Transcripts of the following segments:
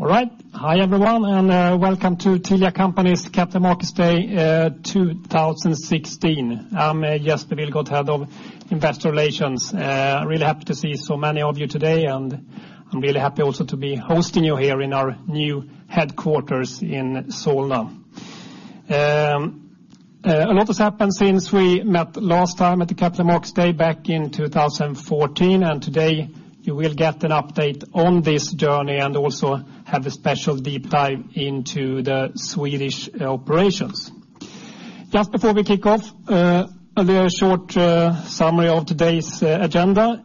All right. Hi, everyone, and welcome to Telia Company's Capital Markets Day 2016. I'm Jesper Billgren, Head of Investor Relations. Really happy to see so many of you today, and I'm really happy also to be hosting you here in our new headquarters in Solna. A lot has happened since we met last time at the Capital Markets Day back in 2014, and today you will get an update on this journey and also have a special deep dive into the Swedish operations. Just before we kick off, a very short summary of today's agenda.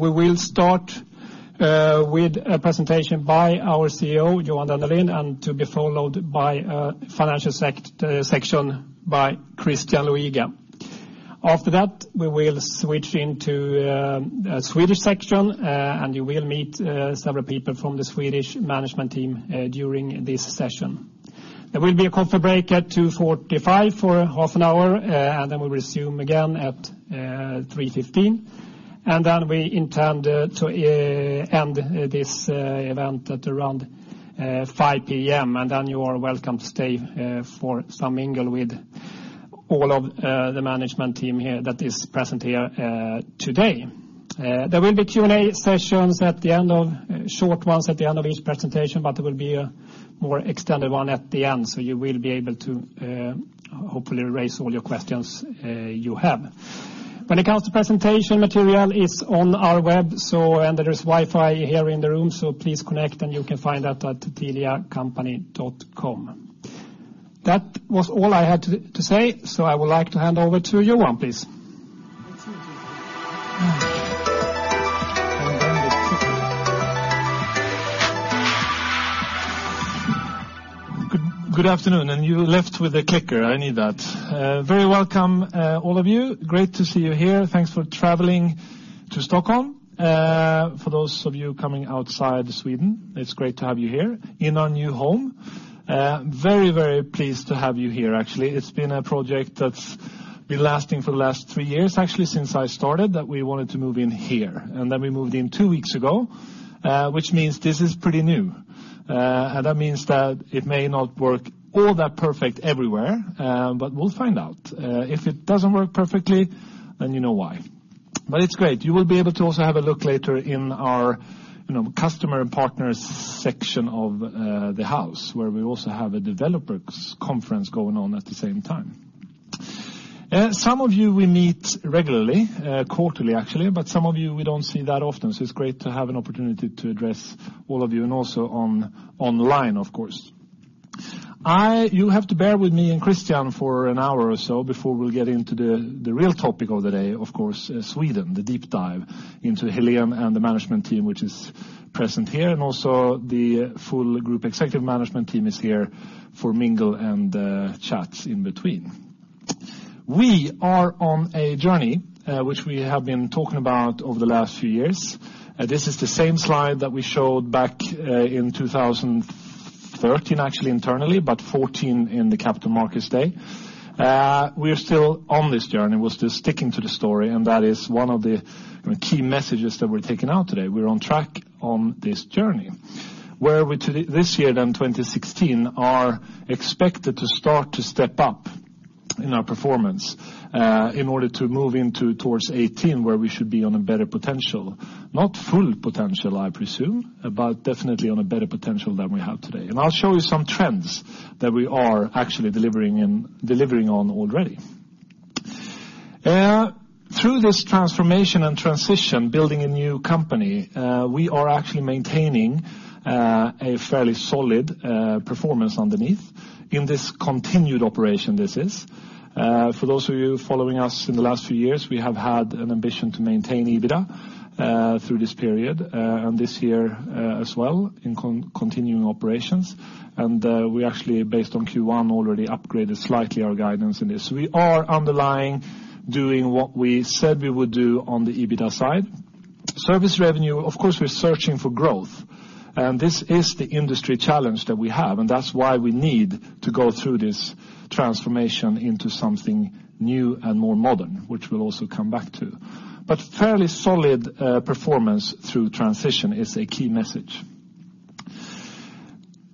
We will start with a presentation by our CEO, Johan Dennelind, and to be followed by a financial section by Christian Luiga. After that, we will switch into a Swedish section, and you will meet several people from the Swedish management team during this session. There will be a coffee break at 2:45 for half an hour, and then we'll resume again at 3:15. We intend to end this event at around 5:00 P.M. You are welcome to stay for some mingle with all of the management team here that is present here today. There will be Q&A sessions, short ones at the end of each presentation, but there will be a more extended one at the end, so you will be able to hopefully raise all your questions you have. When it comes to presentation material, it's on our web. There is Wi-Fi here in the room, so please connect and you can find that at teliacompany.com. That was all I had to say, so I would like to hand over to Johan, please. Good afternoon, and you left with the clicker. I need that. Very welcome, all of you. Great to see you here. Thanks for traveling to Stockholm. For those of you coming outside Sweden, it's great to have you here in our new home. Very, very pleased to have you here, actually. It's been a project that's been lasting for the last three years, actually since I started, that we wanted to move in here. We moved in two weeks ago, which means this is pretty new. That means that it may not work all that perfect everywhere, but we'll find out. If it doesn't work perfectly, then you know why. It's great. You will be able to also have a look later in our customer and partners section of the house, where we also have a developers conference going on at the same time. Some of you we meet regularly, quarterly actually, but some of you we don't see that often. It's great to have an opportunity to address all of you and also online of course. You have to bear with me and Christian for an hour or so before we'll get into the real topic of the day, of course, Sweden, the deep dive into Hélène and the management team, which is present here. Also the full group executive management team is here for mingle and chats in between. We are on a journey, which we have been talking about over the last few years. This is the same slide that we showed back in 2013, actually internally, but 2014 in the Capital Markets Day. We're still on this journey. We're still sticking to the story, and that is one of the key messages that we're taking out today. We're on track on this journey, where this year, 2016, are expected to start to step up in our performance in order to move towards 2018, where we should be on a better potential. Not full potential, I presume, but definitely on a better potential than we have today. I'll show you some trends that we are actually delivering on already. Through this transformation and transition, building a new company, we are actually maintaining a fairly solid performance underneath in this continued operation, this is. For those of you following us in the last few years, we have had an ambition to maintain EBITDA through this period, and this year as well in continuing operations. We actually, based on Q1, already upgraded slightly our guidance in this. We are underlying doing what we said we would do on the EBITDA side. Service revenue, of course, we're searching for growth. This is the industry challenge that we have, and that's why we need to go through this transformation into something new and more modern, which we'll also come back to. Fairly solid performance through transition is a key message.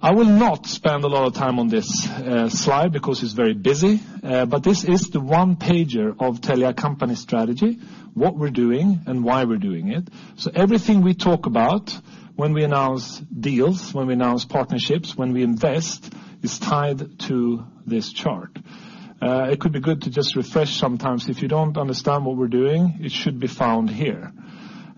I will not spend a lot of time on this slide because it's very busy. This is the one-pager of Telia Company strategy, what we're doing and why we're doing it. Everything we talk about when we announce deals, when we announce partnerships, when we invest, is tied to this chart. It could be good to just refresh sometimes. If you don't understand what we're doing, it should be found here.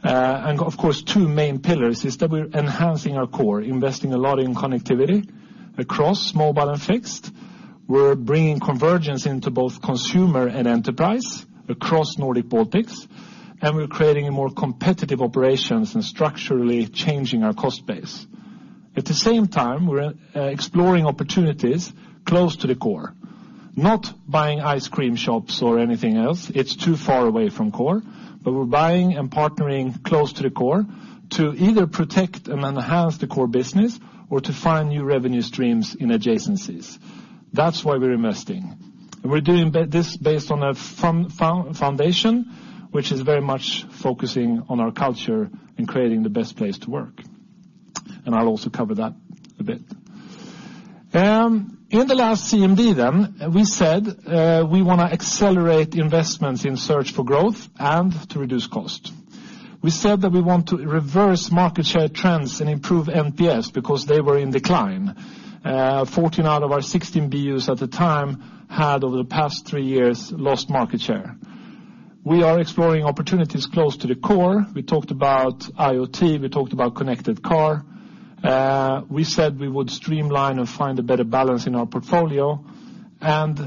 Of course, two main pillars is that we're enhancing our core, investing a lot in connectivity across mobile and fixed. We're bringing convergence into both consumer and enterprise across Nordic-Baltics, and we're creating more competitive operations and structurally changing our cost base. At the same time, we're exploring opportunities close to the core, not buying ice cream shops or anything else. It's too far away from core. We're buying and partnering close to the core to either protect and enhance the core business or to find new revenue streams in adjacencies. That's why we're investing. We're doing this based on a foundation, which is very much focusing on our culture and creating the best place to work. I'll also cover that a bit. In the last CMD, we said we want to accelerate investments in search for growth and to reduce cost. We said that we want to reverse market share trends and improve NPS because they were in decline. 14 out of our 16 BUs at the time had, over the past three years, lost market share. We are exploring opportunities close to the core. We talked about IoT, we talked about connected car. We said we would streamline and find a better balance in our portfolio, and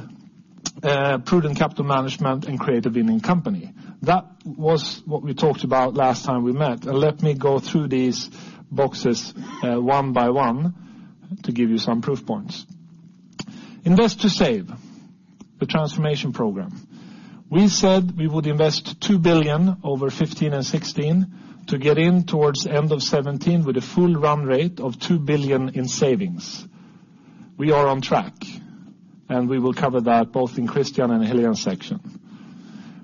prudent capital management and create a winning company. That was what we talked about last time we met. Let me go through these boxes one by one to give you some proof points. Invest to Save, the transformation program. We said we would invest 2 billion over 2015 and 2016 to get in towards the end of 2017 with a full run rate of 2 billion in savings. We are on track, and we will cover that both in Christian and Hélène's section.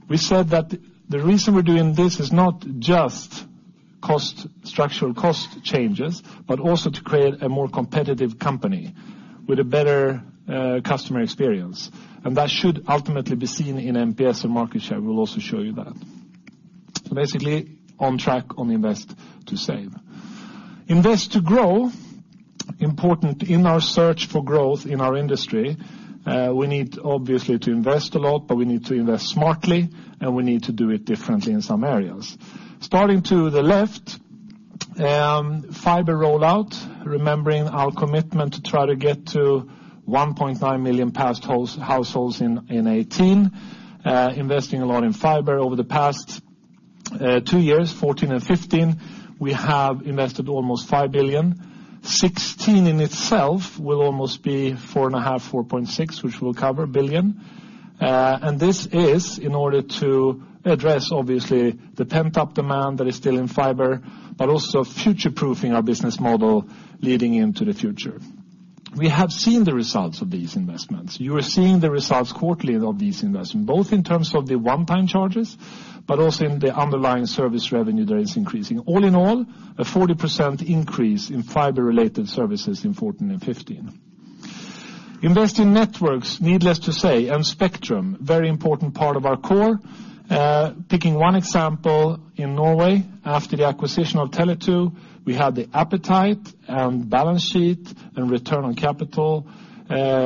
We said that the reason we're doing this is not just structural cost changes, but also to create a more competitive company with a better customer experience. That should ultimately be seen in NPS and market share. We'll also show you that. Basically, on track on Invest to Save. Invest to Grow, important in our search for growth in our industry. We need, obviously, to invest a lot, but we need to invest smartly, and we need to do it differently in some areas. Starting to the left, fiber rollout, remembering our commitment to try to get to 1.9 million passed households in 2018. Investing a lot in fiber over the past two years, 2014 and 2015. We have invested almost 5 billion. 2016 in itself will almost be 4.5 billion, SEK 4.6 billion, which we'll cover. This is in order to address, obviously, the pent-up demand that is still in fiber, but also future-proofing our business model leading into the future. We have seen the results of these investments. You are seeing the results quarterly of these investments, both in terms of the one-time charges, but also in the underlying service revenue that is increasing. All in all, a 40% increase in fiber-related services in 2014 and 2015. Invest in networks, needless to say, and spectrum, very important part of our core. Taking one example in Norway, after the acquisition of Tele2, we had the appetite and balance sheet and return on capital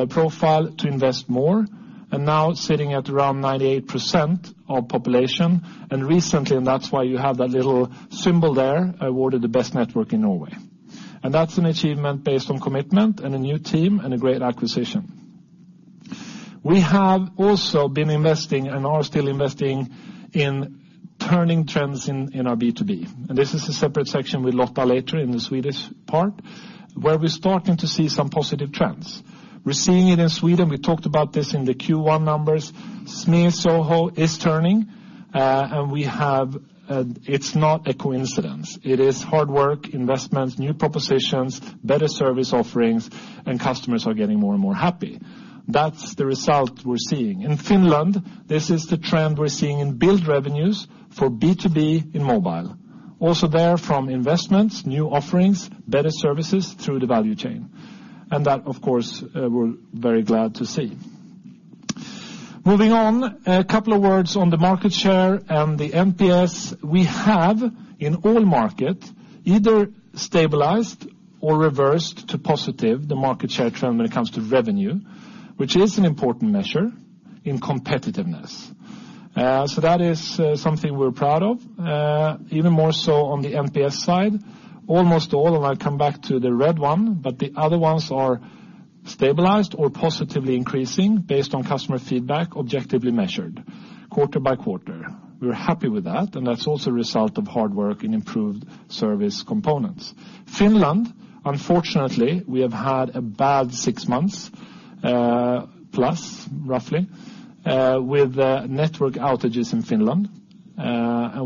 profile to invest more. Now sitting at around 98% of population, and recently, that's why you have that little symbol there, awarded the best network in Norway. That's an achievement based on commitment and a new team and a great acquisition. We have also been investing and are still investing in turning trends in our B2B. This is a separate section with Lotta later in the Swedish part, where we're starting to see some positive trends. We're seeing it in Sweden. We talked about this in the Q1 numbers. SME SOHO is turning, and it's not a coincidence. It is hard work, investments, new propositions, better service offerings, and customers are getting more and more happy. That's the result we're seeing. In Finland, this is the trend we're seeing in billed revenues for B2B in mobile. Also there from investments, new offerings, better services through the value chain. That, of course, we're very glad to see. Moving on, a couple of words on the market share and the NPS. We have, in all markets, either stabilized or reversed to positive the market share trend when it comes to revenue, which is an important measure in competitiveness. That is something we're proud of. Even more so on the NPS side. Almost all, and I'll come back to the red one, but the other ones are stabilized or positively increasing based on customer feedback objectively measured quarter by quarter. We're happy with that, and that's also a result of hard work and improved service components. Finland, unfortunately, we have had a bad six months, plus roughly, with network outages in Finland.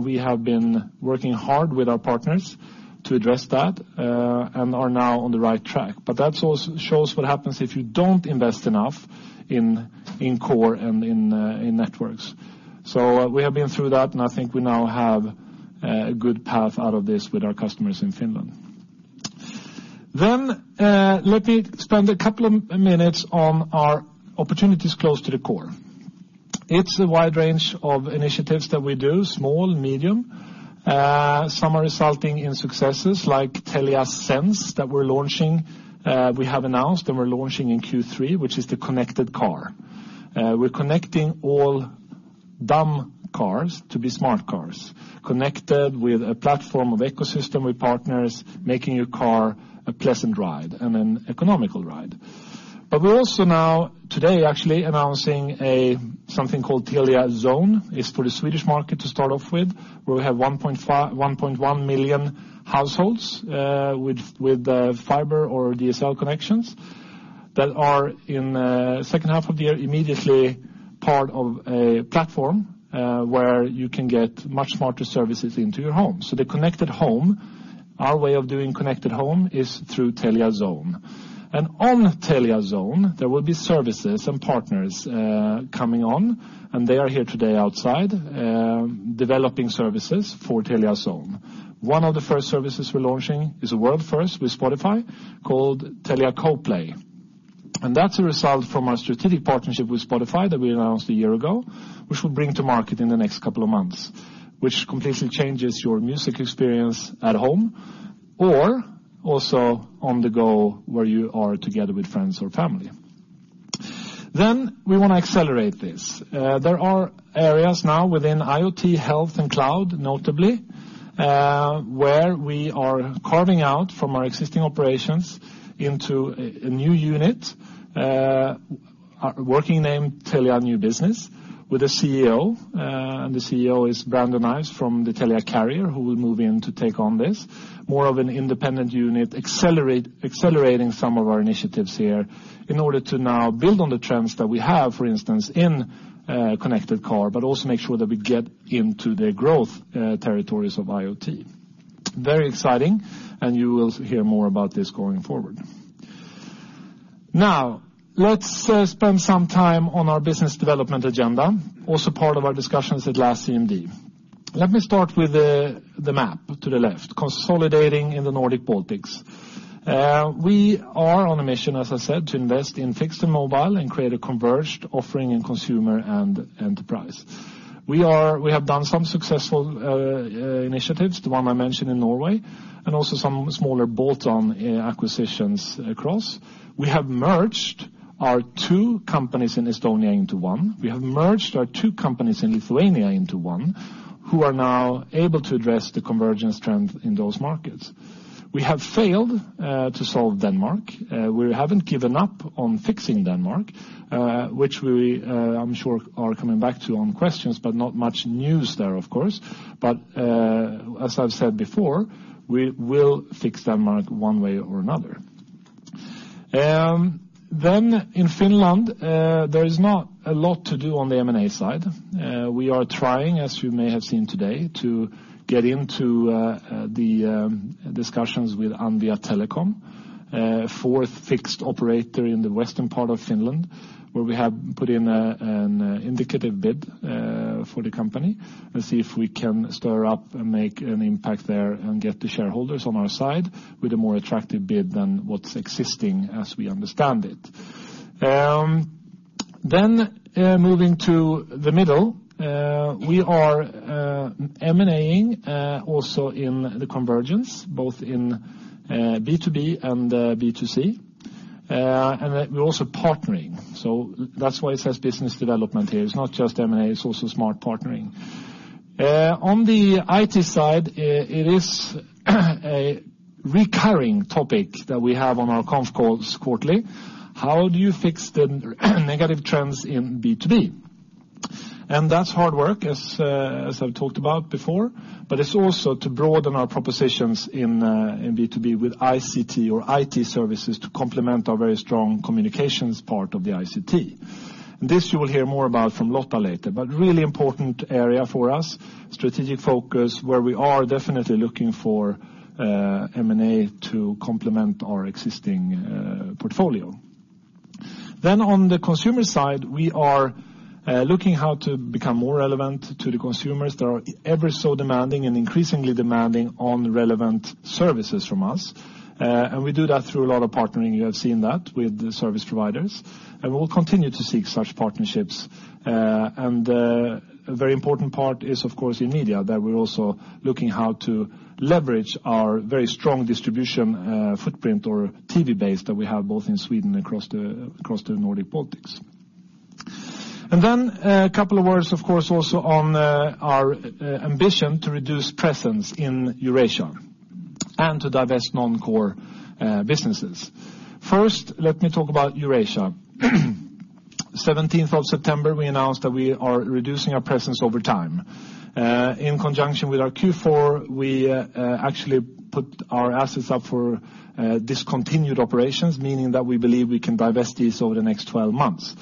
We have been working hard with our partners to address that and are now on the right track. That shows what happens if you don't invest enough in core and in networks. We have been through that, and I think we now have a good path out of this with our customers in Finland. Let me spend a couple of minutes on our opportunities close to the core. It's a wide range of initiatives that we do, small, medium. Some are resulting in successes like Telia Sense that we're launching. We have announced and we're launching in Q3, which is the connected car. We're connecting all dumb cars to be smart cars, connected with a platform of ecosystem with partners, making your car a pleasant ride and an economical ride. We're also now, today actually, announcing something called Telia Zone. It's for the Swedish market to start off with, where we have 1.1 million households with fiber or DSL connections that are in the second half of the year immediately part of a platform where you can get much smarter services into your home. The connected home, our way of doing connected home is through Telia Zone. On Telia Zone, there will be services and partners coming on, and they are here today outside, developing services for Telia Zone. One of the first services we're launching is a world first with Spotify called Telia CoPlay. That's a result from our strategic partnership with Spotify that we announced a year ago, which we'll bring to market in the next couple of months, which completely changes your music experience at home or also on the go where you are together with friends or family. We want to accelerate this. There are areas now within IoT health and cloud, notably, where we are carving out from our existing operations into a new unit, working name Telia New Business, with a CEO. The CEO is Brendan Ives from the Telia Carrier who will move in to take on this. More of an independent unit, accelerating some of our initiatives here in order to now build on the trends that we have, for instance, in connected car, but also make sure that we get into the growth territories of IoT. Very exciting, you will hear more about this going forward. Let's spend some time on our business development agenda, also part of our discussions at last CMD. Let me start with the map to the left, consolidating in the Nordic Baltics. We are on a mission, as I said, to invest in fixed and mobile and create a converged offering in consumer and enterprise. We have done some successful initiatives, the one I mentioned in Norway, and also some smaller bolt-on acquisitions across. We have merged our two companies in Estonia into one. We have merged our two companies in Lithuania into one, who are now able to address the convergence trend in those markets. We have failed to solve Denmark. We haven't given up on fixing Denmark, which we, I'm sure, are coming back to on questions, but not much news there, of course. As I've said before, we will fix Denmark one way or another. In Finland, there is not a lot to do on the M&A side. We are trying, as you may have seen today, to get into the discussions with Anvia Telecom, fourth fixed operator in the western part of Finland, where we have put in an indicative bid for the company and see if we can stir up and make an impact there and get the shareholders on our side with a more attractive bid than what's existing as we understand it. Moving to the middle, we are M&A-ing also in the convergence, both in B2B and B2C. We're also partnering. That's why it says business development here. It's not just M&A, it's also smart partnering. On the IT side, it is a recurring topic that we have on our conf calls quarterly. How do you fix the negative trends in B2B? That's hard work, as I've talked about before, but it's also to broaden our propositions in B2B with ICT or IT services to complement our very strong communications part of the ICT. This you will hear more about from Lotta later, but really important area for us, strategic focus, where we are definitely looking for M&A to complement our existing portfolio. On the consumer side, we are looking how to become more relevant to the consumers that are ever so demanding and increasingly demanding on relevant services from us. We do that through a lot of partnering. You have seen that with the service providers. We'll continue to seek such partnerships. A very important part is, of course, in media, that we're also looking how to leverage our very strong distribution footprint or TV base that we have both in Sweden and across the Nordic Baltics. A couple of words, of course, also on our ambition to reduce presence in Eurasia and to divest non-core businesses. First, let me talk about Eurasia. 17th of September, we announced that we are reducing our presence over time. In conjunction with our Q4, we actually put our assets up for discontinued operations, meaning that we believe we can divest these over the next 12 months.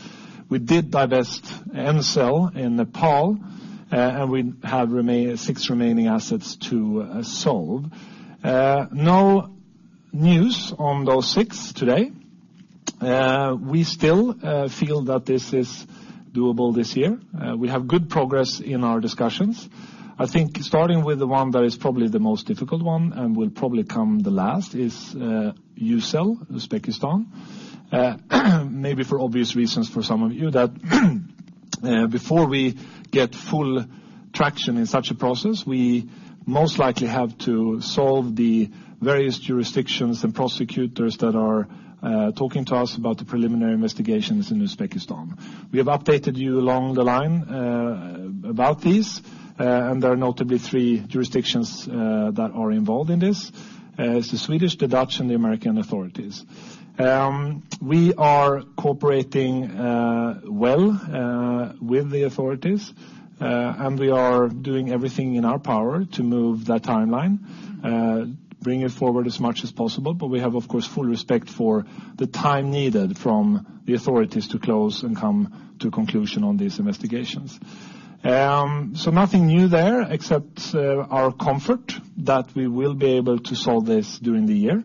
We did divest Ncell in Nepal, and we have six remaining assets to solve. No news on those six today. We still feel that this is doable this year. We have good progress in our discussions. I think starting with the one that is probably the most difficult one and will probably come the last is Ucell, Uzbekistan. Maybe for obvious reasons for some of you that before we get full traction in such a process, we most likely have to solve the various jurisdictions and prosecutors that are talking to us about the preliminary investigations in Uzbekistan. We have updated you along the line about these, and there are notably three jurisdictions that are involved in this. It's the Swedish, the Dutch, and the American authorities. We are cooperating well with the authorities, and we are doing everything in our power to move that timeline, bring it forward as much as possible. We have, of course, full respect for the time needed from the authorities to close and come to conclusion on these investigations. Nothing new there, except our comfort that we will be able to solve this during the year.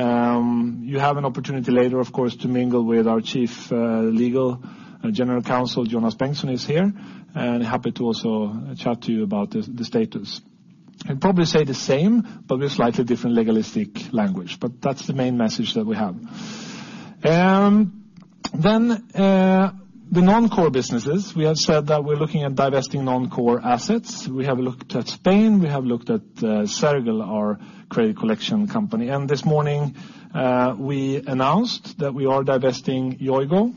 You have an opportunity later, of course, to mingle with our chief legal and general counsel, Jonas Bengtsson is here, and happy to also chat to you about the status. He'll probably say the same, but with slightly different legalistic language. That's the main message that we have. The non-core businesses. We have said that we're looking at divesting non-core assets. We have looked at Spain, we have looked at Sergel, our credit collection company. This morning we announced that we are divesting Yoigo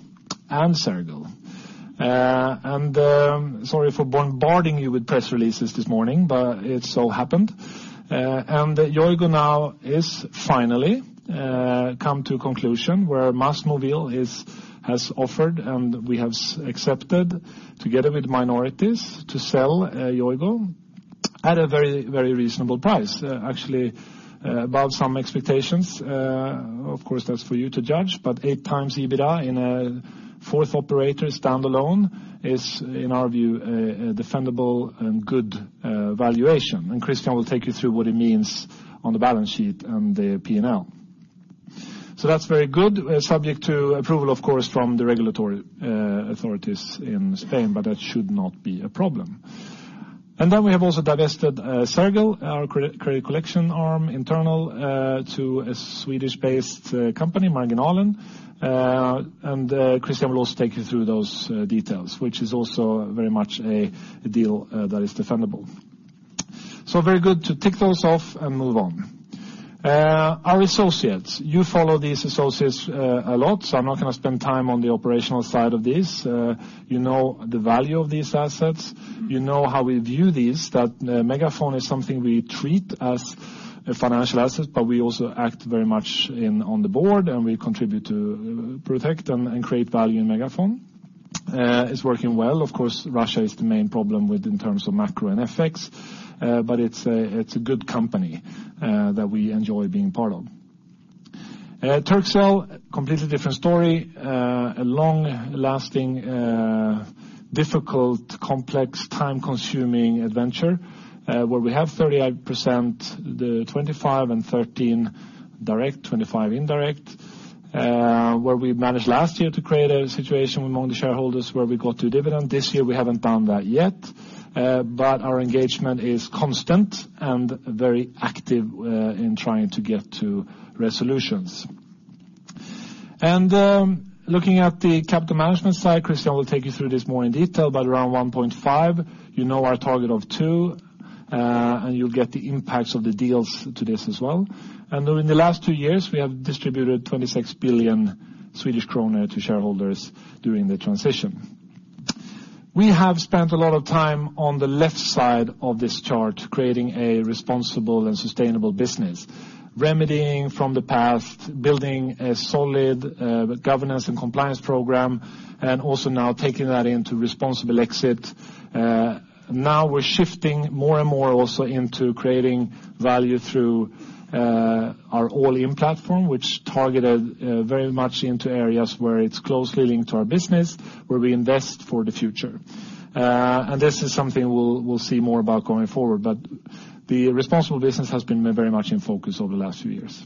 and Sergel. Sorry for bombarding you with press releases this morning, but it so happened. Yoigo now is finally come to conclusion where MásMóvil has offered, and we have accepted, together with minorities, to sell Yoigo at a very reasonable price, actually above some expectations. Of course, that's for you to judge, but 8 times EBITDA in a fourth operator standalone is, in our view, a defendable and good valuation. Christian will take you through what it means on the balance sheet and the P&L. That's very good, subject to approval, of course, from the regulatory authorities in Spain, but that should not be a problem. Then we have also divested Sergel, our credit collection arm internal to a Swedish-based company, Marginalen. Christian will also take you through those details, which is also very much a deal that is defendable. Very good to tick those off and move on. Our associates. You follow these associates a lot, I'm not going to spend time on the operational side of this. You know the value of these assets. You know how we view these, that MegaFon is something we treat as a financial asset, but we also act very much on the board, and we contribute to protect and create value in MegaFon. It's working well. Of course, Russia is the main problem in terms of macro and effects, but it's a good company that we enjoy being part of. Turkcell, completely different story. A long-lasting, difficult, complex, time-consuming adventure, where we have 38%, the 25 and 13 direct, 25 indirect, where we managed last year to create a situation among the shareholders where we got 2 dividend. This year we haven't done that yet, but our engagement is constant and very active in trying to get to resolutions. Looking at the capital management side, Christian will take you through this more in detail, but around 1.5. You know our target of 2, you'll get the impacts of the deals to this as well. Over in the last 2 years, we have distributed 26 billion Swedish kronor to shareholders during the transition. We have spent a lot of time on the left side of this chart, creating a responsible and sustainable business, remedying from the past, building a solid governance and compliance program, also now taking that into responsible exit. Now we're shifting more and more also into creating value through our All-in platform, which targeted very much into areas where it's closely linked to our business, where we invest for the future. This is something we'll see more about going forward, but the responsible business has been very much in focus over the last few years.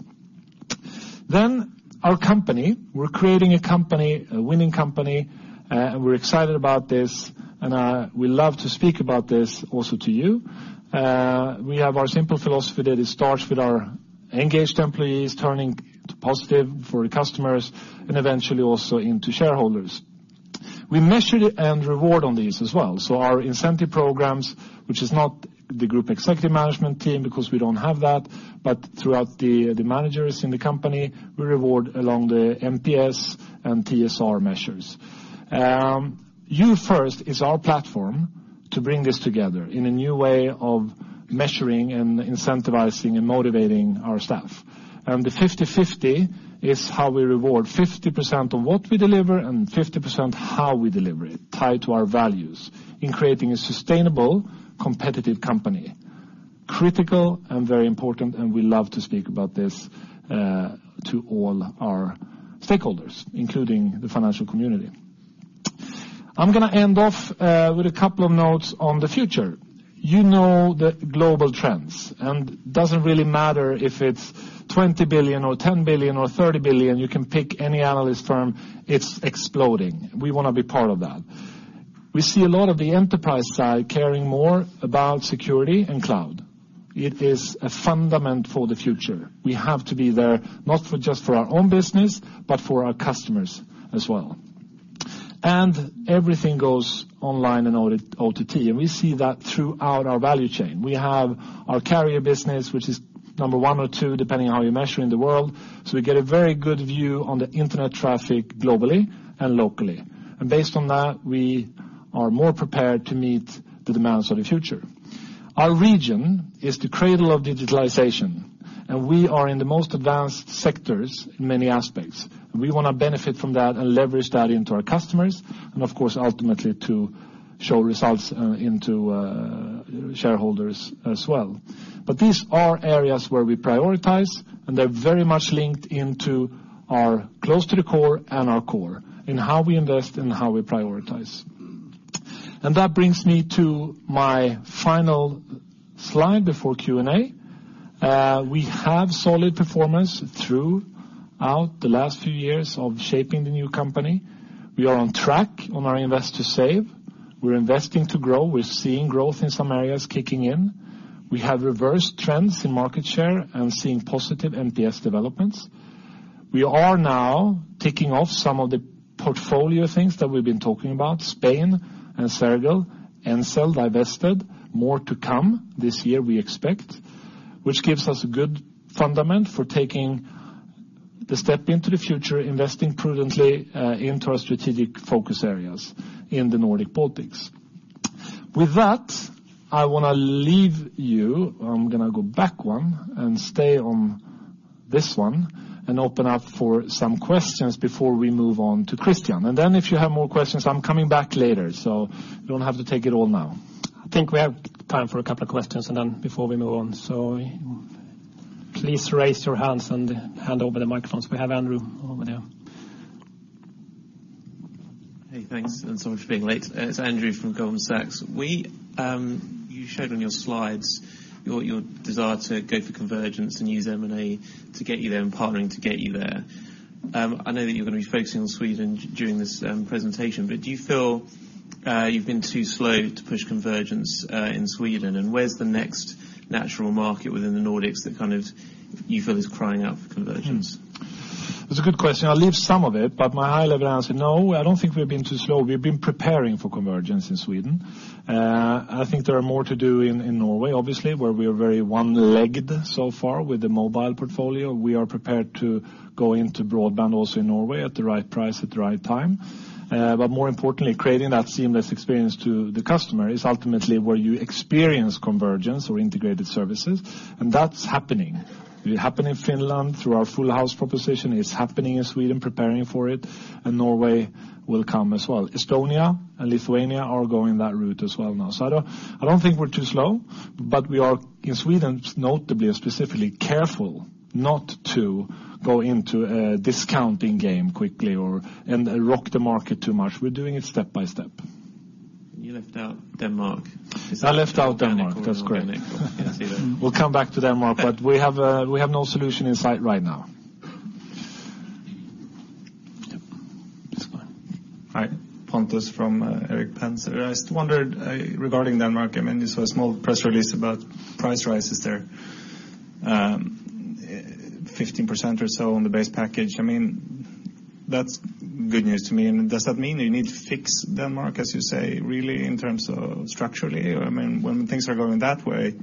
Our company. We're creating a company, a winning company, and we're excited about this, and we love to speak about this also to you. We have our simple philosophy that it starts with our engaged employees turning to positive for the customers and eventually also into shareholders. We measure and reward on these as well. Our incentive programs, which is not the group executive management team because we don't have that, but throughout the managers in the company, we reward along the NPS and TSR measures. You First is our platform to bring this together in a new way of measuring and incentivizing and motivating our staff. The 50/50 is how we reward 50% of what we deliver and 50% how we deliver it, tied to our values in creating a sustainable, competitive company. Critical and very important, and we love to speak about this to all our stakeholders, including the financial community. I'm going to end off with a couple of notes on the future. You know the global trends, and it doesn't really matter if it's 20 billion or 10 billion or 30 billion, you can pick any analyst firm, it's exploding. We want to be part of that. We see a lot of the enterprise side caring more about security and cloud. It is a fundament for the future. We have to be there, not just for our own business, but for our customers as well. Everything goes online and OTT, and we see that throughout our value chain. We have our carrier business, which is number one or two, depending on how you measure in the world. We get a very good view on the internet traffic globally and locally. Based on that, we are more prepared to meet the demands of the future. Our region is the cradle of digitalization, and we are in the most advanced sectors in many aspects. We want to benefit from that and leverage that into our customers, and of course, ultimately to show results into shareholders as well. These are areas where we prioritize, and they're very much linked into our close to the core and our core in how we invest and how we prioritize. That brings me to my final slide before Q&A. We have solid performance throughout the last few years of shaping the new company. We are on track on our Invest to Save. We're investing to grow. We're seeing growth in some areas kicking in. We have reverse trends in market share and seeing positive NPS developments. We are now ticking off some of the portfolio things that we've been talking about, Spain and Sergel, Ncell divested, more to come this year we expect, which gives us a good fundament for taking the step into the future, investing prudently into our strategic focus areas in the Nordic Baltics. With that, I want to leave you. I'm going to go back one and stay on this one and open up for some questions before we move on to Christian. Then if you have more questions, I'm coming back later, so you don't have to take it all now. I think we have time for a couple of questions and then before we move on. Please raise your hands and hand over the microphones. We have Andrew over there. Hey, thanks, and sorry for being late. It's Andrew from Goldman Sachs. You showed on your slides your desire to go for convergence and use M&A to get you there and partnering to get you there. I know that you're going to be focusing on Sweden during this presentation, but do you feel you've been too slow to push convergence in Sweden? Where's the next natural market within the Nordics that you feel is crying out for convergence? That's a good question. I'll leave some of it, but my high-level answer, no, I don't think we've been too slow. We've been preparing for convergence in Sweden. I think there are more to do in Norway, obviously, where we are very one-legged so far with the mobile portfolio. We are prepared to go into broadband also in Norway at the right price at the right time. More importantly, creating that seamless experience to the customer is ultimately where you experience convergence or integrated services, and that's happening. It happened in Finland through our full house proposition. It's happening in Sweden, preparing for it, and Norway will come as well. Estonia and Lithuania are going that route as well now. I don't think we're too slow, but we are in Sweden, notably and specifically careful not to go into a discounting game quickly and rock the market too much. We're doing it step by step. You left out Denmark. I left out Denmark. That's correct. We'll come back to Denmark, but we have no solution in sight right now. Yes, go on. Hi. Pontus from Erik Penser. I just wondered regarding Denmark, you saw a small press release about price rises there, 15% or so on the base package. That's good news to me. Does that mean you need to fix Denmark, as you say, really in terms of structurally? When things are going that way,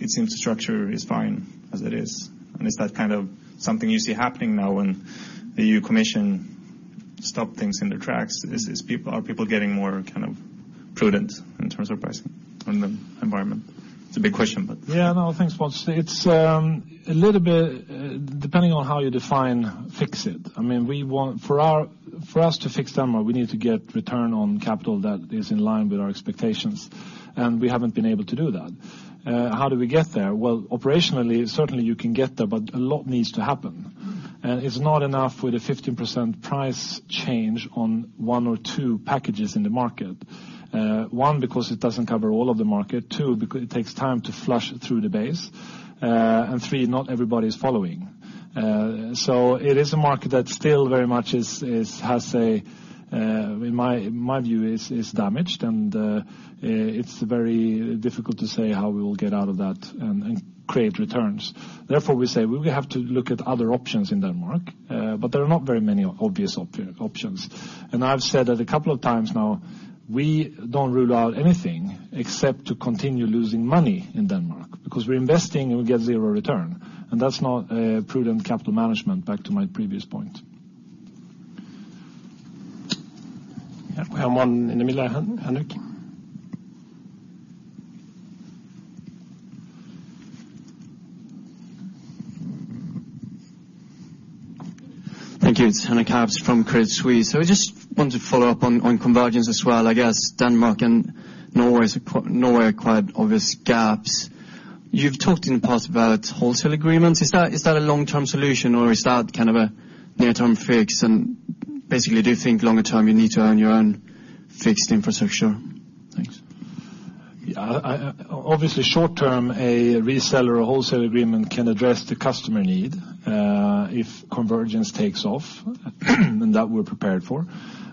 it seems the structure is fine as it is. Is that something you see happening now when the EU Commission stop things in the tracks? Are people getting more prudent in terms of pricing in the environment? It's a big question. Yeah. No. Thanks, Pontus. It's a little bit depending on how you define fix it. For us to fix Denmark, we need to get return on capital that is in line with our expectations, and we haven't been able to do that. How do we get there? Well, operationally, certainly you can get there, but a lot needs to happen. It's not enough with a 15% price change on one or two packages in the market. One, because it doesn't cover all of the market. Two, because it takes time to flush through the base. Three, not everybody's following. It is a market that still very much, in my view, is damaged, and it's very difficult to say how we will get out of that and create returns. Therefore, we say we have to look at other options in Denmark, but there are not very many obvious options. I've said it a couple of times now, we don't rule out anything except to continue losing money in Denmark because we're investing and we get zero return, and that's not prudent capital management, back to my previous point. Yeah. We have one in the middle here. Henrik. Thank you. It's Henrik Arps from Credit Suisse. I just wanted to follow up on convergence as well. I guess Denmark and Norway are quite obvious gaps. You've talked in the past about wholesale agreements. Is that a long-term solution, or is that a near-term fix? Basically, do you think longer term you need to own your own fixed infrastructure? Thanks. Obviously, short term, a reseller or wholesale agreement can address the customer need if convergence takes off, and that we're prepared for.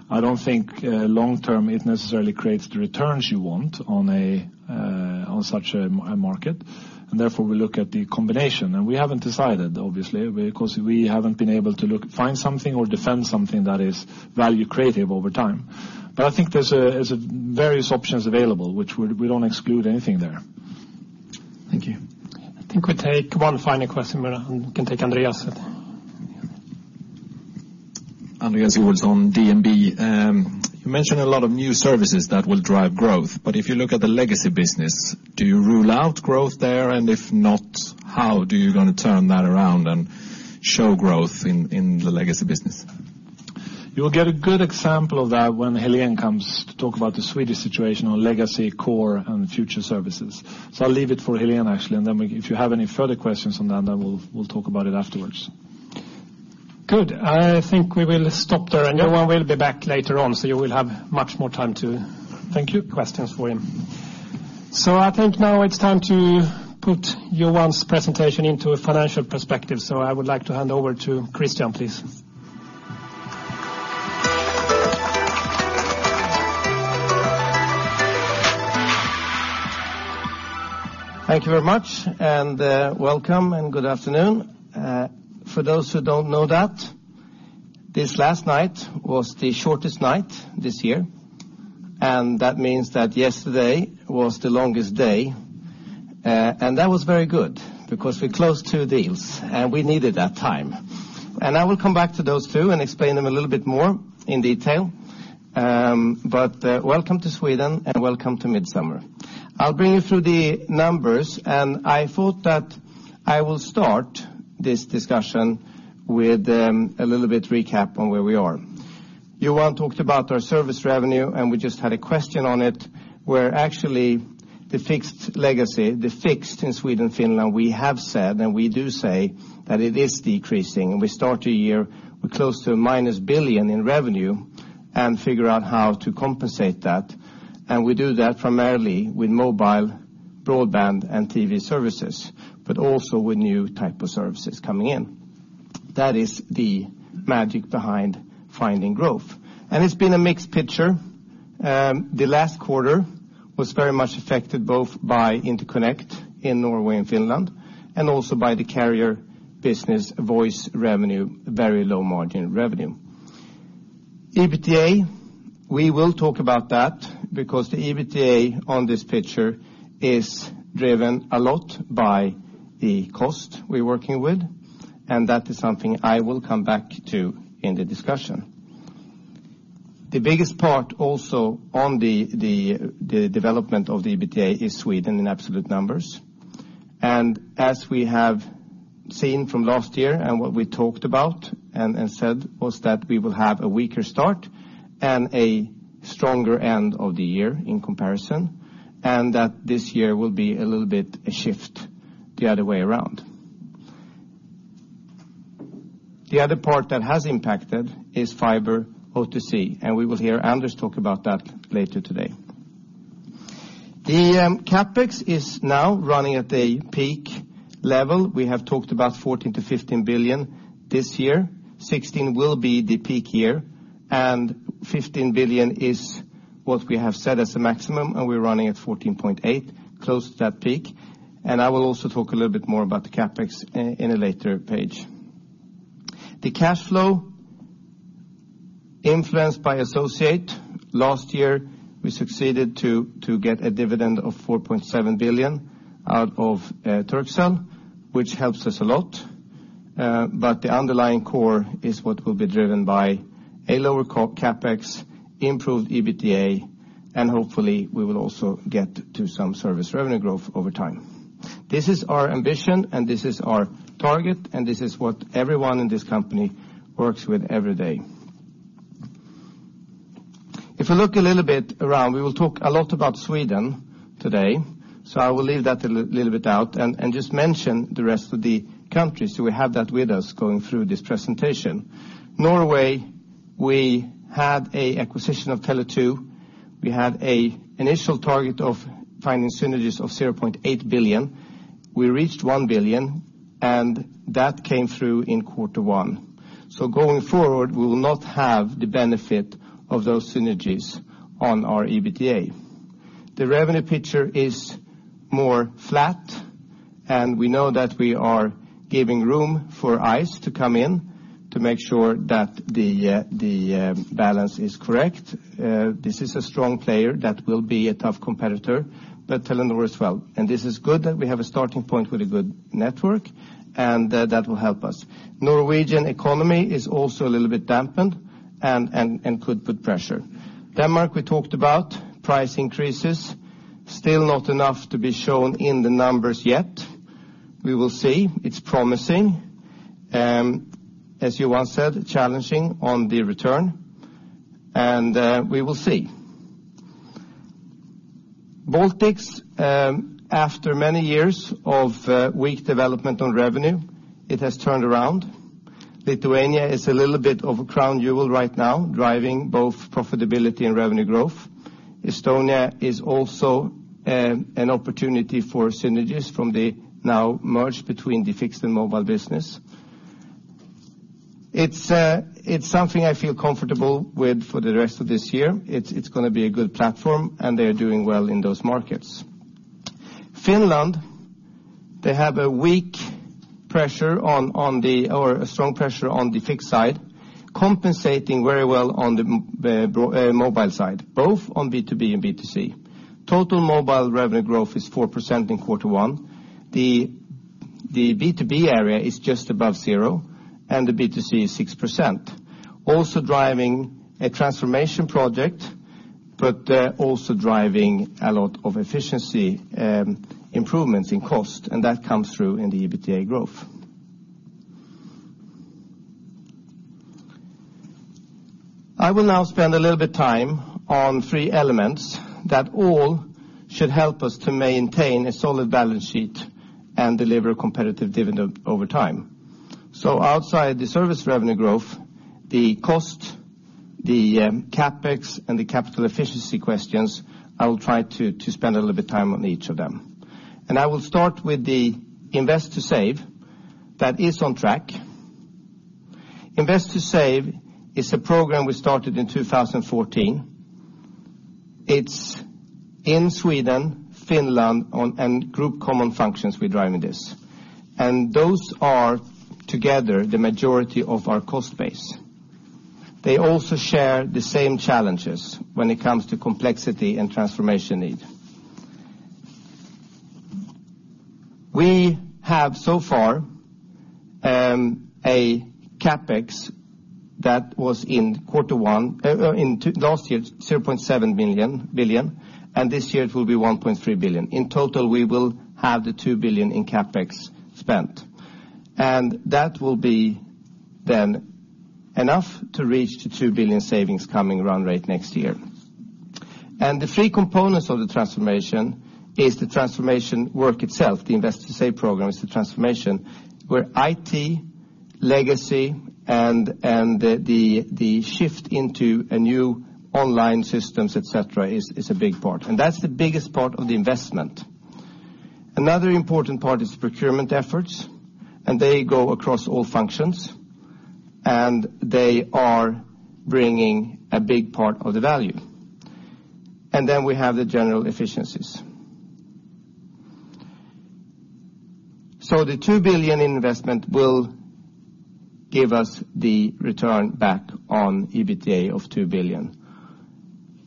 I don't think long term it necessarily creates the returns you want on such a market, and therefore, we look at the combination. We haven't decided, obviously, because we haven't been able to find something or defend something that is value creative over time. I think there's various options available. We don't exclude anything there. Thank you. I think we'll take one final question, we can take Andreas. Andreas Joelsson, DNB. You mentioned a lot of new services that will drive growth, if you look at the legacy business, do you rule out growth there? If not, how do you going to turn that around and show growth in the legacy business? You'll get a good example of that when Hélène comes to talk about the Swedish situation on legacy core and future services. I'll leave it for Hélène, actually, and then if you have any further questions on that, then we'll talk about it afterwards. Good. I think we will stop there. Johan will be back later on, you will have much more time. Thank you questions for him. I think now it is time to put Johan's presentation into a financial perspective. I would like to hand over to Christian, please. Thank you very much, welcome, and good afternoon. For those who don't know that, this last night was the shortest night this year, and that means that yesterday was the longest day. That was very good because we closed two deals, and we needed that time. I will come back to those two and explain them a little bit more in detail. Welcome to Sweden, and welcome to Midsummer. I will bring you through the numbers. I thought that I will start this discussion with a little bit recap on where we are. Johan talked about our service revenue, and we just had a question on it, where actually the fixed legacy, the fixed in Sweden, Finland, we have said, and we do say that it is decreasing. We start a year with close to a minus 1 billion in revenue and figure out how to compensate that. We do that primarily with mobile, broadband, and TV services, but also with new type of services coming in. That is the magic behind finding growth. It's been a mixed picture. The last quarter was very much affected both by interconnect in Norway and Finland and also by the carrier business voice revenue, very low margin revenue. EBITDA. We will talk about that because the EBITDA on this picture is driven a lot by the cost we're working with, and that is something I will come back to in the discussion. The biggest part also on the development of the EBITDA is Sweden in absolute numbers. As we have seen from last year and what we talked about and said was that we will have a weaker start and a stronger end of the year in comparison, that this year will be a little bit a shift the other way around. The other part that has impacted is fiber OTC. We will hear Anders talk about that later today. The CapEx is now running at a peak level. We have talked about 14 billion-15 billion this year. 2016 will be the peak year and 15 billion is what we have set as a maximum, and we're running at 14.8 billion, close to that peak. I will also talk a little bit more about the CapEx in a later page. The cash flow influenced by associate. Last year, we succeeded to get a dividend of 4.7 billion out of Turkcell, which helps us a lot. The underlying core is what will be driven by a lower CapEx, improved EBITDA, hopefully we will also get to some service revenue growth over time. This is our ambition, this is our target, this is what everyone in this company works with every day. If we look a little bit around, we will talk a lot about Sweden today, so I will leave that a little bit out and just mention the rest of the countries who have that with us going through this presentation. Norway, we had a acquisition of Tele2. We had a initial target of finding synergies of 0.8 billion. We reached 1 billion, and that came through in quarter one. Going forward, we will not have the benefit of those synergies on our EBITDA. The revenue picture is more flat. We know that we are giving room for Ice to come in to make sure that the balance is correct. This is a strong player that will be a tough competitor, Telenor as well. This is good that we have a starting point with a good network, that will help us. Norwegian economy is also a little bit dampened and could put pressure. Denmark, we talked about price increases. Still not enough to be shown in the numbers yet. We will see. It's promising. As Johan said, challenging on the return. We will see. Baltics, after many years of weak development on revenue, it has turned around. Lithuania is a little bit of a crown jewel right now, driving both profitability and revenue growth. Estonia is also an opportunity for synergies from the now merge between the fixed and mobile business. It's something I feel comfortable with for the rest of this year. It's going to be a good platform, and they're doing well in those markets. Finland, they have a strong pressure on the fixed side, compensating very well on the mobile side, both on B2B and B2C. Total mobile revenue growth is 4% in quarter one. The B2B area is just above zero, and the B2C is 6%. Also driving a transformation project, also driving a lot of efficiency improvements in cost. That comes through in the EBITDA growth. I will now spend a little bit of time on three elements that all should help us to maintain a solid balance sheet and deliver a competitive dividend over time. Outside the service revenue growth, the cost, the CapEx, and the capital efficiency questions, I will try to spend a little bit of time on each of them. I will start with the Invest to Save. That is on track. Invest to Save is a program we started in 2014. It's in Sweden, Finland, and Group Common Functions were driving this. Those are together the majority of our cost base. They also share the same challenges when it comes to complexity and transformation need. We have so far a CapEx that was in last year 0.7 billion, this year it will be 1.3 billion. In total, we will have the 2 billion in CapEx spent, that will be then enough to reach the 2 billion savings coming run rate next year. The three components of the transformation is the transformation work itself. The Invest to Save program is the transformation where IT, legacy, and the shift into a new online systems, et cetera, is a big part. That's the biggest part of the investment. Another important part is procurement efforts, they go across all functions, they are bringing a big part of the value. Then we have the general efficiencies. The 2 billion investment will give us the return back on EBITDA of 2 billion.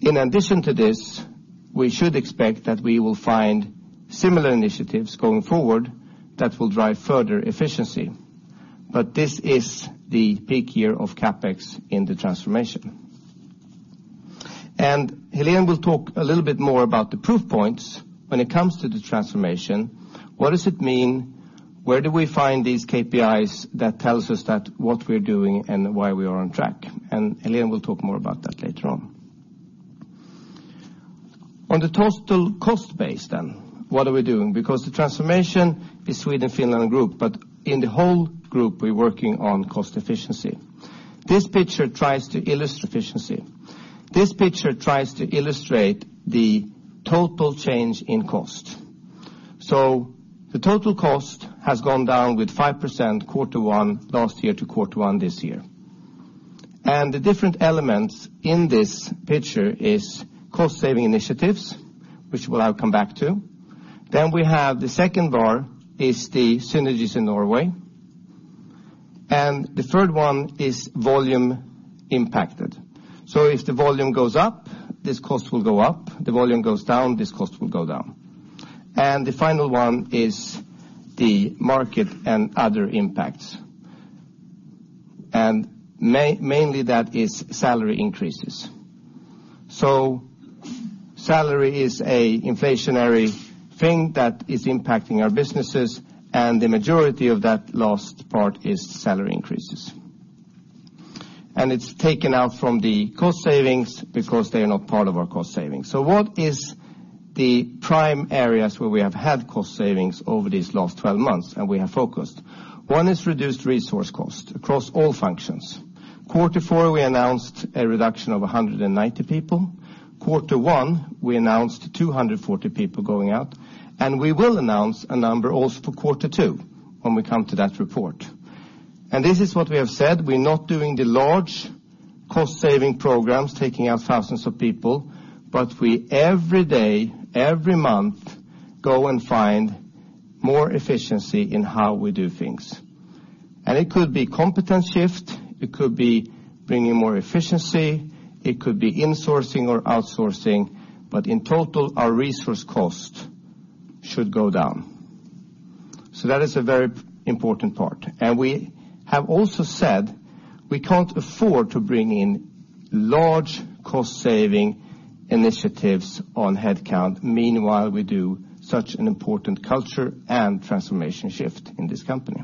In addition to this, we should expect that we will find similar initiatives going forward that will drive further efficiency. This is the peak year of CapEx in the transformation. Hélène will talk a little bit more about the proof points when it comes to the transformation. What does it mean? Where do we find these KPIs that tells us that what we're doing and why we are on track? Hélène will talk more about that later on. On the total cost base then, what are we doing? The transformation is Sweden, Finland, and Group, in the whole group, we're working on cost efficiency. This picture tries to illustrate efficiency. This picture tries to illustrate the total change in cost. The total cost has gone down with 5% quarter one last year to quarter one this year. The different elements in this picture is cost-saving initiatives, which I will come back to. We have the second bar is the synergies in Norway, the third one is volume impacted. If the volume goes up, this cost will go up. The volume goes down, this cost will go down. The final one is the market and other impacts. Mainly that is salary increases. Salary is an inflationary thing that is impacting our businesses, and the majority of that last part is salary increases. It's taken out from the cost savings because they are not part of our cost savings. What is the prime areas where we have had cost savings over these last 12 months and we have focused? One is reduced resource cost across all functions. Quarter four, we announced a reduction of 190 people. Quarter one, we announced 240 people going out, and we will announce a number also for quarter two when we come to that report. We have said, we're not doing the large cost-saving programs taking out thousands of people, but we every day, every month, go and find more efficiency in how we do things. It could be competence shift, it could be bringing more efficiency, it could be insourcing or outsourcing, but in total, our resource cost should go down. That is a very important part. We have also said we can't afford to bring in large cost-saving initiatives on headcount. Meanwhile, we do such an important culture and transformation shift in this company.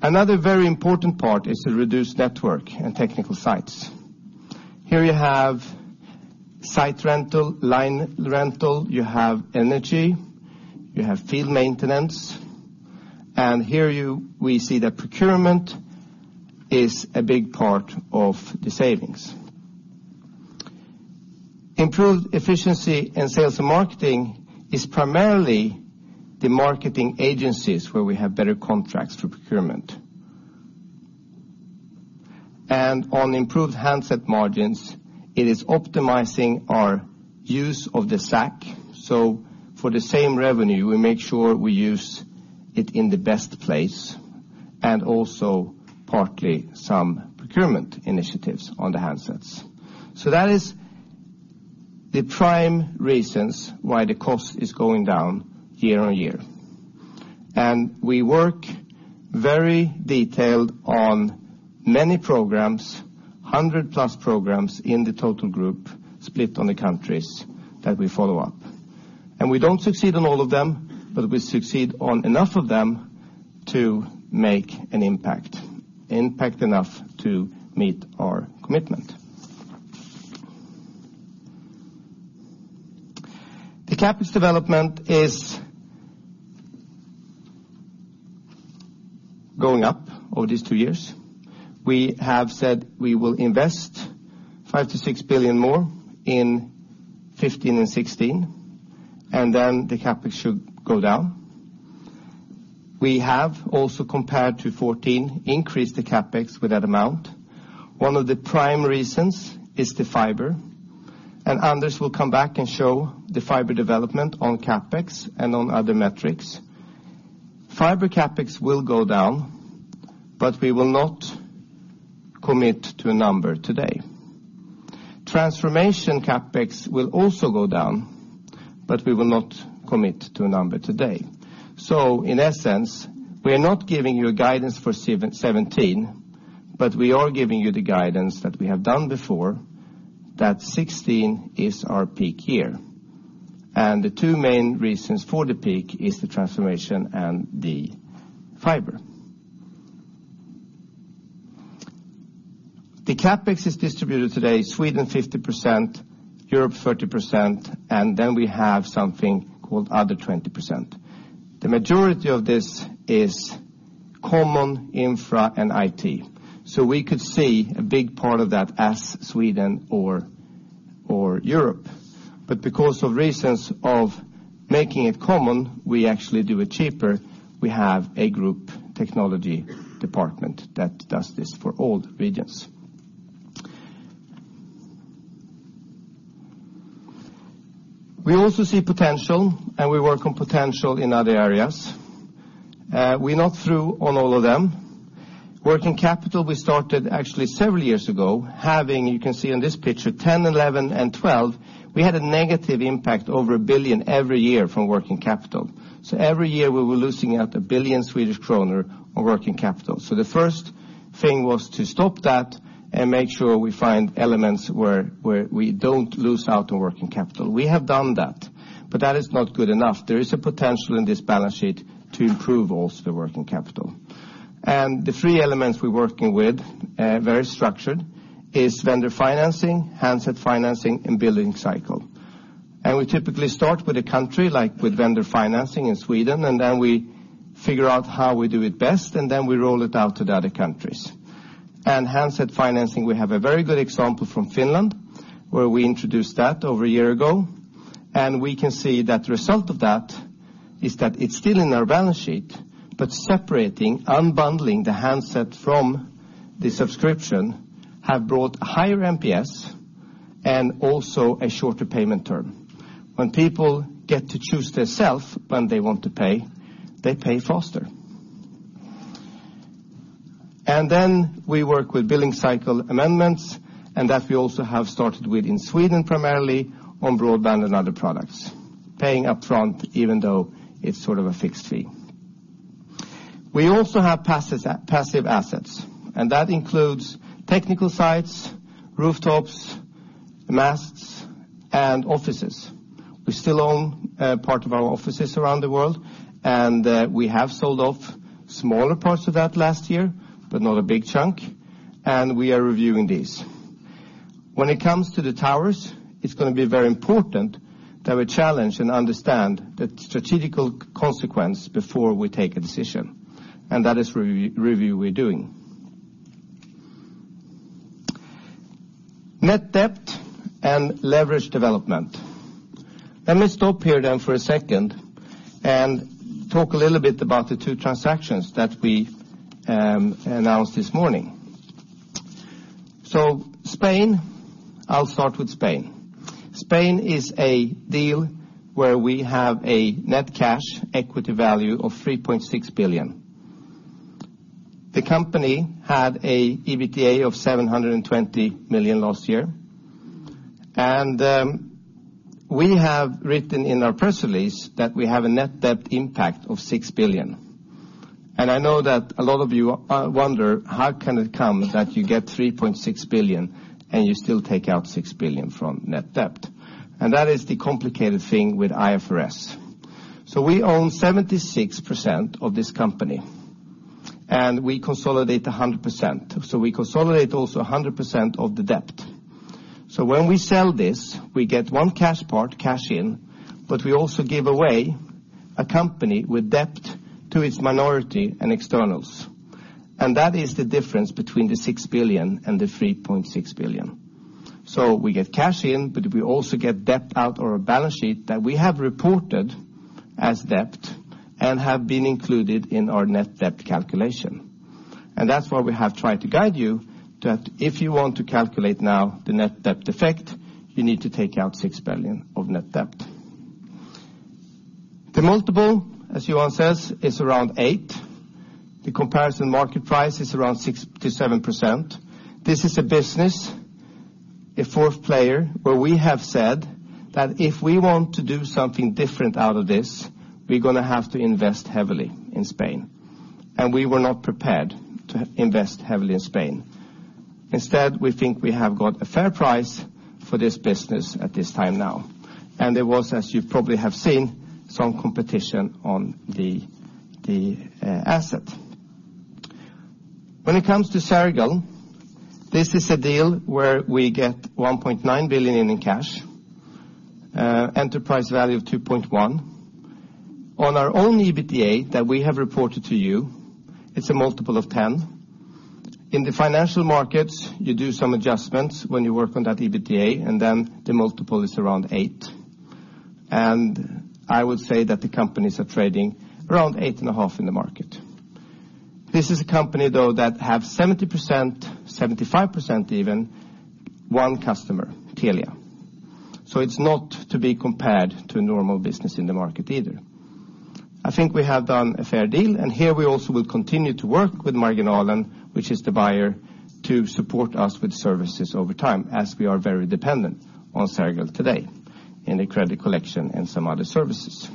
Another very important part is the reduced network and technical sites. Here you have site rental, line rental, you have energy, you have field maintenance, and here we see that procurement is a big part of the savings. Improved efficiency in sales and marketing is primarily the marketing agencies where we have better contracts for procurement. On improved handset margins, it is optimizing our use of the SAC. For the same revenue, we make sure we use it in the best place, and also partly some procurement initiatives on the handsets. That is the prime reasons why the cost is going down year-on-year. We work very detailed on many programs, 100+ programs in the total group split on the countries that we follow up. We don't succeed on all of them, but we succeed on enough of them to make an impact enough to meet our commitment. The CapEx development is going up over these two years. We have said we will invest 5 billion-6 billion more in 2015 and 2016, then the CapEx should go down. We have also, compared to 2014, increased the CapEx with that amount. One of the prime reasons is the fiber. Others will come back and show the fiber development on CapEx and on other metrics. Fiber CapEx will go down, but we will not commit to a number today. Transformation CapEx will also go down, but we will not commit to a number today. In essence, we are not giving you a guidance for 2017, but we are giving you the guidance that we have done before, that 2016 is our peak year. The two main reasons for the peak is the transformation and the fiber. The CapEx is distributed today, Sweden 50%, Europe 30%, and then we have something called other 20%. The majority of this is common infra and IT. We could see a big part of that as Sweden or Europe. Because of reasons of making it common, we actually do it cheaper. We have a group technology department that does this for all the regions. We also see potential, and we work on potential in other areas. We are not through on all of them. Working capital, we started actually several years ago, having, you can see on this picture, 2010, 2011, and 2012, we had a negative impact over 1 billion every year from working capital. Every year we were losing out 1 billion Swedish kronor on working capital. The first thing was to stop that and make sure we find elements where we do not lose out on working capital. We have done that, but that is not good enough. There is a potential in this balance sheet to improve also the working capital. The three elements we are working with, very structured, is vendor financing, handset financing, and billing cycle. We typically start with a country, like with vendor financing in Sweden, and then we figure out how we do it best, and then we roll it out to the other countries. Handset financing, we have a very good example from Finland, where we introduced that over a year ago. We can see that the result of that is that it is still in our balance sheet, but separating, unbundling the handset from the subscription has brought higher NPS and also a shorter payment term. When people get to choose themselves when they want to pay, they pay faster. Then we work with billing cycle amendments, and that we also have started with in Sweden primarily on broadband and other products. Paying up front, even though it is sort of a fixed fee. We also have passive assets, and that includes technical sites, rooftops, masts, and offices. We still own part of our offices around the world, and we have sold off smaller parts of that last year, but not a big chunk, and we are reviewing these. When it comes to the towers, it is going to be very important that we challenge and understand the strategic consequence before we take a decision. That is a review we are doing. Net debt and leverage development. Let me stop here then for a second and talk a little bit about the two transactions that we announced this morning. Spain, I will start with Spain. Spain is a deal where we have a net cash equity value of 3.6 billion. The company had an EBITDA of 720 million last year. We have written in our press release that we have a net debt impact of 6 billion. I know that a lot of you wonder, how can it come that you get 3.6 billion and you still take out 6 billion from net debt? That is the complicated thing with IFRS. We own 76% of this company. We consolidate 100%. We consolidate also 100% of the debt. When we sell this, we get one cash part, cash in, but we also give away a company with debt to its minority and externals. That is the difference between the 6 billion and the 3.6 billion. We get cash in, but we also get debt out of our balance sheet that we have reported as debt and have been included in our net debt calculation. And that's why we have tried to guide you that if you want to calculate now the net debt effect, you need to take out 6 billion of net debt. The multiple, as Johan says, is around 8. The comparison market price is around 6%-7%. This is a business, a fourth player, where we have said that if we want to do something different out of this, we're going to have to invest heavily in Spain. And we were not prepared to invest heavily in Spain. Instead, we think we have got a fair price for this business at this time now. And there was, as you probably have seen, some competition on the asset. When it comes to Sergel, this is a deal where we get 1.9 billion in cash, enterprise value of 2.1 billion. On our own EBITDA that we have reported to you, it's a multiple of 10. In the financial markets, you do some adjustments when you work on that EBITDA, and then the multiple is around 8. And I would say that the companies are trading around 8.5 in the market. This is a company, though, that have 70%, 75% even, one customer: Telia. So it's not to be compared to a normal business in the market either. I think we have done a fair deal, and here we also will continue to work with Marginalen, which is the buyer, to support us with services over time, as we are very dependent on Sergel today in the credit collection and some other services.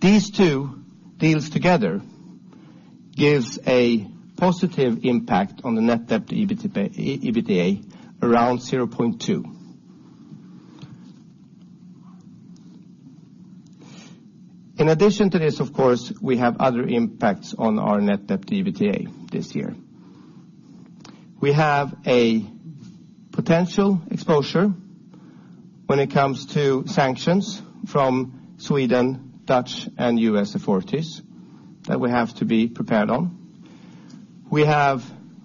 These two deals together gives a positive impact on the net debt to EBITDA around 0.2. In addition to this, of course, we have other impacts on our net debt to EBITDA this year. We have a potential exposure when it comes to sanctions from Sweden, Dutch, and U.S. authorities that we have to be prepared on. We have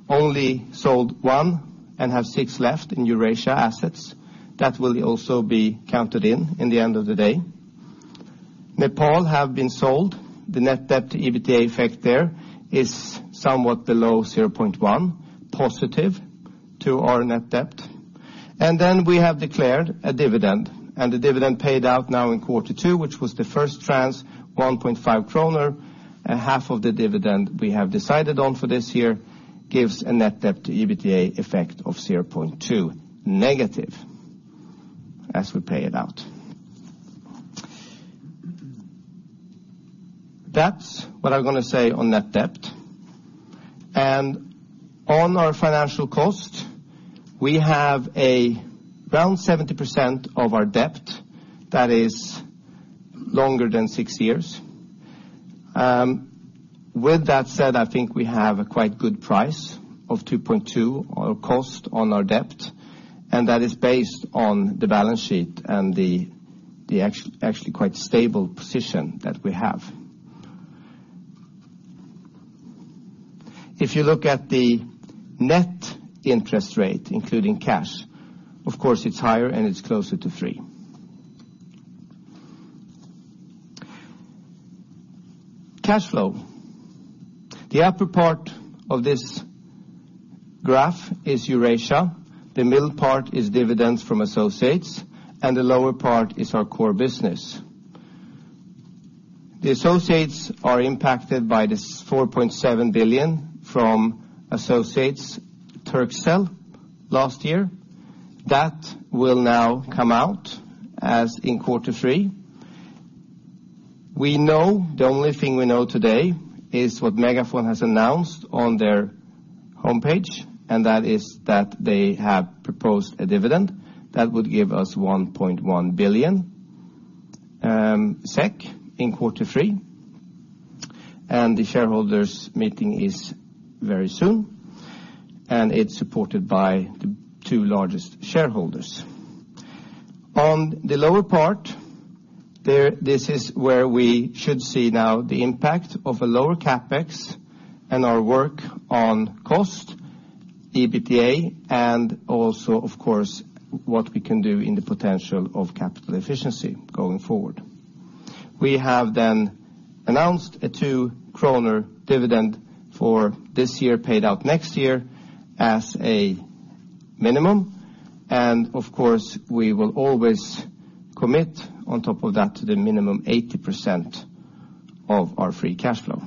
only sold one and have six left in Eurasia assets. That will also be counted in the end of the day. Nepal have been sold. The net debt to EBITDA effect there is somewhat below 0.1, positive to our net debt. And then we have declared a dividend, and the dividend paid out now in Q2, which was the first tranche, 1.5 kronor, half of the dividend we have decided on for this year gives a net debt to EBITDA effect of 0.2, negative as we pay it out. That's what I'm going to say on net debt. And on our financial cost, we have around 70% of our debt that is longer than six years. With that said, I think we have a quite good price of 2.2% on our cost on our debt, and that is based on the balance sheet and the actually quite stable position that we have. If you look at the net interest rate, including cash, of course, it's higher and it's closer to 3%. Cash flow. The upper part of this graph is Eurasia, the middle part is dividends from associates, and the lower part is our core business. The associates are impacted by this 4.7 billion from associates, Turkcell, last year. That will now come out as in Q3. The only thing we know today is what MegaFon has announced on their homepage. They have proposed a dividend that would give us 1.1 billion SEK in quarter three. The shareholders' meeting is very soon, and it is supported by the two largest shareholders. On the lower part, this is where we should see now the impact of a lower CapEx and our work on cost, EBITDA. Also, of course, what we can do in the potential of capital efficiency going forward. We have announced a 2 kronor dividend for this year, paid out next year as a minimum. Of course, we will always commit on top of that to the minimum 80% of our free cash flow.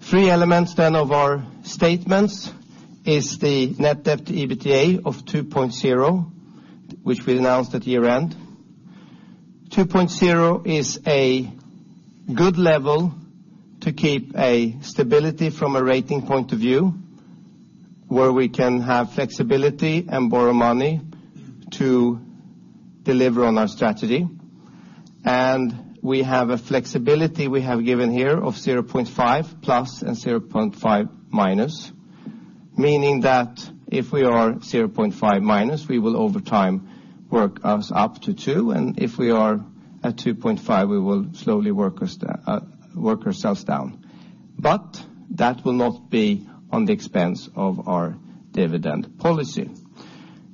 Three elements of our statements is the net debt to EBITDA of 2.0, which we announced at year-end. 2.0 is a good level to keep a stability from a rating point of view, where we can have flexibility and borrow money to deliver on our strategy. We have a flexibility we have given here of 0.5 plus and 0.5 minus, meaning that if we are 0.5 minus, we will over time work us up to two, and if we are at 2.5, we will slowly work ourselves down. That will not be on the expense of our dividend policy.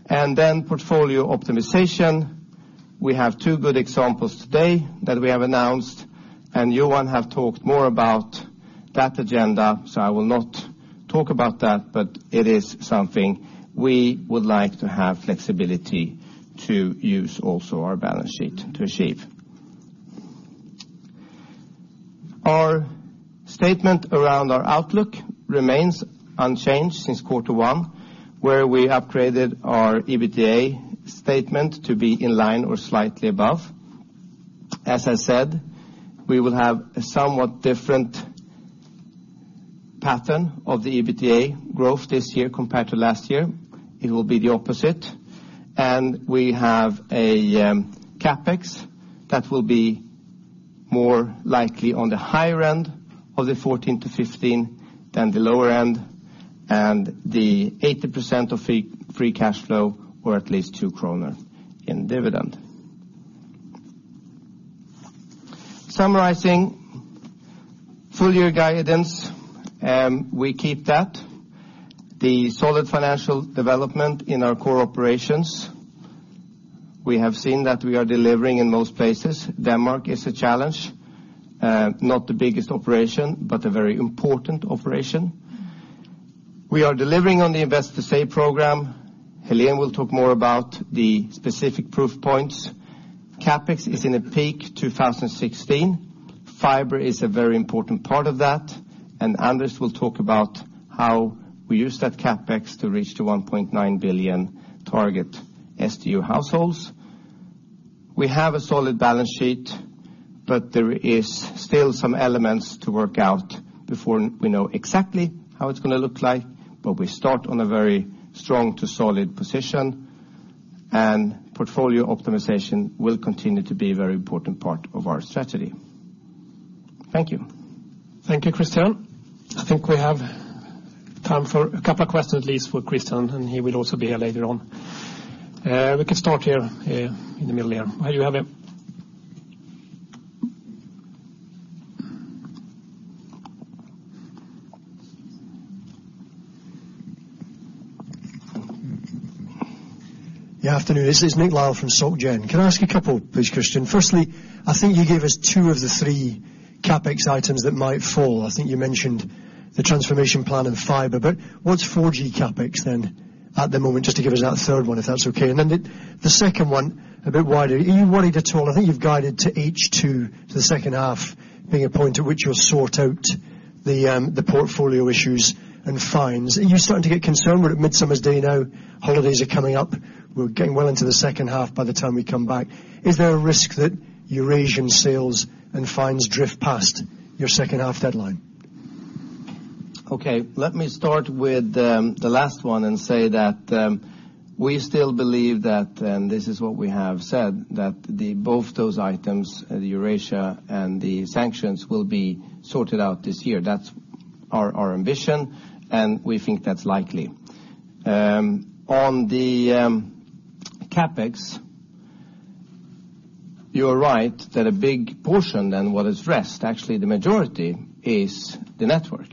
Then portfolio optimization. We have two good examples today that we have announced, and Johan has talked more about that agenda, so I will not talk about that, but it is something we would like to have flexibility to use also our balance sheet to achieve. Our statement around our outlook remains unchanged since quarter one, where we upgraded our EBITDA statement to be in line or slightly above. As I said, we will have a somewhat different pattern of the EBITDA growth this year compared to last year. It will be the opposite. We have a CapEx that will be more likely on the higher end of the 14-15 than the lower end, and the 80% of free cash flow or at least 2 kronor in dividend. Summarizing full-year guidance, we keep that. The solid financial development in our core operations, we have seen that we are delivering in most places. Denmark is a challenge. Not the biggest operation, but a very important operation. We are delivering on the Invest to Save program. Hélène will talk more about the specific proof points. CapEx is in a peak 2016. fiber is a very important part of that. Anders will talk about how we use that CapEx to reach the 1.9 million target SDU households. We have a solid balance sheet, but there is still some elements to work out before we know exactly how it is going to look like. We start on a very strong to solid position. Portfolio optimization will continue to be a very important part of our strategy. Thank you. Thank you, Christian. I think we have time for a couple of questions at least for Christian, and he will also be here later on. We can start here in the middle here. You have it. Yeah, afternoon. This is Nick Lyall from SocGen. Can I ask a couple please, Christian? Firstly, I think you gave us two of the three CapEx items that might fall. I think you mentioned the transformation plan and fiber. What's 4G CapEx then at the moment, just to give us that third one, if that's okay? The second one, a bit wider. Are you worried at all? I think you've guided to H2, to the second half, being a point at which you'll sort out the portfolio issues and fines. Are you starting to get concerned? We're at Midsummer's Day now, holidays are coming up. We're getting well into the second half by the time we come back. Is there a risk that Eurasian sales and fines drift past your second-half deadline? Okay. Let me start with the last one and say that we still believe that, and this is what we have said, that both those items, the Eurasia and the sanctions, will be sorted out this year. That's our ambition, and we think that's likely. On the CapEx, you are right that a big portion than what is rest, actually, the majority is the network.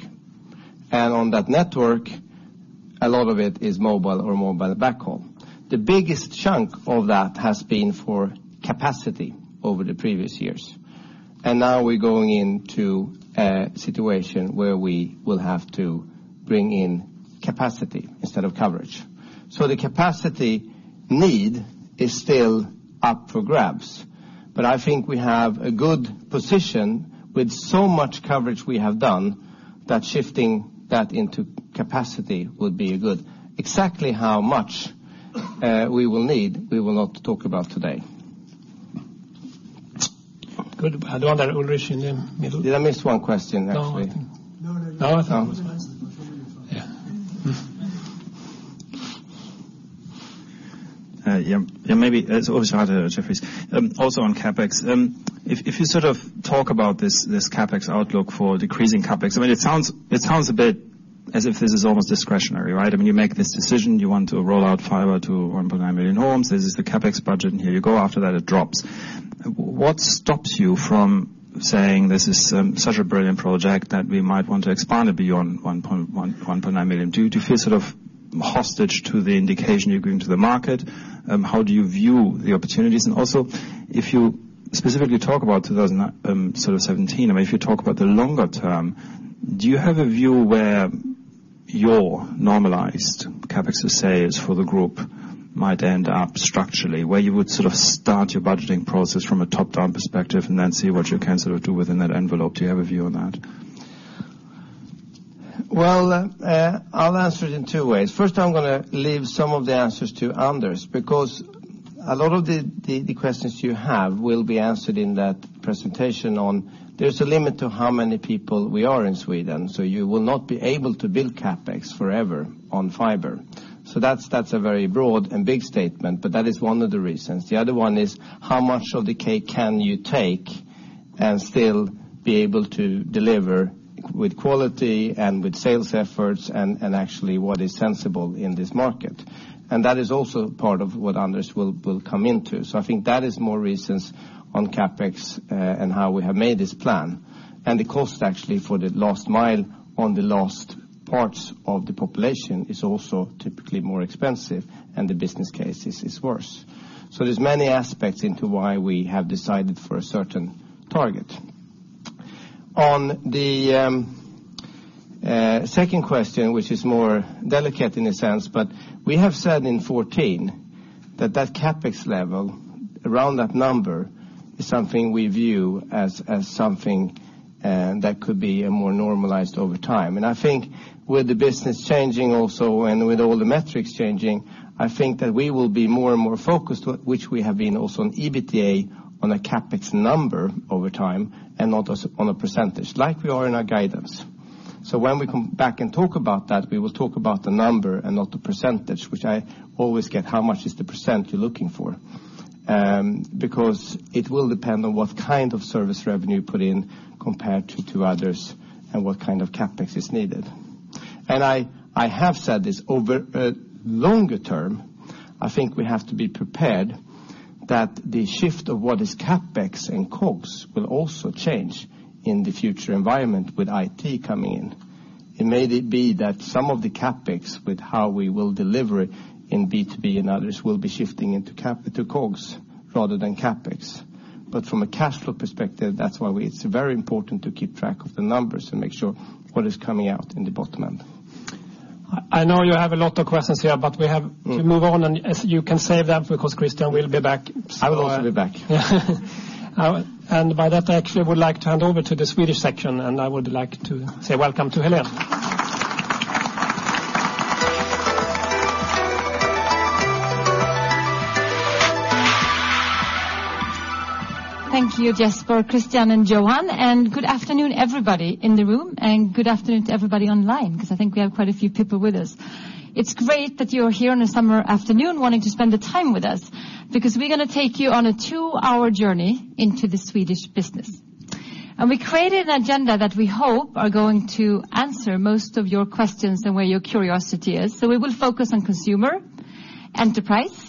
On that network, a lot of it is mobile or mobile backhaul. The biggest chunk of that has been for capacity over the previous years. Now we're going into a situation where we will have to bring in capacity instead of coverage. The capacity need is still up for grabs. I think we have a good position with so much coverage we have done that shifting that into capacity would be good. Exactly how much we will need, we will not talk about today. Good. How about Ulrich in the middle? Did I miss one question actually? No. No. No, I thought. Yeah. Maybe it's always harder, Jefferies. Also on CapEx, if you talk about this CapEx outlook for decreasing CapEx, it sounds a bit as if this is almost discretionary, right? You make this decision, you want to roll out fiber to 1.9 million homes. This is the CapEx budget, and here you go. After that, it drops. What stops you from saying, "This is such a brilliant project that we might want to expand it beyond 1.9 million"? Do you feel hostage to the indication you're giving to the market? How do you view the opportunities? Also, if you specifically talk about 2017, if you talk about the longer term, do you have a view where your normalized CapEx, let's say, is for the group might end up structurally? Where you would start your budgeting process from a top-down perspective and then see what you can sort of do within that envelope. Do you have a view on that? Well, I'll answer it in two ways. First, I'm going to leave some of the answers to Anders, because a lot of the questions you have will be answered in that presentation on there's a limit to how many people we are in Sweden, so you will not be able to build CapEx forever on fiber. That's a very broad and big statement, but that is one of the reasons. The other one is how much of the cake can you take and still be able to deliver with quality and with sales efforts and actually what is sensible in this market? That is also part of what Anders will come into. I think that is more reasons on CapEx, and how we have made this plan. The cost actually for the last mile on the last parts of the population is also typically more expensive, and the business case is worse. There's many aspects into why we have decided for a certain target. On the second question, which is more delicate in a sense, but we have said in 2014 that that CapEx level around that number is something we view as something that could be more normalized over time. I think with the business changing also and with all the metrics changing, I think that we will be more and more focused, which we have been also on EBITDA on a CapEx number over time and not just on a percentage, like we are in our guidance. When we come back and talk about that, we will talk about the number and not the %, which I always get, "How much is the % you're looking for?" Because it will depend on what kind of service revenue put in compared to others and what kind of CapEx is needed. I have said this, over longer term, I think we have to be prepared that the shift of what is CapEx and COGS will also change in the future environment with IT coming in. It may be that some of the CapEx with how we will deliver it in B2B and others will be shifting into COGS rather than CapEx. From a cash flow perspective, that's why it's very important to keep track of the numbers and make sure what is coming out in the bottom end. I know you have a lot of questions here, we have to move on, and you can save them because Christian will be back. I will also be back. By that, I actually would like to hand over to the Swedish section, I would like to say welcome to Hélène. Thank you, Jesper, Christian, and Johan. Good afternoon, everybody in the room, and good afternoon to everybody online, because I think we have quite a few people with us. It's great that you're here on a summer afternoon wanting to spend the time with us, because we're going to take you on a two-hour journey into the Swedish business. We created an agenda that we hope are going to answer most of your questions and where your curiosity is. We will focus on consumer, enterprise,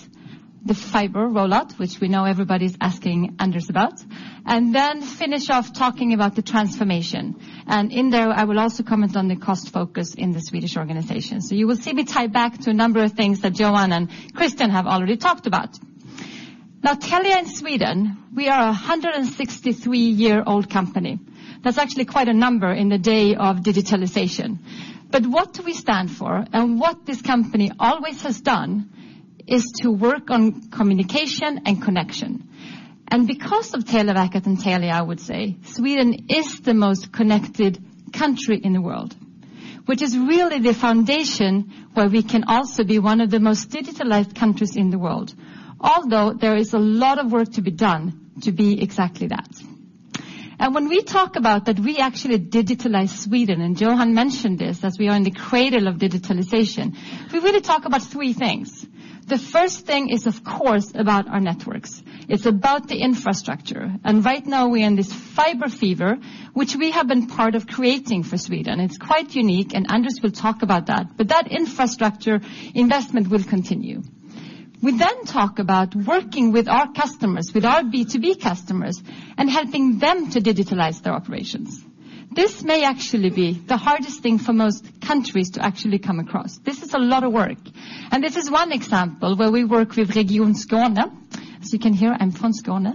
the fiber rollout, which we know everybody's asking Anders about, and then finish off talking about the transformation. In there, I will also comment on the cost focus in the Swedish organization. You will see me tie back to a number of things that Johan and Christian have already talked about. Telia in Sweden, we are a 163-year-old company. That's actually quite a number in the day of digitalization. What do we stand for, and what this company always has done is to work on communication and connection. Because of Televerket and Telia, I would say, Sweden is the most connected country in the world, which is really the foundation where we can also be one of the most digitalized countries in the world. Although, there is a lot of work to be done to be exactly that. When we talk about that we actually digitalize Sweden, and Johan mentioned this, as we are in the cradle of digitalization, we really talk about three things. The first thing is, of course, about our networks. It's about the infrastructure. Right now we're in this fiber fever, which we have been part of creating for Sweden. It's quite unique, and Anders will talk about that. That infrastructure investment will continue. We then talk about working with our customers, with our B2B customers, and helping them to digitalize their operations. This may actually be the hardest thing for most countries to actually come across. This is a lot of work. This is one example where we work with Region Skåne. As you can hear, I'm from Skåne,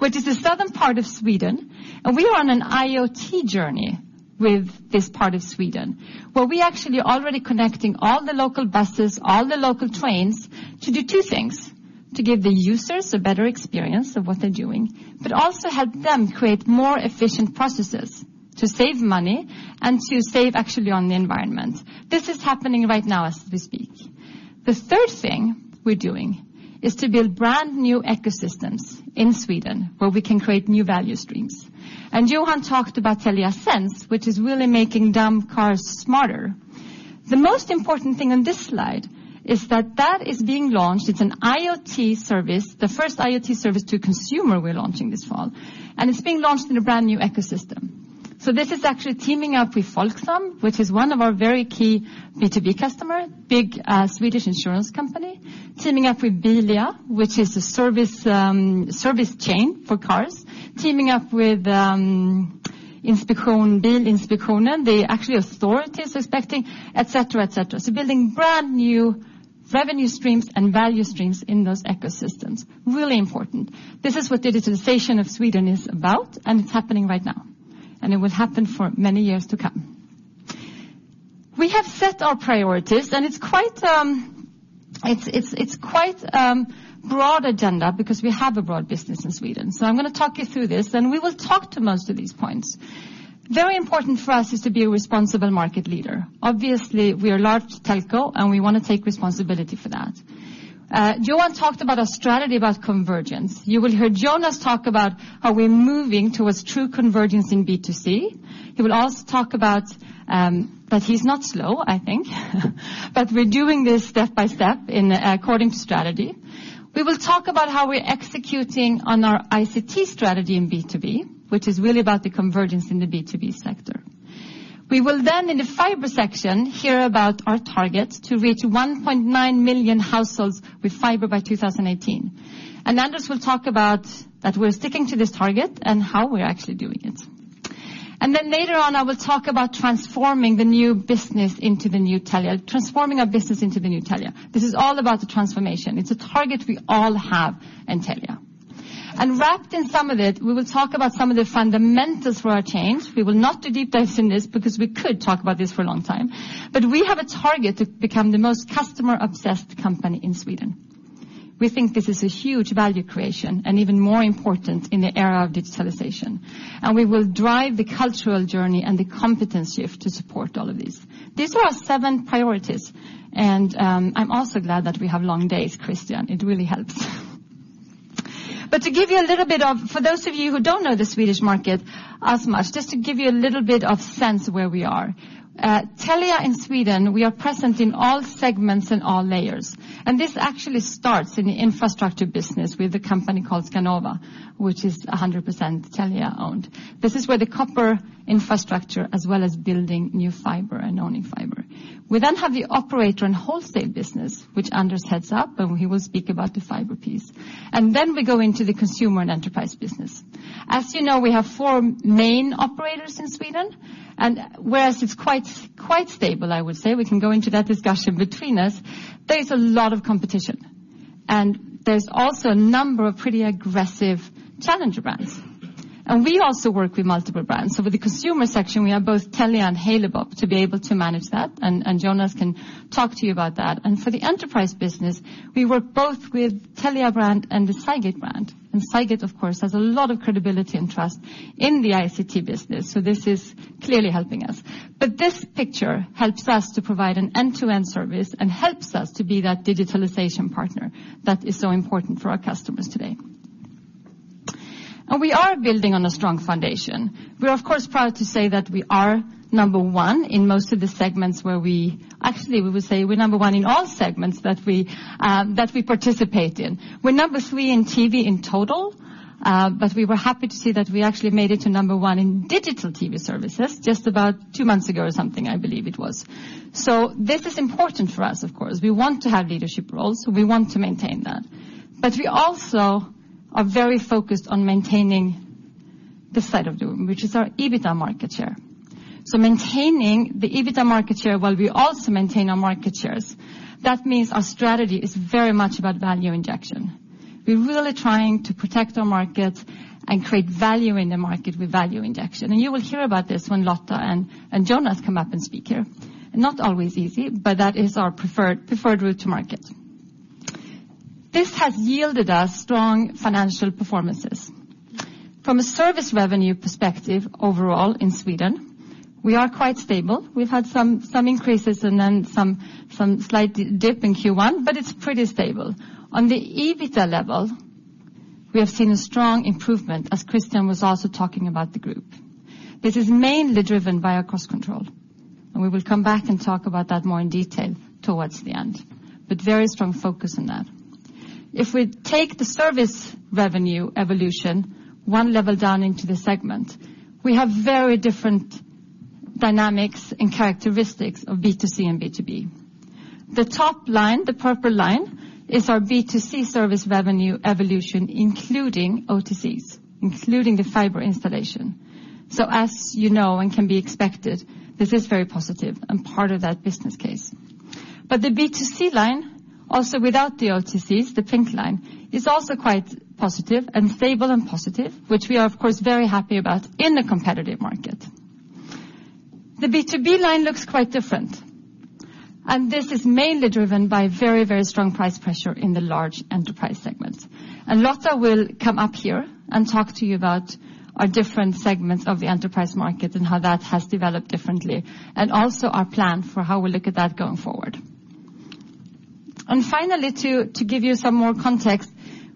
which is the southern part of Sweden. We are on an IoT journey with this part of Sweden, where we actually already connecting all the local buses, all the local trains to do two things, to give the users a better experience of what they're doing, but also help them create more efficient processes to save money and to save actually on the environment. This is happening right now as we speak. The third thing we're doing is to build brand-new ecosystems in Sweden where we can create new value streams. Johan talked about Telia Sense, which is really making dumb cars smarter. The most important thing on this slide is that that is being launched. It's an IoT service, the first IoT service to consumer we're launching this fall, and it's being launched in a brand-new ecosystem. This is actually teaming up with Folksam, which is one of our very key B2B customer, big Swedish insurance company. Teaming up with Bilia, which is a service chain for cars. Teaming up with Bilprovningen, the actual authorities inspecting, et cetera. Building brand-new revenue streams and value streams in those ecosystems. Really important. This is what digitalization of Sweden is about, and it's happening right now. It will happen for many years to come. We have set our priorities, it's quite a broad agenda because we have a broad business in Sweden. I'm going to talk you through this, and we will talk to most of these points. Very important for us is to be a responsible market leader. Obviously, we are a large telco, and we want to take responsibility for that. Johan talked about a strategy about convergence. You will hear Jonas talk about how we're moving towards true convergence in B2C. He will also talk about that he's not slow, I think. We're doing this step by step according to strategy. We will talk about how we're executing on our ICT strategy in B2B, which is really about the convergence in the B2B sector. We will then, in the fiber section, hear about our target to reach 1.9 million households with fiber by 2018. Anders will talk about that we're sticking to this target and how we're actually doing it. Then later on, I will talk about transforming the Telia New Business into the new Telia, transforming our business into the new Telia. This is all about the transformation. It's a target we all have in Telia. Wrapped in some of it, we will talk about some of the fundamentals for our change. We will not do deep dives in this because we could talk about this for a long time. We have a target to become the most customer-obsessed company in Sweden. We think this is a huge value creation, and even more important in the era of digitalization. We will drive the cultural journey and the competency to support all of these. These are our seven priorities, and I'm also glad that we have long days, Christian. It really helps. For those of you who don't know the Swedish market as much, just to give you a little bit of sense where we are. At Telia in Sweden, we are present in all segments and all layers. This actually starts in the infrastructure business with a company called Skanova, which is 100% Telia-owned. This is where the copper infrastructure, as well as building new fiber and owning fiber. We have the operator and wholesale business, which Anders heads up, and he will speak about the fiber piece. We go into the consumer and enterprise business. As you know, we have four main operators in Sweden, and whereas it's quite stable, I would say, we can go into that discussion between us, there's a lot of competition. There's also a number of pretty aggressive challenger brands. We also work with multiple brands. With the consumer section, we have both Telia and Halebop to be able to manage that, and Jonas can talk to you about that. For the enterprise business, we work both with Telia brand and the Cygate brand. Cygate, of course, has a lot of credibility and trust in the ICT business, so this is clearly helping us. This picture helps us to provide an end-to-end service and helps us to be that digitalization partner that is so important for our customers today. We are building on a strong foundation. We're of course proud to say that we are number one in most of the segments where we. Actually, we would say we're number one in all segments that we participate in. We're number 3 in TV in total, but we were happy to see that we actually made it to number 1 in digital TV services just about 2 months ago or something, I believe it was. This is important for us, of course. We want to have leadership roles, we want to maintain that. We also are very focused on maintaining this side of the room, which is our EBITDA market share. Maintaining the EBITDA market share while we also maintain our market shares. That means our strategy is very much about value injection. We're really trying to protect our market and create value in the market with value injection. You will hear about this when Lotta and Jonas come up and speak here. Not always easy, but that is our preferred route to market. This has yielded us strong financial performances. From a service revenue perspective overall in Sweden, we are quite stable. We've had some increases and then some slight dip in Q1, but it's pretty stable. On the EBITDA level, we have seen a strong improvement, as Christian was also talking about the group. This is mainly driven by our cost control, we will come back and talk about that more in detail towards the end, but very strong focus on that. If we take the service revenue evolution 1 level down into the segment, we have very different dynamics and characteristics of B2C and B2B. The top line, the purple line, is our B2C service revenue evolution, including OTCs, including the fiber installation. As you know and can be expected, this is very positive and part of that business case. The B2C line, also without the OTCs, the pink line, is also quite positive and stable and positive, which we are of course very happy about in the competitive market. The B2B line looks quite different, this is mainly driven by very, very strong price pressure in the large enterprise segments. Lotta will come up here and talk to you about our different segments of the enterprise market and how that has developed differently, also our plan for how we look at that going forward. Finally, to give you some more context,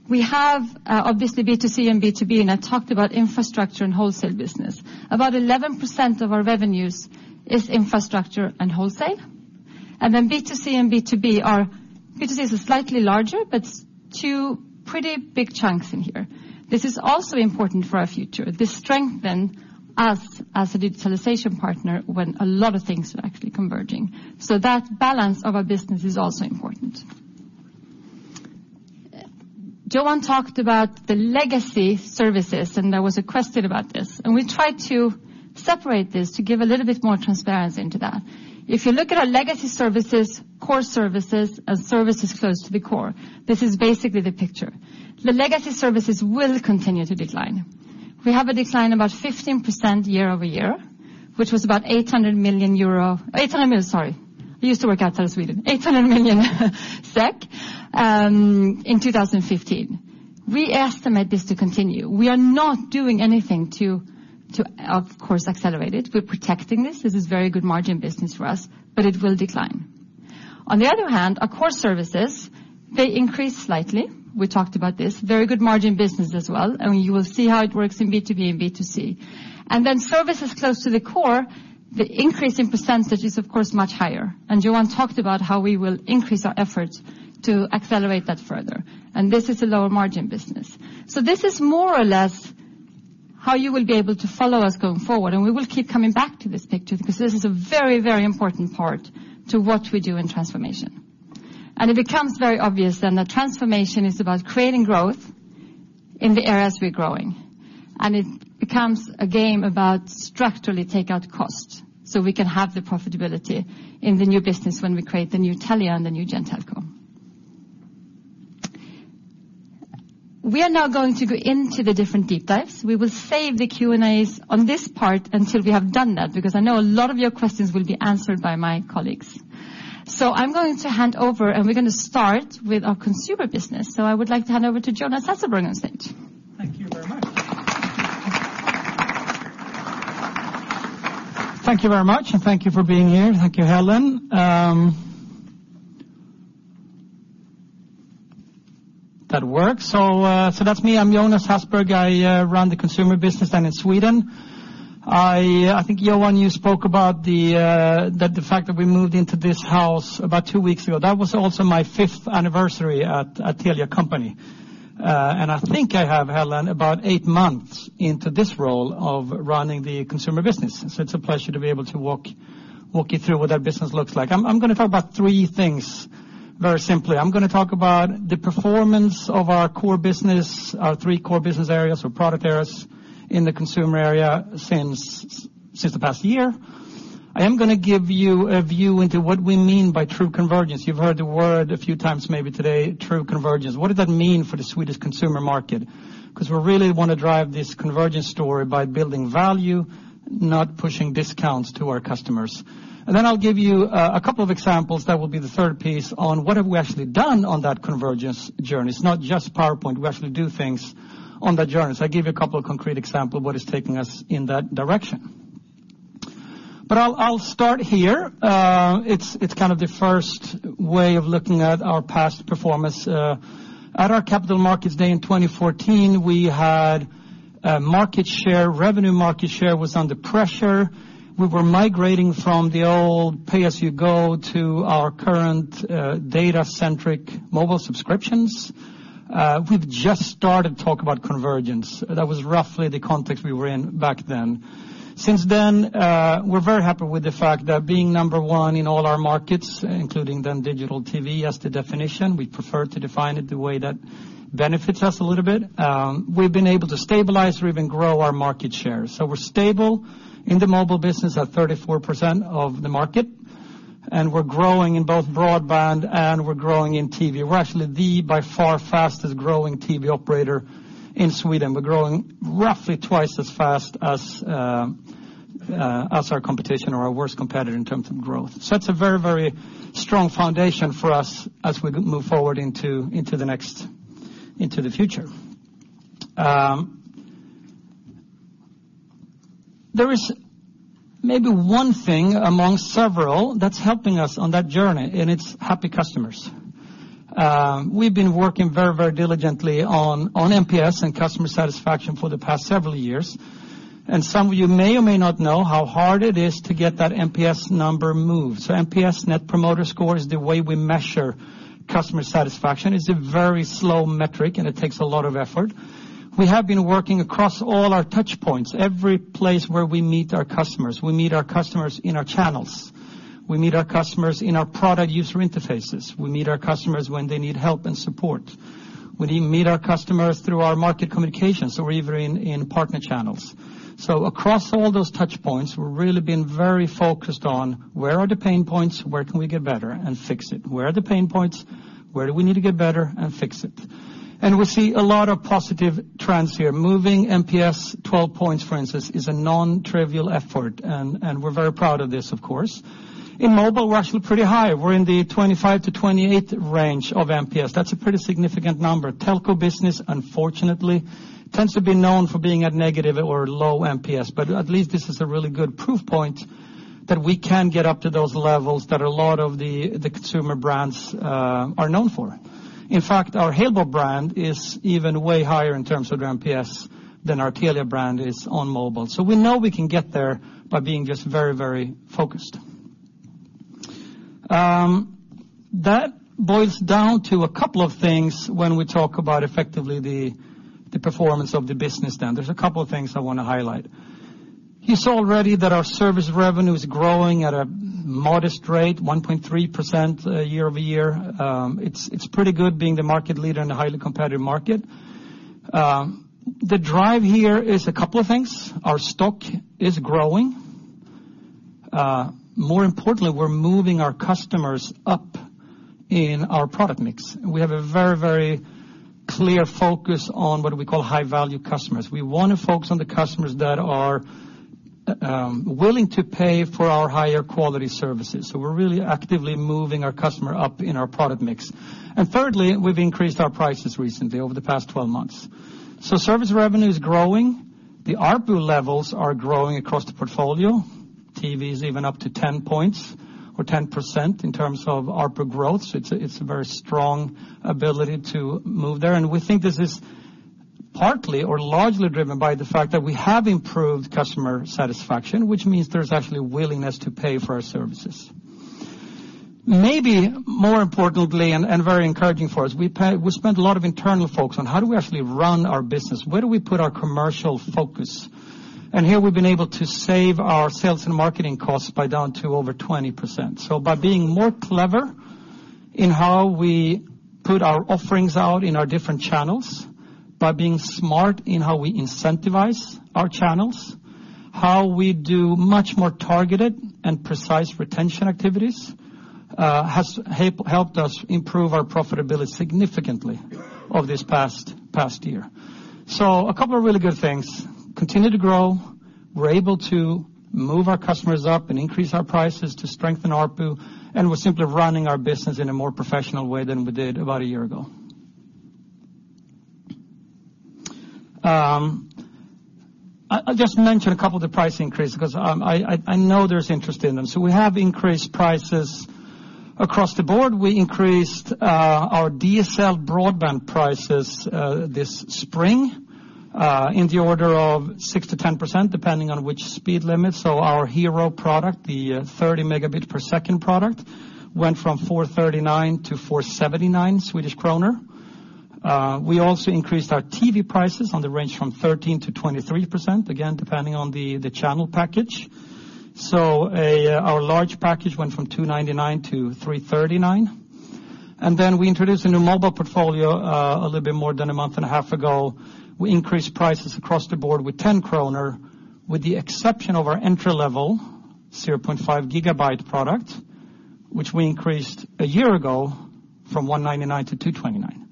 we have obviously B2C and B2B, I talked about infrastructure and wholesale business. About 11% of our revenues is infrastructure and wholesale, B2C and B2B are, B2C is slightly larger, but 2 pretty big chunks in here. This is also important for our future. This strengthen us as a digitalization partner when a lot of things are actually converging. That balance of our business is also important. Johan talked about the legacy services, there was a question about this. We tried to separate this to give a little bit more transparency into that. If you look at our legacy services, core services, and services close to the core, this is basically the picture. The legacy services will continue to decline. We have a decline about 15% year-over-year, which was about 800 million euro, sorry. We used to work outside of Sweden. 800 million SEK in 2015. We estimate this to continue. We are not doing anything to of course accelerate it. We're protecting this. This is very good margin business for us, but it will decline. On the other hand, our core services, they increase slightly. We talked about this. Very good margin business as well. You will see how it works in B2B and B2C. Then services close to the core, the increase in % is of course much higher. Johan talked about how we will increase our efforts to accelerate that further. This is a lower margin business. This is more or less how you will be able to follow us going forward. We will keep coming back to this picture because this is a very important part to what we do in transformation. It becomes very obvious then that transformation is about creating growth in the areas we're growing. It becomes a game about structurally take out cost, so we can have the profitability in the new business when we create the new Telia and the NextGen Telco. We are now going to go into the different deep dives. We will save the Q&As on this part until we have done that, because I know a lot of your questions will be answered by my colleagues. I'm going to hand over. We're going to start with our consumer business. I would like to hand over to Jonas Hasselberg on stage. Thank you very much. Thank you very much, and thank you for being here. Thank you, Hélène. That works. That's me, I'm Jonas Hasselberg. I run the consumer business down in Sweden. I think, Johan, you spoke about the fact that we moved into this house about two weeks ago. That was also my fifth anniversary at Telia Company. I think I have, Hélène, about eight months into this role of running the consumer business. It's a pleasure to be able to walk you through what that business looks like. I'm going to talk about three things, very simply. I'm going to talk about the performance of our three core business areas, so product areas, in the consumer area since the past year. I am going to give you a view into what we mean by true convergence. You've heard the word a few times maybe today, true convergence. What does that mean for the Swedish consumer market? We really want to drive this convergence story by building value, not pushing discounts to our customers. Then I'll give you a couple of examples, that will be the third piece, on what have we actually done on that convergence journey. It's not just PowerPoint. We actually do things on that journey. I give you a couple of concrete example what is taking us in that direction. I'll start here. It's kind of the first way of looking at our past performance. At our Capital Markets Day in 2014, we had market share. Revenue market share was under pressure. We were migrating from the old pay-as-you-go to our current data-centric mobile subscriptions. We've just started talk about convergence. That was roughly the context we were in back then. We are very happy with the fact that being number 1 in all our markets, including then digital TV as the definition. We prefer to define it the way that benefits us a little bit. We have been able to stabilize or even grow our market share. We are stable in the mobile business at 34% of the market, and we are growing in both broadband and we are growing in TV. We are actually the, by far, fastest growing TV operator in Sweden. We are growing roughly twice as fast as our competition or our worst competitor in terms of growth. That is a very strong foundation for us as we move forward into the future. There is maybe 1 thing among several that is helping us on that journey, and it is happy customers. We have been working very diligently on NPS and customer satisfaction for the past several years. Some of you may or may not know how hard it is to get that NPS number moved. NPS, Net Promoter Score, is the way we measure customer satisfaction. It is a very slow metric, and it takes a lot of effort. We have been working across all our touch points, every place where we meet our customers. We meet our customers in our channels. We meet our customers in our product user interfaces. We meet our customers when they need help and support. We meet our customers through our market communications or even in partner channels. Across all those touch points, we are really being very focused on where are the pain points, where can we get better, and fix it. Where are the pain points? Where do we need to get better? Fix it. We see a lot of positive trends here. Moving NPS 12 points, for instance, is a non-trivial effort, and we are very proud of this, of course. In mobile, we are actually pretty high. We are in the 25 to 28 range of NPS. That is a pretty significant number. Telco business, unfortunately, tends to be known for being a negative or low NPS, at least this is a really good proof point that we can get up to those levels that a lot of the consumer brands are known for. In fact, our Halebop brand is even way higher in terms of their NPS than our Telia brand is on mobile. We know we can get there by being just very focused. That boils down to a couple of things when we talk about effectively the performance of the business then. There is a couple of things I want to highlight. You saw already that our service revenue is growing at a modest rate, 1.3% year-over-year. It is pretty good being the market leader in a highly competitive market. The drive here is a couple of things. Our stock is growing. More importantly, we are moving our customers up in our product mix. We have a very clear focus on what we call high-value customers. We want to focus on the customers that are willing to pay for our higher quality services. We are really actively moving our customer up in our product mix. Thirdly, we have increased our prices recently over the past 12 months. Service revenue is growing. The ARPU levels are growing across the portfolio. TV is even up to 10 points or 10% in terms of ARPU growth. It is a very strong ability to move there. We think this is partly or largely driven by the fact that we have improved customer satisfaction, which means there's actually willingness to pay for our services. More importantly, and very encouraging for us, we spent a lot of internal focus on how do we actually run our business? Where do we put our commercial focus? Here we've been able to save our sales and marketing costs by down to over 20%. By being more clever in how we put our offerings out in our different channels, by being smart in how we incentivize our channels. How we do much more targeted and precise retention activities has helped us improve our profitability significantly over this past year. A couple of really good things. Continue to grow, we're able to move our customers up and increase our prices to strengthen ARPU. We're simply running our business in a more professional way than we did about a year ago. I'll just mention a couple of the price increase, because I know there's interest in them. We have increased prices across the board. We increased our DSL broadband prices this spring in the order of 6%-10%, depending on which speed limits. Our Hero product, the 30 megabit per second product, went from 439 to 479 Swedish kronor. We also increased our TV prices on the range from 13%-23%, again, depending on the channel package. Our large package went from 299 to 339. Then we introduced a new mobile portfolio a little bit more than a month and a half ago. We increased prices across the board with 10 kronor, with the exception of our entry-level 0.5 gigabyte product, which we increased a year ago from 199 to 229.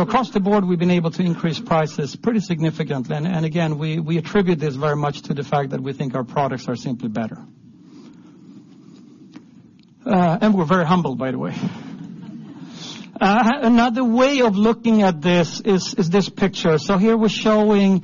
Across the board, we've been able to increase prices pretty significantly. Again, we attribute this very much to the fact that we think our products are simply better. We're very humbled, by the way. Another way of looking at this is this picture. Here we're showing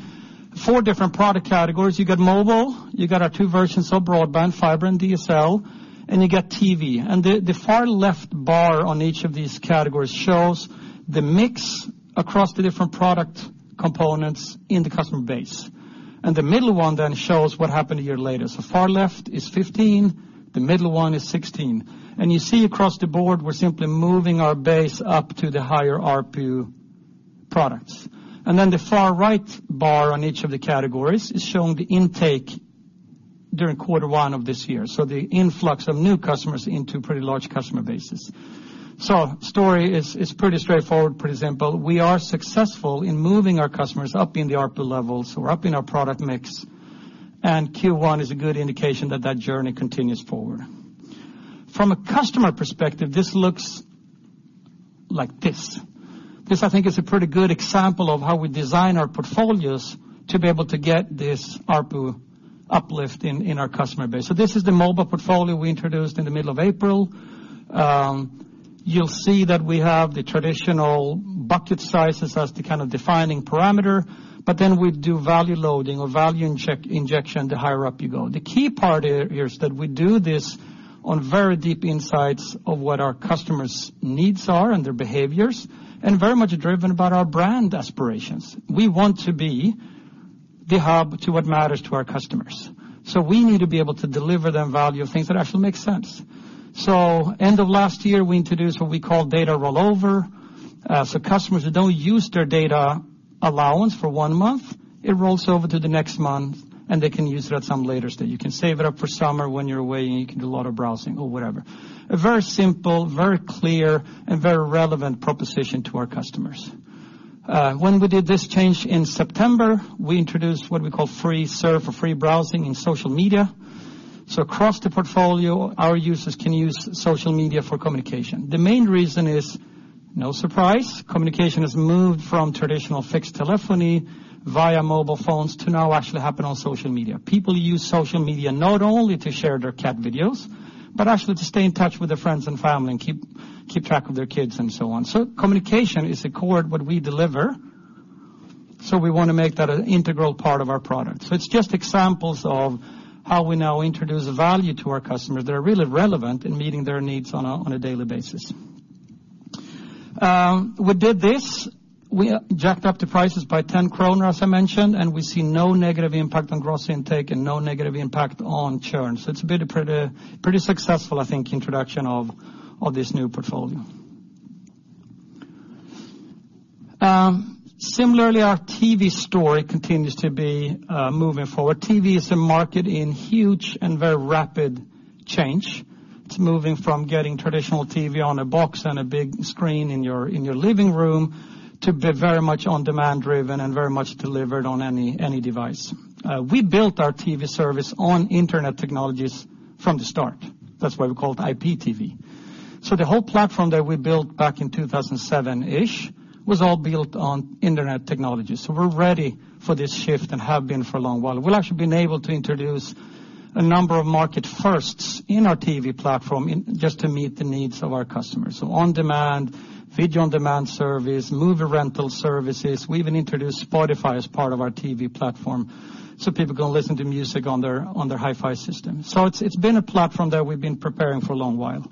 four different product categories. You've got mobile, you've got our two versions of broadband, fiber and DSL, and you get TV. The far left bar on each of these categories shows the mix across the different product components in the customer base. The middle one then shows what happened a year later. Far left is 2015, the middle one is 2016. You see across the board, we're simply moving our base up to the higher ARPU products. Then the far right bar on each of the categories is showing the intake during quarter one of this year. The influx of new customers into pretty large customer bases. Story is pretty straightforward, pretty simple. We are successful in moving our customers up in the ARPU levels, so we're upping our product mix. Q1 is a good indication that that journey continues forward. From a customer perspective, this looks like this. This, I think is a pretty good example of how we design our portfolios to be able to get this ARPU uplift in our customer base. This is the mobile portfolio we introduced in the middle of April. You'll see that we have the traditional bucket sizes as the defining parameter, we do value loading or value injection the higher up you go. The key part here is that we do this on very deep insights of what our customers' needs are and their behaviors, and very much driven by our brand aspirations. We want to be the hub to what matters to our customers. We need to be able to deliver them value of things that actually make sense. End of last year, we introduced what we call data rollover. Customers who don't use their data allowance for one month, it rolls over to the next month, and they can use it at some later stage. You can save it up for summer when you're away, and you can do a lot of browsing or whatever. A very simple, very clear, and very relevant proposition to our customers. When we did this change in September, we introduced what we call free surf or free browsing in social media. Across the portfolio, our users can use social media for communication. The main reason is, no surprise, communication has moved from traditional fixed telephony via mobile phones to now actually happen on social media. People use social media not only to share their cat videos, but actually to stay in touch with their friends and family and keep track of their kids and so on. Communication is the core of what we deliver, so we want to make that an integral part of our product. It's just examples of how we now introduce value to our customers that are really relevant in meeting their needs on a daily basis. We did this. We jacked up the prices by 10 kronor, as I mentioned, and we see no negative impact on gross intake and no negative impact on churn. It's been a pretty successful, I think, introduction of this new portfolio. Similarly, our TV story continues to be moving forward. TV is a market in huge and very rapid change. It's moving from getting traditional TV on a box and a big screen in your living room to be very much on-demand driven and very much delivered on any device. We built our TV service on internet technologies from the start. That's why we call it IPTV. The whole platform that we built back in 2007-ish was all built on internet technology. We're ready for this shift and have been for a long while. We've actually been able to introduce a number of market firsts in our TV platform just to meet the needs of our customers. On-demand, video-on-demand service, movie rental services. We even introduced Spotify as part of our TV platform so people can listen to music on their hi-fi system. It's been a platform that we've been preparing for a long while.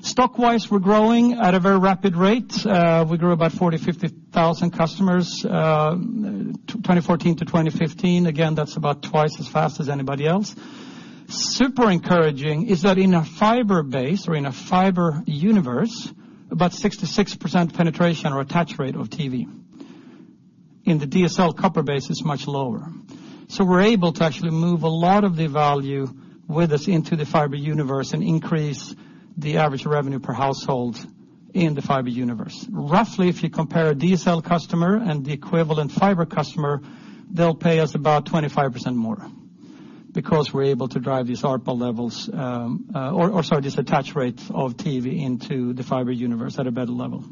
Stock-wise, we're growing at a very rapid rate. We grew about 40,000, 50,000 customers 2014 to 2015. Again, that's about twice as fast as anybody else. Super encouraging is that in a fiber base or in a fiber universe, about 66% penetration or attach rate of TV. In the DSL copper base, it's much lower. We're able to actually move a lot of the value with us into the fiber universe and increase the average revenue per household In the fiber universe. Roughly, if you compare a DSL customer and the equivalent fiber customer, they'll pay us about 25% more because we're able to drive these attach rates of TV into the fiber universe at a better level.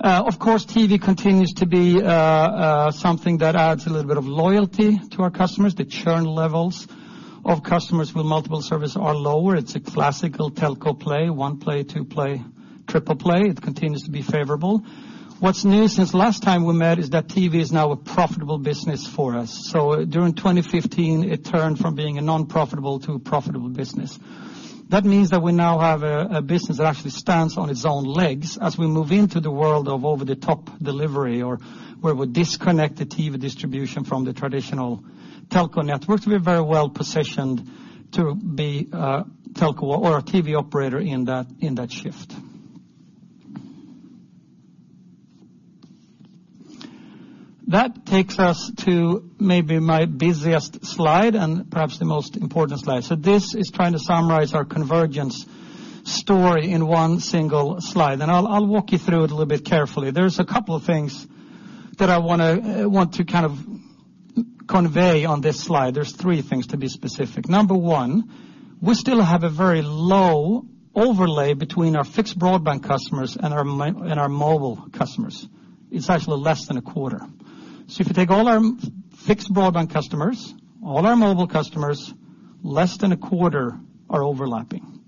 Of course, TV continues to be something that adds a little bit of loyalty to our customers. The churn levels of customers with multiple services are lower. It's a classical telco play, one play, two play, triple play. It continues to be favorable. What's new since last time we met is that TV is now a profitable business for us. During 2015, it turned from being a non-profitable to a profitable business. That means that we now have a business that actually stands on its own legs as we move into the world of over-the-top delivery or where we disconnect the TV distribution from the traditional telco networks. We're very well-positioned to be a telco or a TV operator in that shift. That takes us to maybe my busiest slide and perhaps the most important slide. This is trying to summarize our convergence story in one single slide, and I'll walk you through it a little bit carefully. There's a couple things that I want to kind of convey on this slide. There's three things, to be specific. Number one, we still have a very low overlay between our fixed broadband customers and our mobile customers. It's actually less than a quarter. If you take all our fixed broadband customers, all our mobile customers, less than a quarter are overlapping.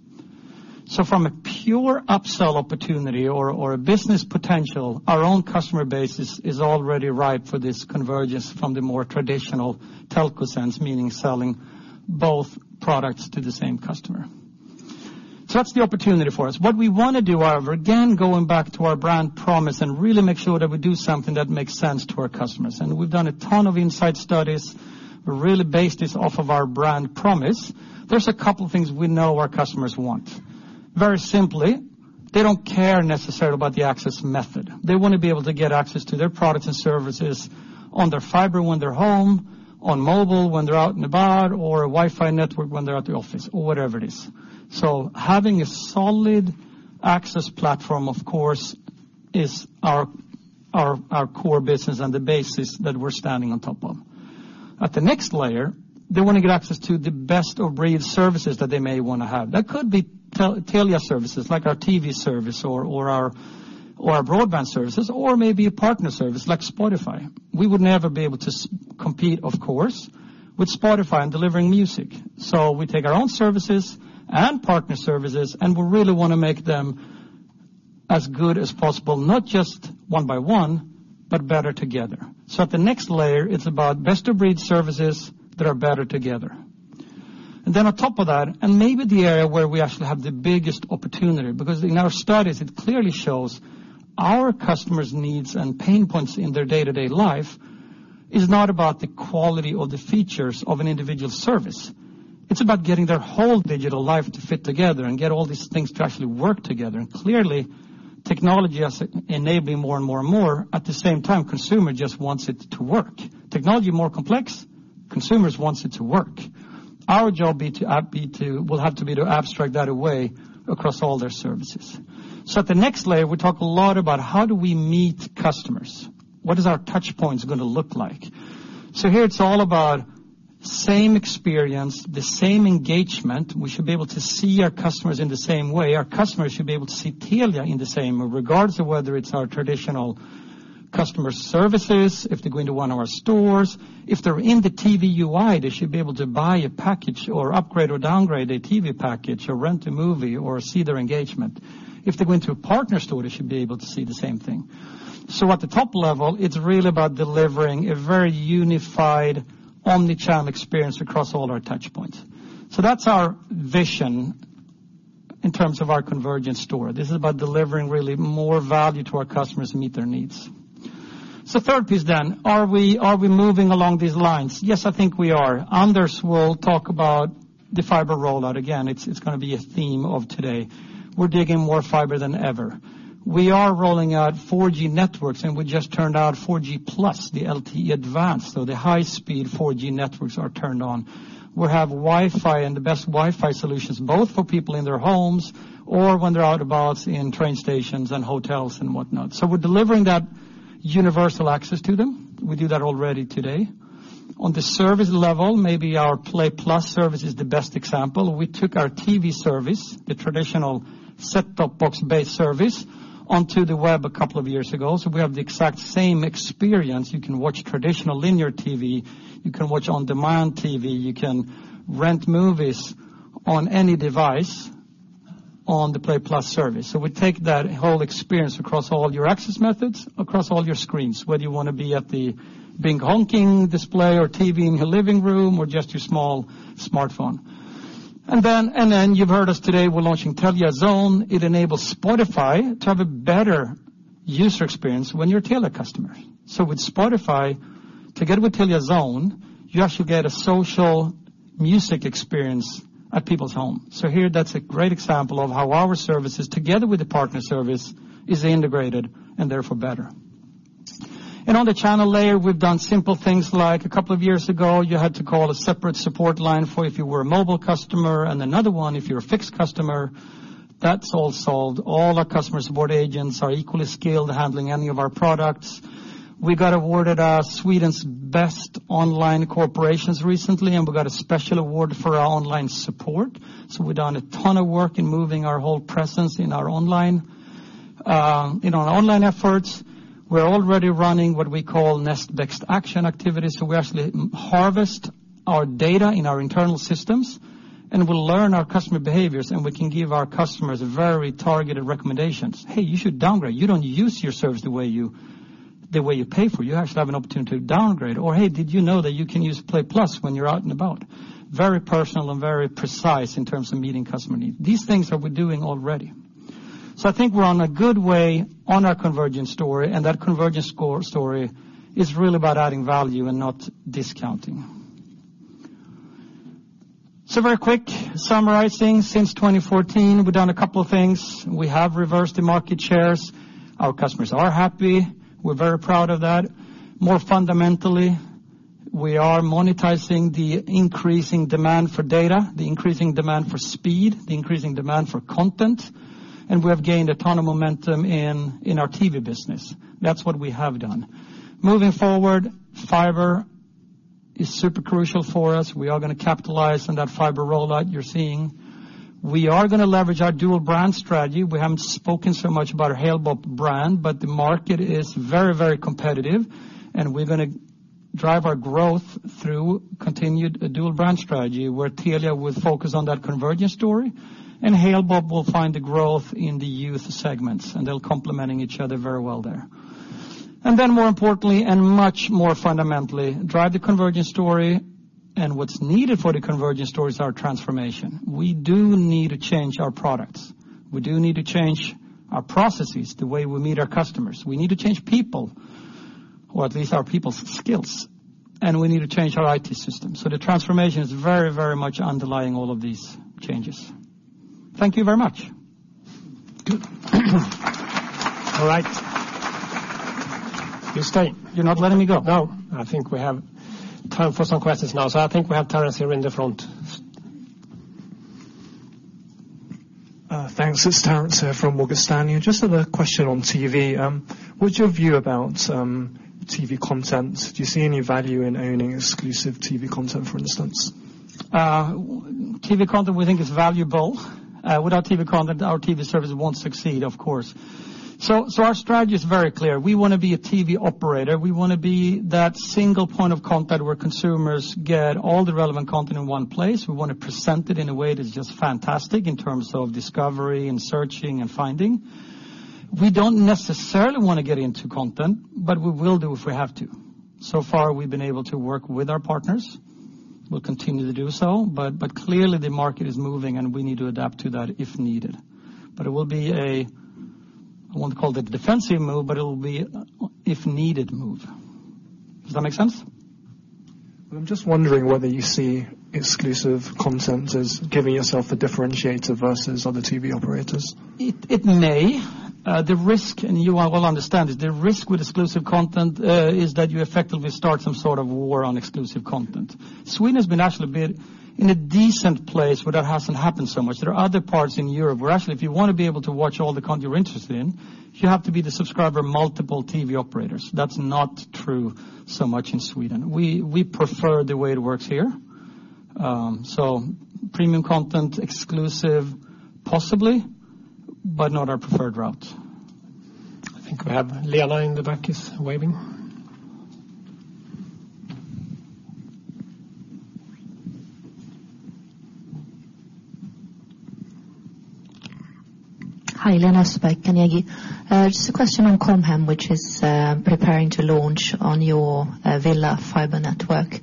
From a pure upsell opportunity or a business potential, our own customer base is already ripe for this convergence from the more traditional telco sense, meaning selling both products to the same customer. That's the opportunity for us. What we want to do, however, again, going back to our brand promise and really make sure that we do something that makes sense to our customers, and we've done a ton of insight studies. We really base this off of our brand promise. There's a couple things we know our customers want. Very simply, they don't care necessarily about the access method. They want to be able to get access to their products and services on their fiber when they're home, on mobile when they're out in a bar, or a Wi-Fi network when they're at the office, or whatever it is. Having a solid access platform, of course, is our core business and the basis that we're standing on top of. At the next layer, they want to get access to the best-of-breed services that they may want to have. That could be Telia services, like our TV service or our broadband services, or maybe a partner service like Spotify. We would never be able to compete, of course, with Spotify on delivering music. We take our own services and partner services, and we really want to make them as good as possible, not just one by one, but better together. At the next layer, it's about best-of-breed services that are better together. Then on top of that, and maybe the area where we actually have the biggest opportunity, because in our studies, it clearly shows our customers' needs and pain points in their day-to-day life is not about the quality or the features of an individual service. It's about getting their whole digital life to fit together and get all these things to actually work together. Clearly, technology has enabling more and more and more. At the same time, consumer just wants it to work. Technology more complex, consumers wants it to work. Our job will have to be to abstract that away across all their services. At the next layer, we talk a lot about how do we meet customers? What is our touch points going to look like? Here it's all about same experience, the same engagement. We should be able to see our customers in the same way. Our customers should be able to see Telia in the same, regardless of whether it's our traditional customer services, if they go into one of our stores. If they're in the TV UI, they should be able to buy a package or upgrade or downgrade a TV package or rent a movie or see their engagement. If they go into a partner store, they should be able to see the same thing. At the top level, it's really about delivering a very unified omnichannel experience across all our touch points. That's our vision in terms of our convergence story. This is about delivering really more value to our customers and meet their needs. Third piece then, are we moving along these lines? Yes, I think we are. Anders will talk about the fiber rollout. Again, it's going to be a theme of today. We're digging more fiber than ever. We are rolling out 4G networks, and we just turned out 4G Plus, the LTE Advanced. The high-speed 4G networks are turned on. We have Wi-Fi and the best Wi-Fi solutions, both for people in their homes or when they're out about in train stations and hotels and whatnot. We're delivering that universal access to them. We do that already today. On the service level, maybe our Play Plus service is the best example. We took our TV service, the traditional set-top box-based service, onto the web a couple of years ago. We have the exact same experience. You can watch traditional linear TV, you can watch on-demand TV, you can rent movies on any device on the Play Plus service. We take that whole experience across all your access methods, across all your screens, whether you want to be at the big honking display or TV in your living room or just your small smartphone. And then you've heard us today, we're launching Telia Zone. It enables Spotify to have a better user experience when you're a Telia customer. With Spotify, together with Telia Zone, you actually get a social music experience at people's home. Here, that's a great example of how our services together with the partner service is integrated and therefore better. On the channel layer, we've done simple things like a couple of years ago, you had to call a separate support line for if you were a mobile customer and another one if you're a fixed customer. That's all solved. All our customer support agents are equally skilled handling any of our products. We got awarded Sweden's best online corporations recently, and we got a special award for our online support. We've done a ton of work in moving our whole presence in our online efforts. We're already running what we call next best action activities. We actually harvest our data in our internal systems, and we'll learn our customer behaviors, and we can give our customers very targeted recommendations. "Hey, you should downgrade. You don't use your service the way you pay for. You actually have an opportunity to downgrade." Or, "Hey, did you know that you can use Telia Play+ when you're out and about?" Very personal and very precise in terms of meeting customer needs. These things that we're doing already. I think we're on a good way on our convergence story, and that convergence story is really about adding value and not discounting. Very quick summarizing, since 2014, we've done a couple of things. We have reversed the market shares. Our customers are happy. We're very proud of that. More fundamentally, we are monetizing the increasing demand for data, the increasing demand for speed, the increasing demand for content, and we have gained a ton of momentum in our TV business. That's what we have done. Moving forward, fiber is super crucial for us. We are going to capitalize on that fiber rollout you're seeing. We are going to leverage our dual brand strategy. We haven't spoken so much about our Halebop brand, but the market is very competitive, and we're going to drive our growth through continued dual brand strategy, where Telia will focus on that convergence story, and Halebop will find the growth in the youth segments, and they're complementing each other very well there. Then more importantly and much more fundamentally, drive the convergence story and what's needed for the convergence story is our transformation. We do need to change our products. We do need to change our processes, the way we meet our customers. We need to change people, or at least our people's skills, and we need to change our IT system. The transformation is very much underlying all of these changes. Thank you very much. All right. You stay. You're not letting me go? No, I think we have time for some questions now. I think we have Terence here in the front. Thanks. It's Terence here from Morgan Stanley. Just have a question on TV. What's your view about TV content? Do you see any value in owning exclusive TV content, for instance? TV content we think is valuable. Without TV content, our TV service won't succeed, of course. Our strategy is very clear. We want to be a TV operator. We want to be that single point of contact where consumers get all the relevant content in one place. We want to present it in a way that's just fantastic in terms of discovery and searching and finding. We don't necessarily want to get into content, but we will do if we have to. So far, we've been able to work with our partners. We'll continue to do so, but clearly the market is moving, and we need to adapt to that if needed. It will be a, I won't call it a defensive move, but it'll be an if needed move. Does that make sense? I'm just wondering whether you see exclusive content as giving yourself a differentiator versus other TV operators. It may. You will understand, the risk with exclusive content is that you effectively start some sort of war on exclusive content. Sweden has been actually a bit in a decent place where that hasn't happened so much. There are other parts in Europe where actually, if you want to be able to watch all the content you're interested in, you have to be the subscriber of multiple TV operators. That's not true so much in Sweden. We prefer the way it works here. Premium content exclusive possibly, but not our preferred route. I think we have Lena in the back is waving. Hi, Lena Österberg, Carnegie. Just a question on Com Hem, which is preparing to launch on your Telia fiber network.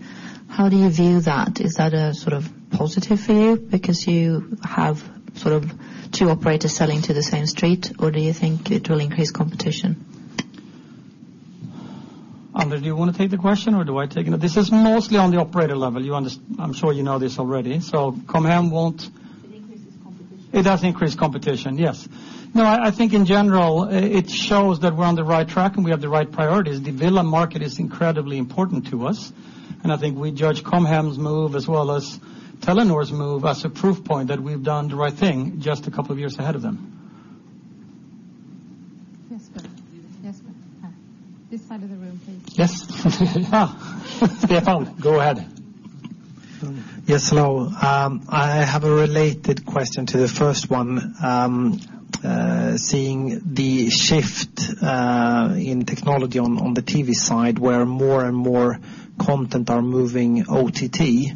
How do you view that? Is that a sort of positive for you because you have two operators selling to the same street, or do you think it will increase competition? Anders, do you want to take the question, or do I take it? This is mostly on the operator level. I'm sure you know this already. Com Hem It increases competition. It does increase competition, yes. I think in general, it shows that we're on the right track and we have the right priorities. The Telia market is incredibly important to us. I think we judge Com Hem's move as well as Telenor's move as a proof point that we've done the right thing just a couple of years ahead of them. This side of the room, please. Stefan, go ahead. Hello. I have a related question to the first one. Seeing the shift in technology on the TV side where more and more content are moving OTT. In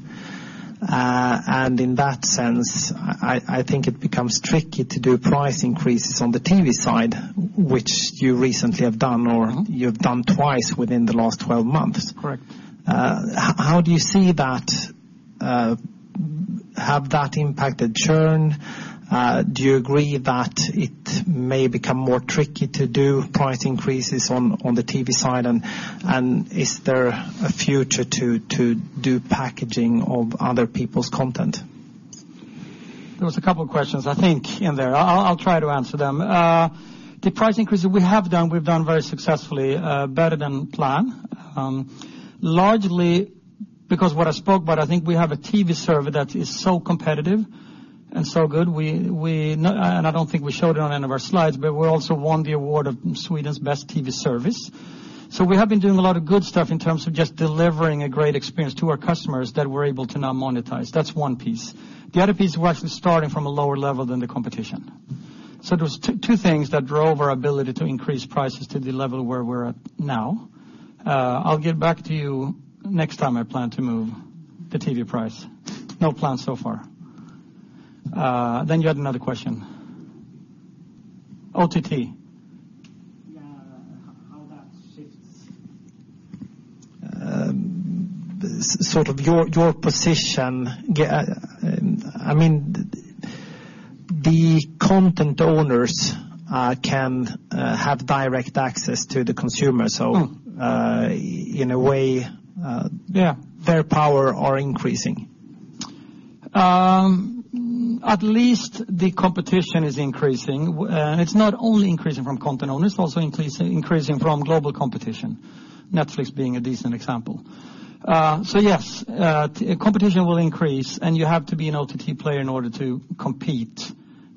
that sense, I think it becomes tricky to do price increases on the TV side, which you recently have done, or you've done twice within the last 12 months. Correct. How do you see that? Have that impacted churn? Do you agree that it may become more tricky to do price increases on the TV side? Is there a future to do packaging of other people's content? There was a couple questions, I think in there. I'll try to answer them. The price increase that we have done, we've done very successfully, better than planned. Largely because what I spoke about, I think we have a TV service that is so competitive and so good. I don't think we showed it on any of our slides, but we also won the award of Sweden's best TV service. We have been doing a lot of good stuff in terms of just delivering a great experience to our customers that we're able to now monetize. That's one piece. The other piece, we're actually starting from a lower level than the competition. There was two things that drove our ability to increase prices to the level where we're at now. I'll get back to you next time I plan to move the TV price. No plans so far. You had another question. OTT. Yeah. How that shifts sort of your position. The content owners can have direct access to the consumer. In a way. Yeah their power are increasing. At least the competition is increasing. It's not only increasing from content owners, it's also increasing from global competition, Netflix being a decent example. Yes, competition will increase, and you have to be an OTT player in order to compete,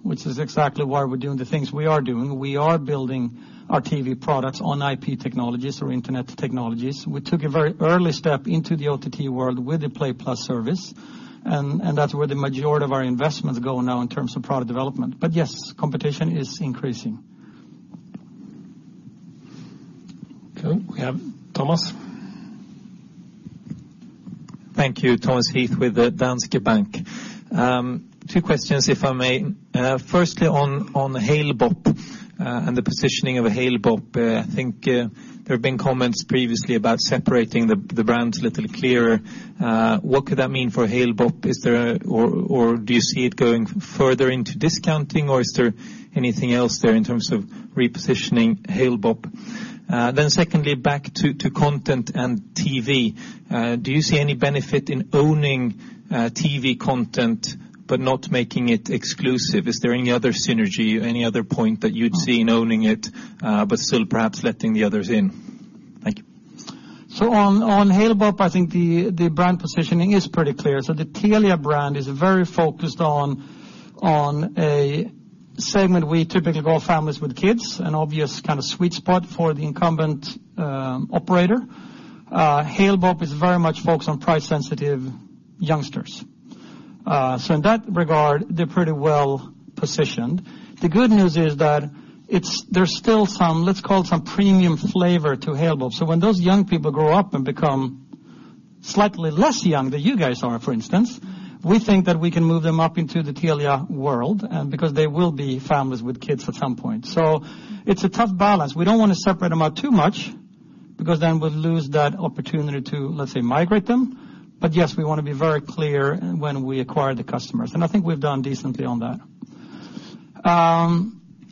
which is exactly why we're doing the things we are doing. We are building our TV products on IP technologies or internet technologies. We took a very early step into the OTT world with the Telia Play+ service, and that's where the majority of our investments go now in terms of product development. Yes, competition is increasing. Okay. We have Thomas. Thank you. Thomas Heath with Danske Bank. Two questions, if I may. Firstly, on Halebop and the positioning of Halebop. I think there have been comments previously about separating the brands a little clearer. What could that mean for Halebop? Do you see it going further into discounting, or is there anything else there in terms of repositioning Halebop? Secondly, back to content and TV. Do you see any benefit in owning TV content but not making it exclusive? Is there any other synergy, any other point that you'd see in owning it, but still perhaps letting the others in? Thank you. On Halebop, I think the brand positioning is pretty clear. The Telia brand is very focused on a segment we typically call families with kids, an obvious kind of sweet spot for the incumbent operator. Halebop is very much focused on price-sensitive youngsters. In that regard, they're pretty well-positioned. The good news is that there's still some, let's call it some premium flavor to Halebop. When those young people grow up and become slightly less young than you guys are, for instance, we think that we can move them up into the Telia world, because they will be families with kids at some point. It's a tough balance. We don't want to separate them out too much, because then we'll lose that opportunity to, let's say, migrate them. Yes, we want to be very clear when we acquire the customers, and I think we've done decently on that.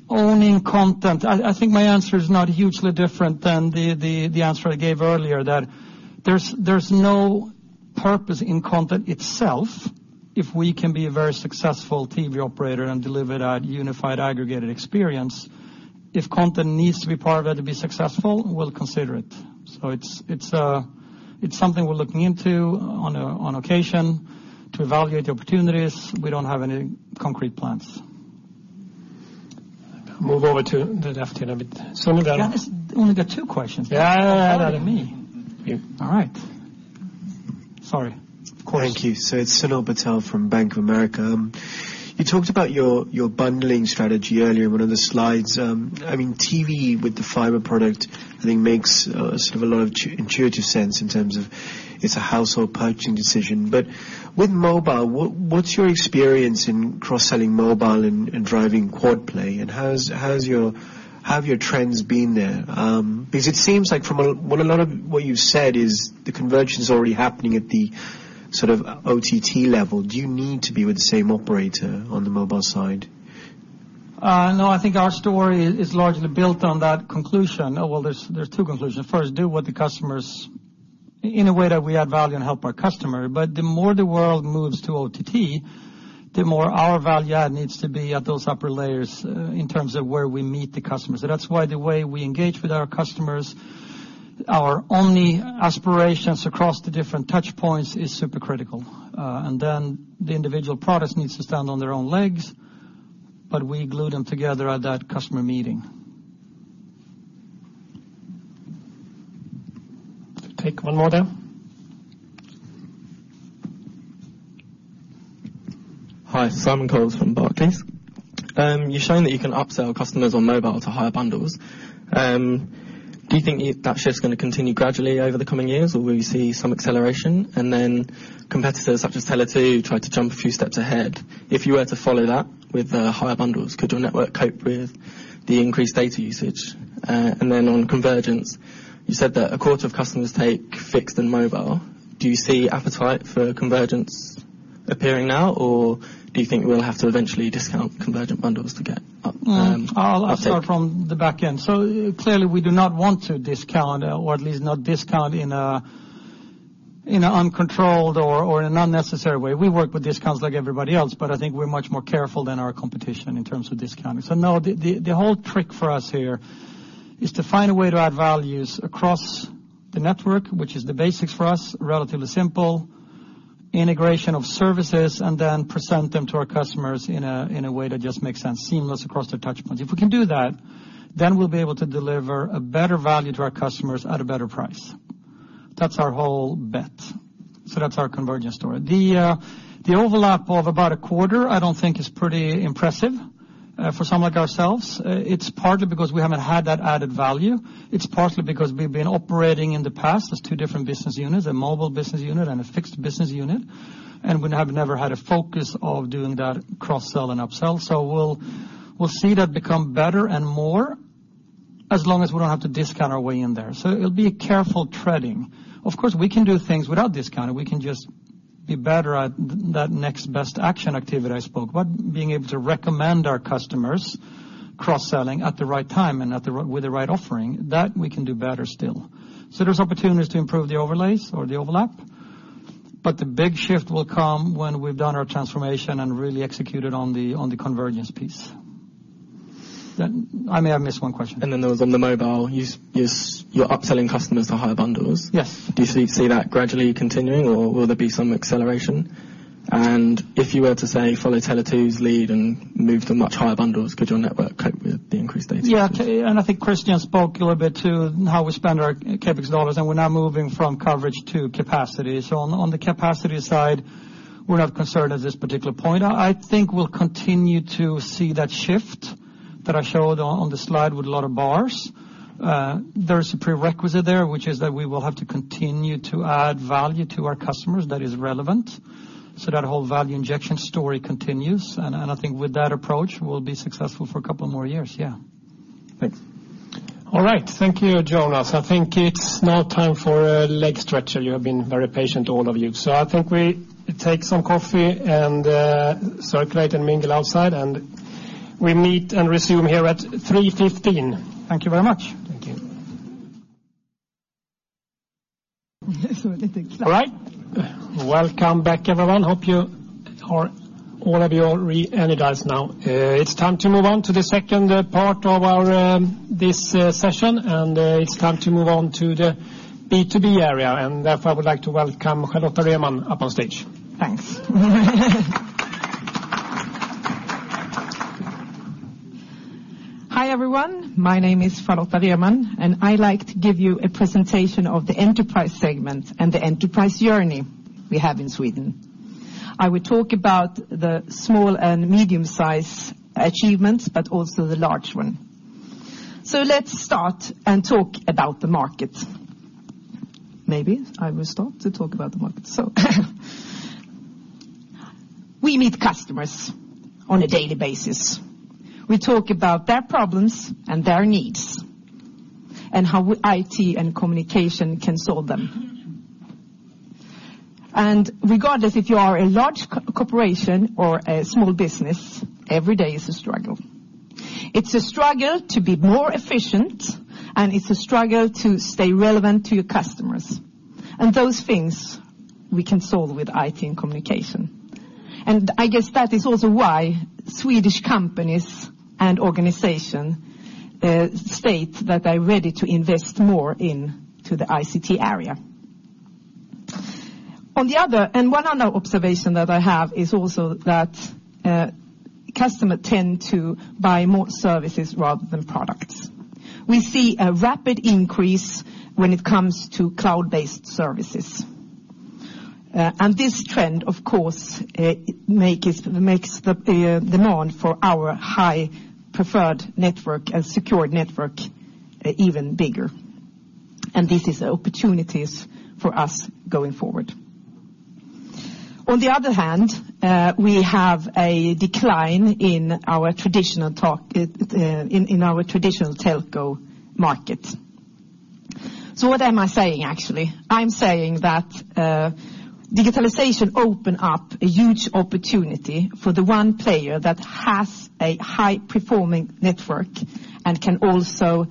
Owning content, I think my answer is not hugely different than the answer I gave earlier, that there's no purpose in content itself if we can be a very successful TV operator and deliver that unified aggregated experience. If content needs to be part of that to be successful, we'll consider it. It's something we're looking into on occasion to evaluate the opportunities. We don't have any concrete plans. Move over to left here a bit. Sonal Patel. Jonas has only got two questions. Yeah. How dare me. You. All right. Sorry. Go ahead. Thank you. It's Sonal Patel from Bank of America. You talked about your bundling strategy earlier in one of the slides. TV with the fiber product, I think makes a lot of intuitive sense in terms of it's a household purchasing decision. With mobile, what's your experience in cross-selling mobile and driving quad play? How have your trends been there? It seems like from a lot of what you've said is the convergence is already happening at the OTT level. Do you need to be with the same operator on the mobile side? No, I think our story is largely built on that conclusion. Well, there's two conclusions. First, do what the customers, in a way that we add value and help our customer. The more the world moves to OTT, the more our value add needs to be at those upper layers in terms of where we meet the customers. That's why the way we engage with our customers, our only aspirations across the different touch points is super critical. Then the individual products needs to stand on their own legs, but we glue them together at that customer meeting. Take one more then. Hi, Simon Coles from Barclays. You're showing that you can upsell customers on mobile to higher bundles. Do you think that shift's going to continue gradually over the coming years, or will you see some acceleration? Then competitors such as Tele2 try to jump a few steps ahead. If you were to follow that with higher bundles, could your network cope with the increased data usage? Then on convergence, you said that a quarter of customers take fixed and mobile. Do you see appetite for convergence appearing now, or do you think we'll have to eventually discount convergent bundles to get uptake? I'll start from the back end. Clearly, we do not want to discount, or at least not discount in an uncontrolled or in an unnecessary way. We work with discounts like everybody else, but I think we're much more careful than our competition in terms of discounting. No, the whole trick for us here is to find a way to add values across the network, which is the basics for us, relatively simple, integration of services, and then present them to our customers in a way that just makes sense seamless across the touch points. If we can do that, then we'll be able to deliver a better value to our customers at a better price. That's our whole bet. That's our convergence story. The overlap of about a quarter, I don't think is pretty impressive for someone like ourselves. It's partly because we haven't had that added value. It's partly because we've been operating in the past as two different business units, a mobile business unit and a fixed business unit. We have never had a focus of doing that cross-sell and up-sell. We'll see that become better and more as long as we don't have to discount our way in there. It'll be a careful treading. Of course, we can do things without discounting. We can just be better at that next best action activity I spoke about, being able to recommend our customers cross-selling at the right time and with the right offering. That, we can do better still. There's opportunities to improve the overlays or the overlap, but the big shift will come when we've done our transformation and really executed on the convergence piece. I may have missed one question. Then there was on the mobile, you're upselling customers to higher bundles. Yes. Do you see that gradually continuing, or will there be some acceleration? If you were to, say, follow Tele2's lead and move to much higher bundles, could your network cope with the increased data? Yeah. I think Christian spoke a little bit to how we spend our CapEx dollars, we're now moving from coverage to capacity. On the capacity side, we're not concerned at this particular point. I think we'll continue to see that shift that I showed on the slide with a lot of bars. There's a prerequisite there, which is that we will have to continue to add value to our customers that is relevant. That whole value injection story continues, and I think with that approach, we'll be successful for a couple more years, yeah. Thanks. All right. Thank you, Jonas. I think it's now time for a leg stretcher. You have been very patient, all of you. I think we take some coffee and circulate and mingle outside, and we meet and resume here at 3:15 P.M. Thank you very much. Thank you. All right. Welcome back, everyone. Hope all of you are re-energized now. It's time to move on to the second part of this session, and it's time to move on to the B2B area. Therefore, I would like to welcome Charlotta Rehman up on stage. Thanks. Hi, everyone. My name is Charlotta Rehman, and I'd like to give you a presentation of the enterprise segment and the enterprise journey we have in Sweden. I will talk about the small and medium-size achievements, but also the large one. Let's start and talk about the market. Maybe I will start to talk about the market. We meet customers on a daily basis. We talk about their problems and their needs, and how IT and communication can solve them. Regardless if you are a large corporation or a small business, every day is a struggle. It's a struggle to be more efficient, and it's a struggle to stay relevant to your customers. Those things we can solve with IT and communication. I guess that is also why Swedish companies and organizations state that they're ready to invest more into the ICT area. One other observation that I have is also that customers tend to buy more services rather than products. We see a rapid increase when it comes to cloud-based services. This trend, of course, makes the demand for our high-performing network and secured network even bigger. These are opportunities for us going forward. On the other hand, we have a decline in our traditional telco market. What am I saying, actually? I'm saying that digitalization opens up a huge opportunity for the one player that has a high-performing network and can also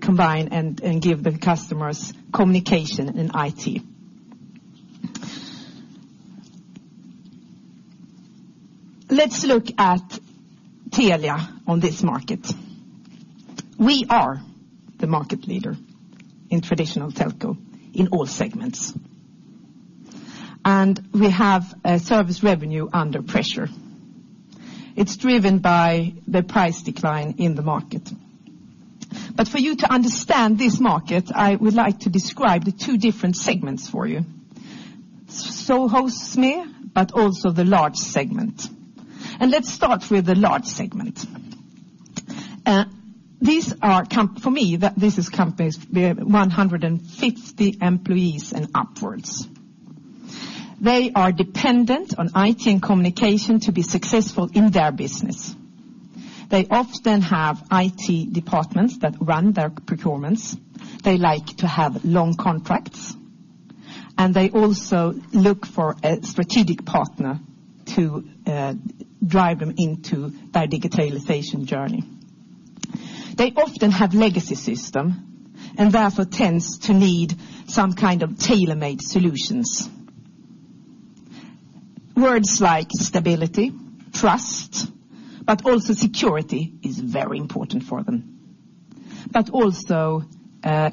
combine and give the customers communication and IT. Let's look at Telia on this market. We are the market leader in traditional telco in all segments. We have a service revenue under pressure. It's driven by the price decline in the market. For you to understand this market, I would like to describe the two different segments for you. SME, but also the large segment. Let's start with the large segment. For me, this is companies with 150 employees and upwards. They are dependent on IT and communication to be successful in their business. They often have IT departments that run their procurements. They like to have long contracts, and they also look for a strategic partner to drive them into their digitalization journey. They often have legacy systems, and therefore tend to need some kind of tailor-made solutions. Words like stability, trust, but also security are very important for them. Also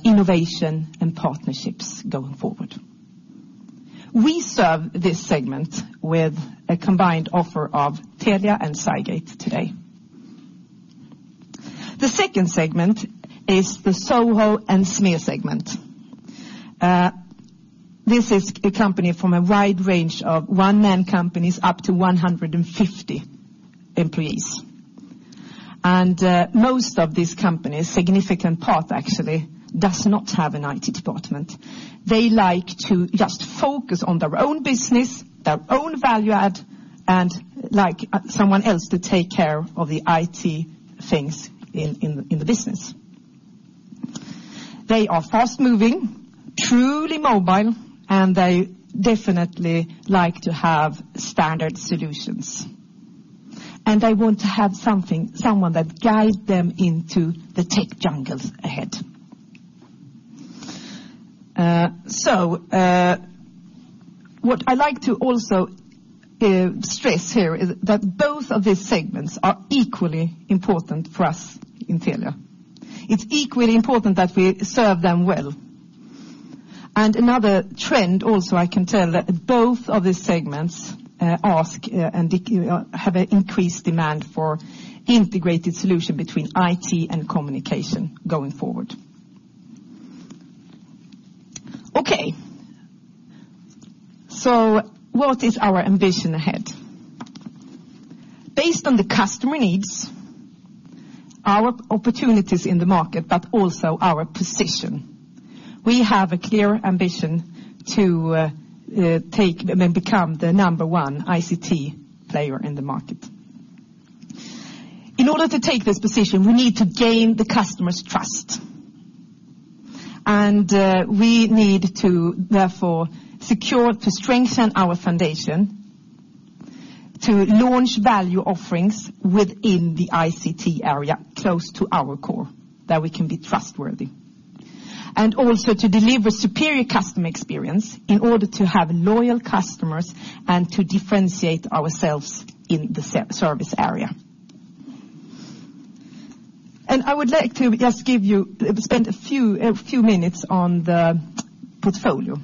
innovation and partnerships going forward. We serve this segment with a combined offer of Telia and Cygate today. The second segment is the SOHO and SME segment. This is a company from a wide range of one-man companies up to 150 employees. Most of these companies, a significant part actually, does not have an IT department. They like to just focus on their own business, their own value add, and like someone else to take care of the IT things in the business. They are fast-moving, truly mobile, and they definitely like to have standard solutions. They want to have someone that guides them into the tech jungles ahead. What I'd like to also stress here is that both of these segments are equally important for us in Telia. It's equally important that we serve them well. Another trend also, I can tell that both of these segments ask and have an increased demand for integrated solutions between IT and communication going forward. Okay. What is our ambition ahead? Based on the customer needs, our opportunities in the market, but also our position, we have a clear ambition to become the number one ICT player in the market. In order to take this position, we need to gain the customer's trust. We need to therefore secure, strengthen our foundation, to launch value offerings within the ICT area close to our core, that we can be trustworthy. Also to deliver superior customer experience in order to have loyal customers and to differentiate ourselves in the service area. I would like to just spend a few minutes on the portfolio.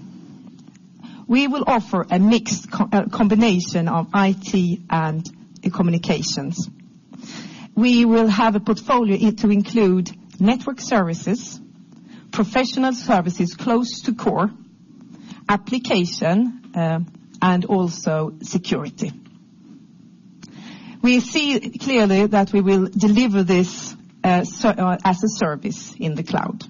We will offer a mixed combination of IT and communications. We will have a portfolio to include network services, professional services close to core, application, and also security. We see clearly that we will deliver this as a service in the cloud.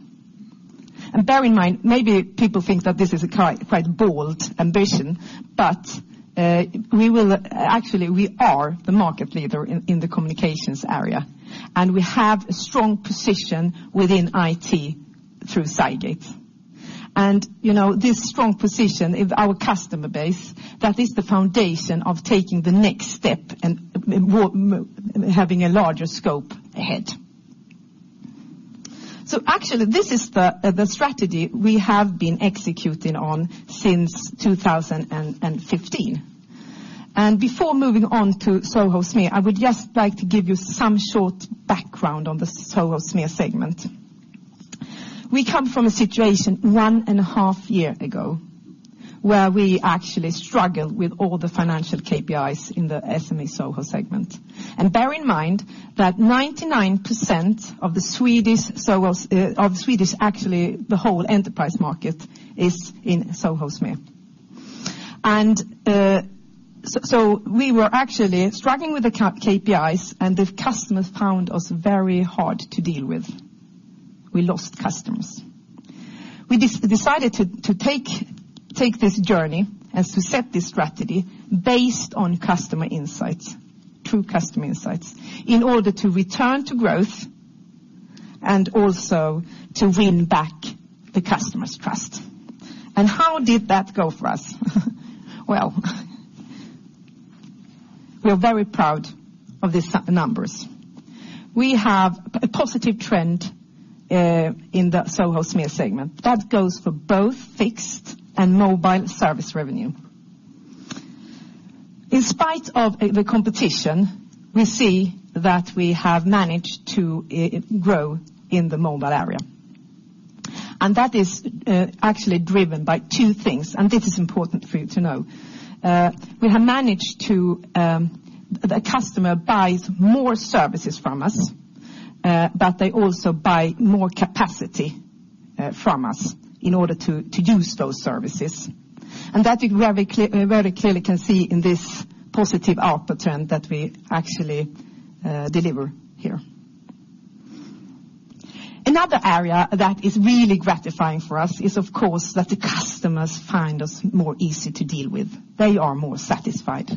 Bear in mind, maybe people think that this is a quite bold ambition, but actually we are the market leader in the communications area, and we have a strong position within IT through Cygate. This strong position in our customer base, that is the foundation of taking the next step and having a larger scope ahead. Actually, this is the strategy we have been executing on since 2015. Before moving on to SOHO SME, I would just like to give you some short background on the SOHO SME segment. We come from a situation one and a half year ago, where we actually struggled with all the financial KPIs in the SME SOHO segment. Bear in mind that 99% of Swedish, actually the whole enterprise market, is in SOHO SME. We were actually struggling with the KPIs and the customers found us very hard to deal with. We lost customers. We decided to take this journey and to set this strategy based on customer insights, true customer insights, in order to return to growth and also to win back the customer's trust. How did that go for us? Well, we're very proud of these numbers. We have a positive trend in the SOHO SME segment. That goes for both fixed and mobile service revenue. In spite of the competition, we see that we have managed to grow in the mobile area. That is actually driven by two things, and this is important for you to know. The customer buys more services from us, but they also buy more capacity from us in order to use those services. That you very clearly can see in this positive output trend that we actually deliver here. Another area that is really gratifying for us is of course that the customers find us more easy to deal with. They are more satisfied.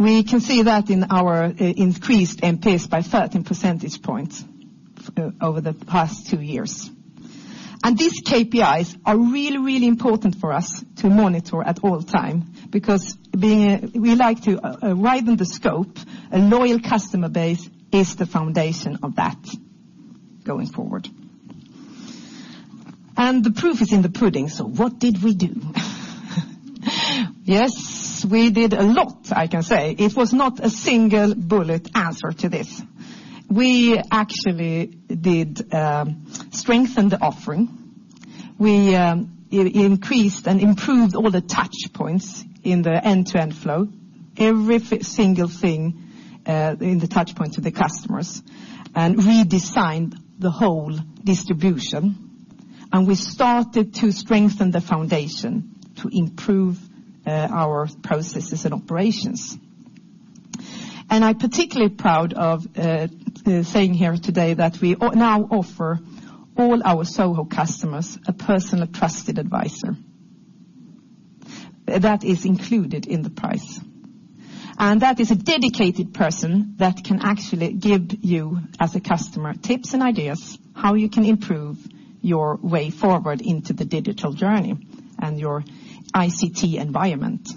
We can see that in our increased NPS by 13 percentage points over the past two years. These KPIs are really, really important for us to monitor at all time because we like to widen the scope. A loyal customer base is the foundation of that going forward. The proof is in the pudding, what did we do? Yes, we did a lot, I can say. It was not a single bullet answer to this. We actually did strengthen the offering. We increased and improved all the touchpoints in the end-to-end flow, every single thing in the touchpoints of the customers, redesigned the whole distribution. We started to strengthen the foundation to improve our processes and operations. I'm particularly proud of saying here today that we now offer all our SOHO customers a personal trusted advisor. That is included in the price. That is a dedicated person that can actually give you, as a customer, tips and ideas how you can improve your way forward into the digital journey and your ICT environment.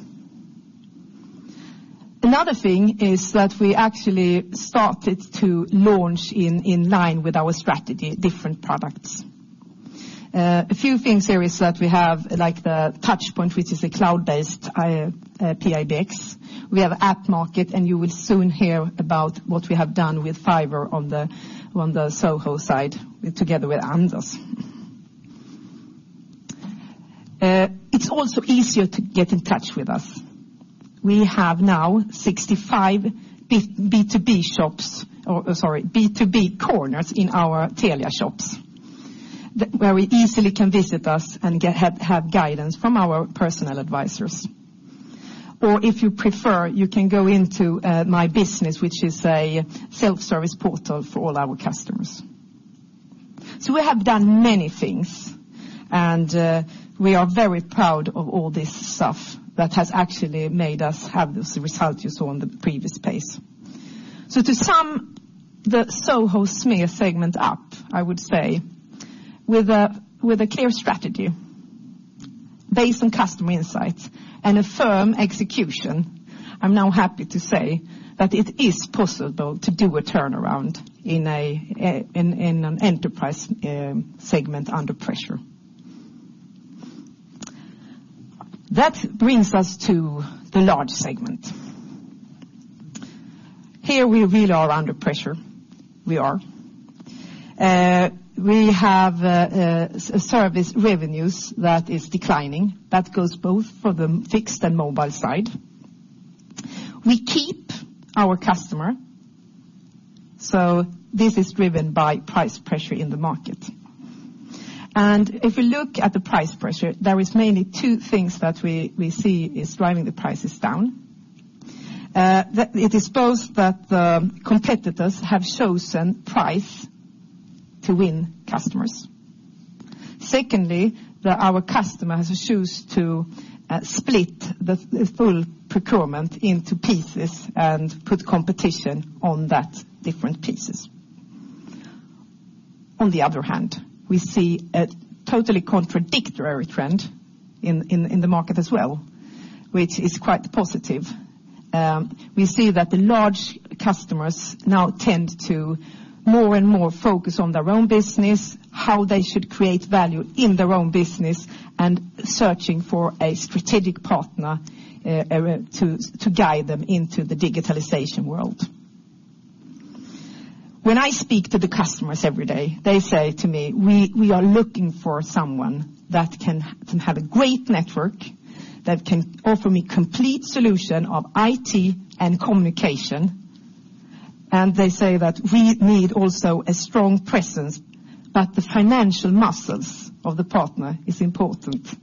Another thing is that we actually started to launch in line with our strategy, different products. A few things here is that we have the touchpoint, which is a cloud-based PBX. We have App Market. You will soon hear about what we have done with fiber on the SOHO side together with Anders. It's also easier to get in touch with us. We have now 65 B2B shops, or, sorry, B2B corners in our Telia shops, where you easily can visit us and have guidance from our personal advisors. Or if you prefer, you can go into My Business, which is a self-service portal for all our customers. We have done many things, and we are very proud of all this stuff that has actually made us have this result you saw on the previous page. To sum the SOHO SME segment up, I would say, with a clear strategy based on customer insights and a firm execution, I'm now happy to say that it is possible to do a turnaround in an enterprise segment under pressure. That brings us to the large segment. Here we really are under pressure. We are. We have service revenues that is declining. That goes both for the fixed and mobile side. We keep our customer, so this is driven by price pressure in the market. If we look at the price pressure, there is mainly two things that we see is driving the prices down. It is both that the competitors have chosen price to win customers. Secondly, our customers choose to split the full procurement into pieces and put competition on that different pieces. On the other hand, we see a totally contradictory trend in the market as well, which is quite positive. We see that the large customers now tend to more and more focus on their own business, how they should create value in their own business, and searching for a strategic partner to guide them into the digitalization world. When I speak to the customers every day, they say to me, "We are looking for someone that can have a great network, that can offer me complete solution of IT and communication." They say that, "We need also a strong presence, that the financial muscles of the partner is important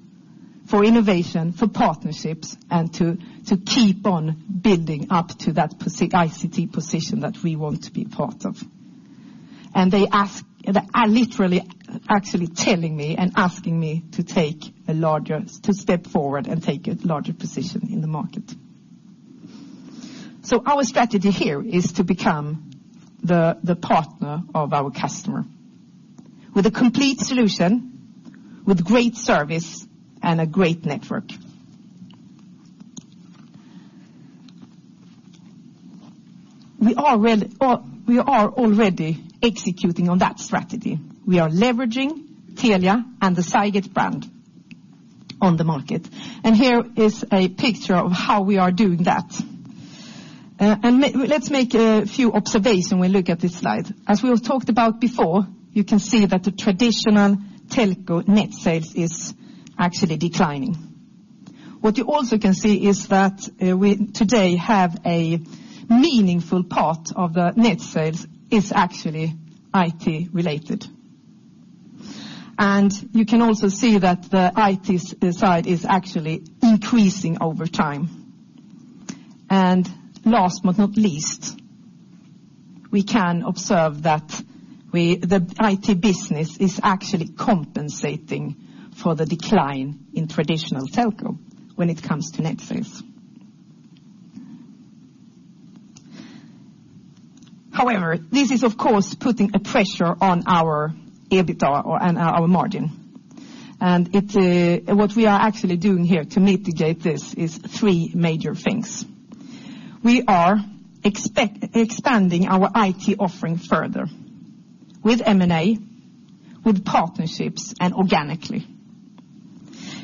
for innovation, for partnerships, and to keep on building up to that ICT position that we want to be part of." They are literally actually telling me and asking me to step forward and take a larger position in the market. Our strategy here is to become the partner of our customer with a complete solution, with great service, and a great network. We are already executing on that strategy. We are leveraging Telia and the Cygate brand on the market, and here is a picture of how we are doing that. Let's make a few observation when we look at this slide. As we have talked about before, you can see that the traditional telco net sales is actually declining. What you also can see is that we today have a meaningful part of the net sales is actually IT related. You can also see that the IT side is actually increasing over time. Last but not least, we can observe that the IT business is actually compensating for the decline in traditional telco when it comes to net sales. This is, of course, putting a pressure on our EBITDA and our margin. What we are actually doing here to mitigate this is three major things. We are expanding our IT offering further with M&A, with partnerships, and organically.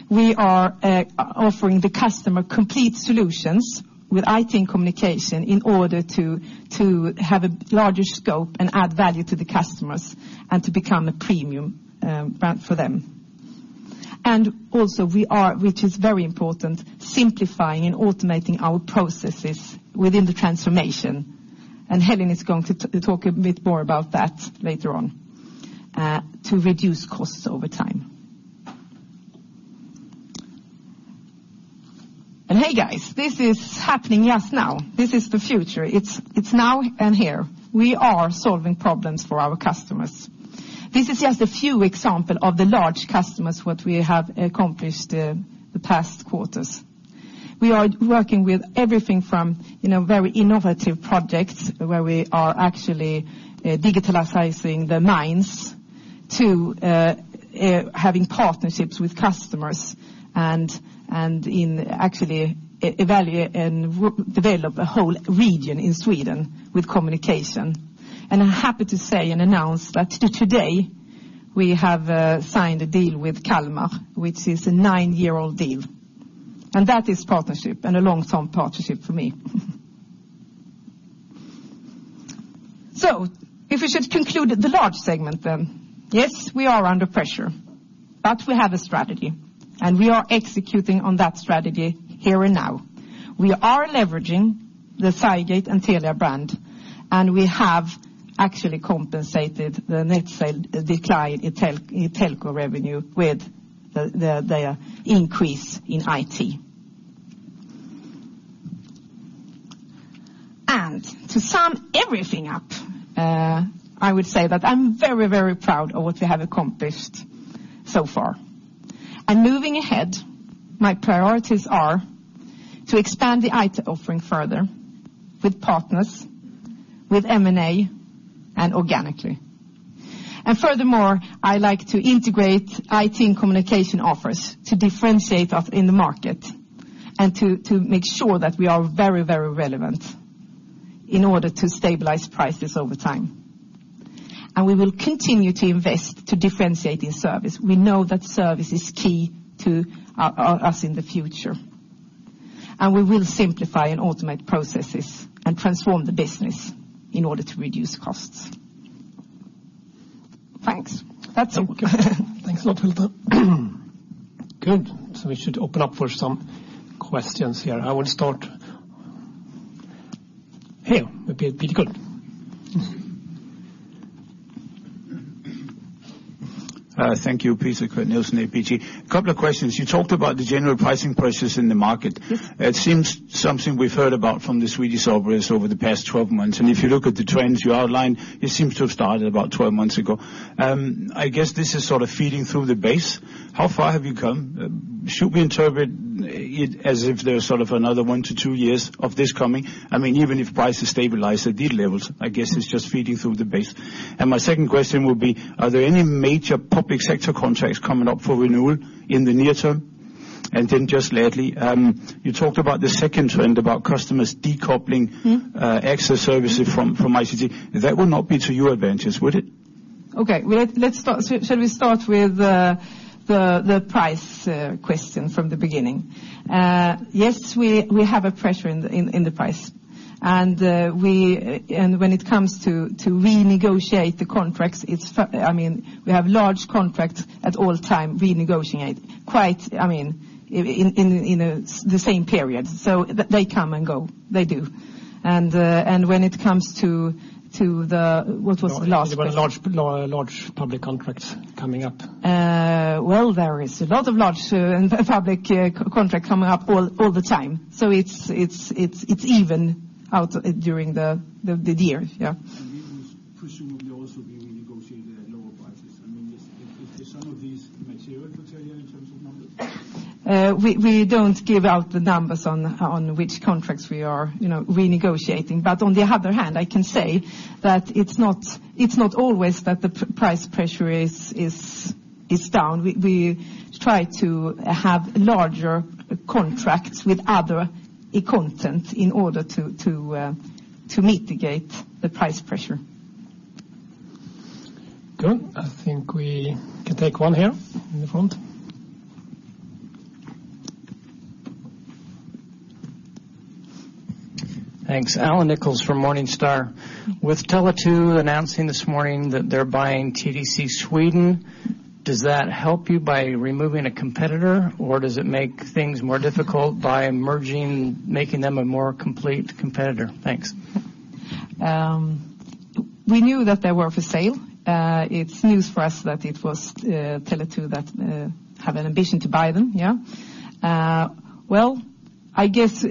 We are offering the customer complete solutions with IT and communication in order to have a larger scope and add value to the customers and to become a premium brand for them. Also, we are, which is very important, simplifying and automating our processes within the transformation, and Hélène is going to talk a bit more about that later on, to reduce costs over time. Hey, guys, this is happening just now. This is the future. It's now and here. We are solving problems for our customers. This is just a few example of the large customers what we have accomplished the past quarters. We are working with everything from very innovative projects, where we are actually digitalizing the mines, to having partnerships with customers, and in actually evaluate and develop a whole region in Sweden with communication. I'm happy to say and announce that today we have signed a deal with Kalmar, which is a nine-year-old deal, and that is partnership and a long-term partnership for me. If we should conclude the large segment, then yes, we are under pressure, but we have a strategy, and we are executing on that strategy here and now. We are leveraging the Cygate and Telia brand, and we have actually compensated the net sale decline in telco revenue with their increase in IT. To sum everything up, I'm very proud of what we have accomplished so far. Moving ahead, my priorities are to expand the IT offering further with partners, with M&A, and organically. Furthermore, I like to integrate IT and communication offers to differentiate us in the market and to make sure that we are very relevant in order to stabilize prices over time. We will continue to invest to differentiate in service. We know that service is key to us in the future. We will simplify and automate processes and transform the business in order to reduce costs. Thanks. That's all. Thank you. Thanks a lot, Charlotta. Good. We should open up for some questions here. I will start here with Peter Gunder. Thank you. Peter Gunder, Nielsen APG. A couple of questions. You talked about the general pricing pressures in the market. It seems something we've heard about from the Swedish operators over the past 12 months, and if you look at the trends you outlined, it seems to have started about 12 months ago. I guess this is sort of feeding through the base. How far have you come? Should we interpret it as if there's sort of another 1 to 2 years of this coming? Even if prices stabilize at these levels, I guess it's just feeding through the base. My second question would be, are there any major public sector contracts coming up for renewal in the near term? Lastly, you talked about the second trend about customers decoupling- access services from ICT. That would not be to your advantage, would it? Okay. Shall we start with the price question from the beginning? Yes, we have a pressure in the price, and when it comes to renegotiate the contracts, we have large contracts at all time renegotiate in the same period. They come and go. They do. When it comes to the What was the last bit? There were large public contracts coming up. Well, there is a lot of large public contract coming up all the time, it's even out during the year. Yeah. These would presumably also be renegotiated at lower prices. Is some of these material to Telia in terms of numbers? We don't give out the numbers on which contracts we are renegotiating. On the other hand, I can say that it's not always that the price pressure is down. We try to have larger contracts with other content in order to mitigate the price pressure. Good. I think we can take one here in the front. Thanks. Allan Nichols from Morningstar. With Tele2 announcing this morning that they're buying TDC Sweden, does that help you by removing a competitor, or does it make things more difficult by merging, making them a more complete competitor? Thanks. We knew that they were for sale. It's news for us that it was Tele2 that have an ambition to buy them, yeah. I guess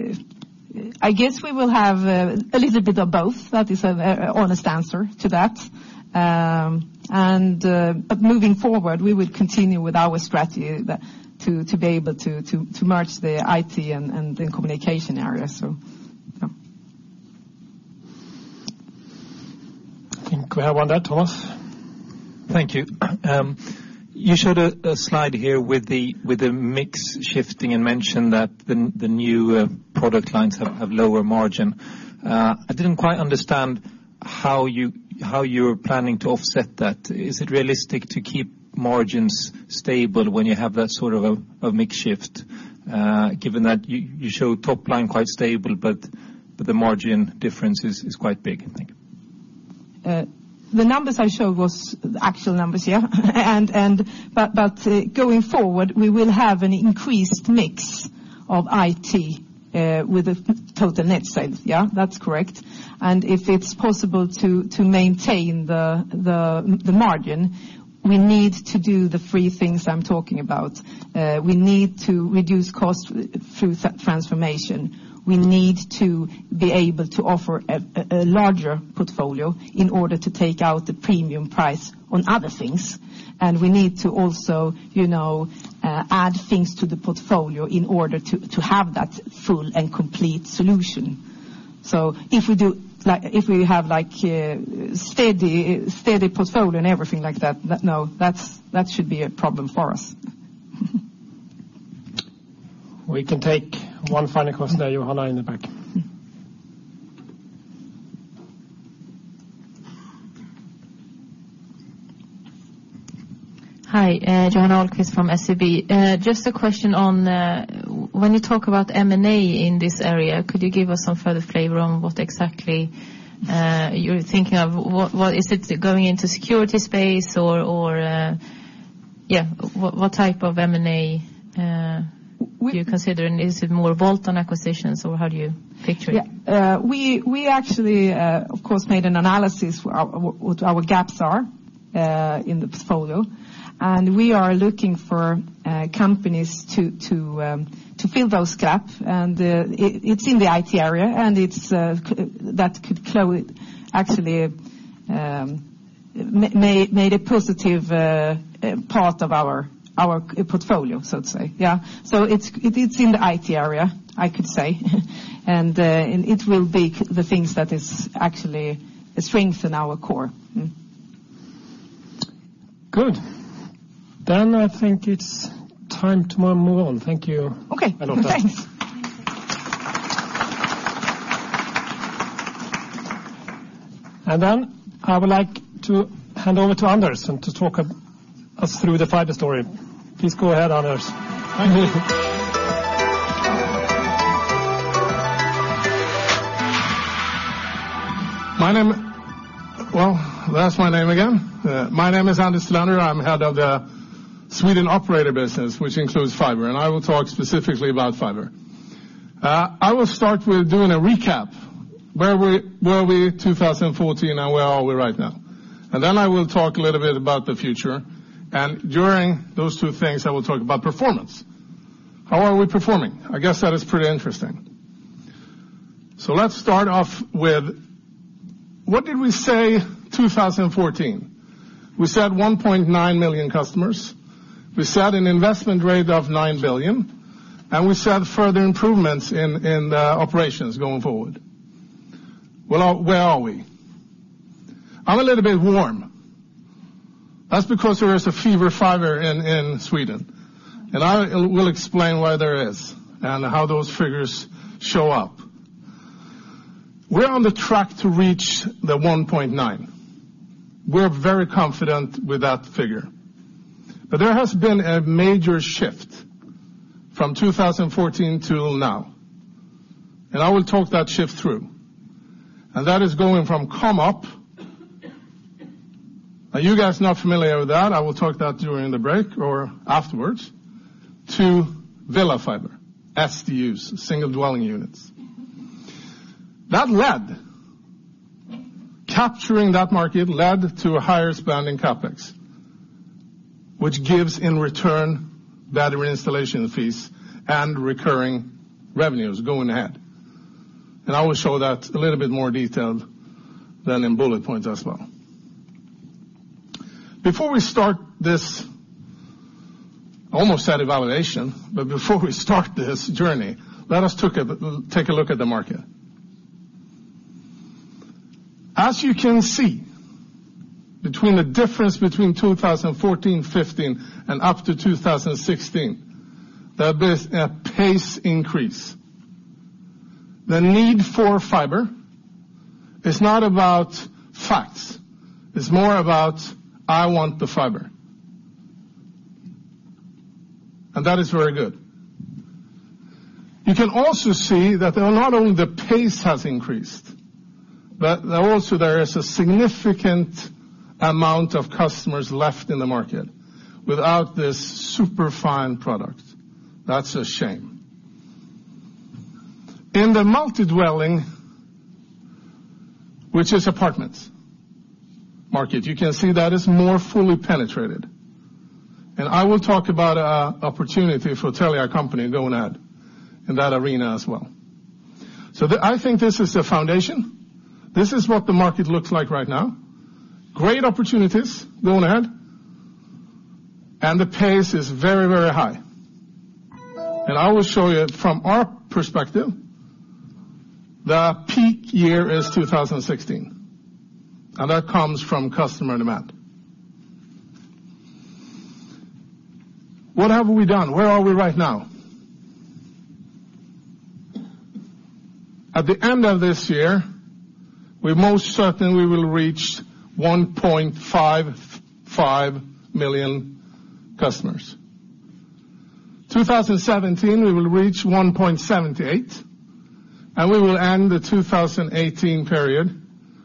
we will have a little bit of both. That is an honest answer to that. Moving forward, we would continue with our strategy to be able to merge the IT and the communication areas. I think we have one there, Thomas. Thank you. You showed a slide here with the mix shifting and mentioned that the new product lines have lower margin. I didn't quite understand how you're planning to offset that. Is it realistic to keep margins stable when you have that sort of a mix shift, given that you show top line quite stable, but the margin difference is quite big? Thank you. The numbers I showed was the actual numbers, yeah? Going forward, we will have an increased mix of IT with the total net sales. Yeah, that's correct. If it's possible to maintain the margin, we need to do the three things I'm talking about. We need to reduce cost through transformation. We need to be able to offer a larger portfolio in order to take out the premium price on other things, and we need to also add things to the portfolio in order to have that full and complete solution. If we have steady portfolio and everything like that, no, that should be a problem for us. We can take one final question. Johanna in the back. Hi. Johanna Ahlquist from SEB. Just a question on when you talk about M&A in this area, could you give us some further flavor on what exactly you're thinking of? Is it going into security space or what type of M&A- We- do you consider, and is it more bolt-on acquisitions, or how do you picture it? Yeah. We actually, of course, made an analysis what our gaps are in the portfolio, and we are looking for companies to fill those gap, and it's in the IT area, and that could actually made a positive part of our portfolio, so to say, yeah. It's in the IT area, I could say. It will be the things that is actually a strength in our core. Good. I think it's time to move on. Thank you. Okay. Charlotta. Thanks. I would like to hand over to Anders to talk us through the fiber story. Please go ahead, Anders. Thank you. Well, there's my name again. My name is Anders Lennert. I'm head of the Sweden operator business, which includes fiber, and I will talk specifically about fiber. I will start with doing a recap, where were we 2014 and where are we right now? I will talk a little bit about the future, and during those two things, I will talk about performance. How are we performing? I guess that is pretty interesting. Let's start off with, what did we say 2014? We said 1.9 million customers. We set an investment rate of 9 billion, and we set further improvements in the operations going forward. Well, where are we? I'm a little bit warm. That's because there is a fiber fever in Sweden, and I will explain why there is and how those figures show up. We're on the track to reach the 1.9. We're very confident with that figure. There has been a major shift from 2014 till now, and I will talk that shift through. That is going from com-op, are you guys not familiar with that? I will talk that during the break or afterwards, to villa fiber, SDUs, single-dwelling units. Capturing that market led to a higher spend in CapEx, which gives in return better installation fees and recurring revenues going ahead. I will show that a little bit more detailed than in bullet points as well. Before we start this, almost had evaluation, but before we start this journey, let us take a look at the market. As you can see, between the difference between 2014, 2015, and up to 2016, there's been a pace increase. The need for fiber is not about facts. It's more about, I want the fiber. That is very good. You can also see that not only the pace has increased, but also there is a significant amount of customers left in the market without this super fine product. That's a shame. In the multi-dwelling, which is apartments market, you can see that is more fully penetrated. I will talk about opportunity for Telia Company going ahead in that arena as well. I think this is the foundation. This is what the market looks like right now. Great opportunities going ahead, and the pace is very high. I will show you from our perspective, the peak year is 2016, and that comes from customer demand. What have we done? Where are we right now? At the end of this year, we most certainly will reach 1.55 million customers. 2017, we will reach 1.78, and we will end the 2018 period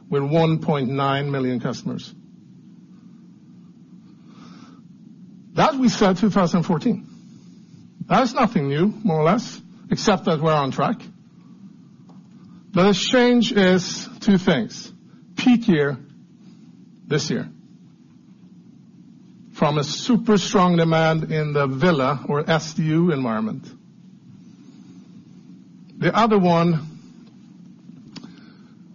with 1.9 million customers. That we said 2014. That's nothing new, more or less, except that we're on track. The change is two things. Peak year, this year, from a super strong demand in the villa or SDU environment. The other one.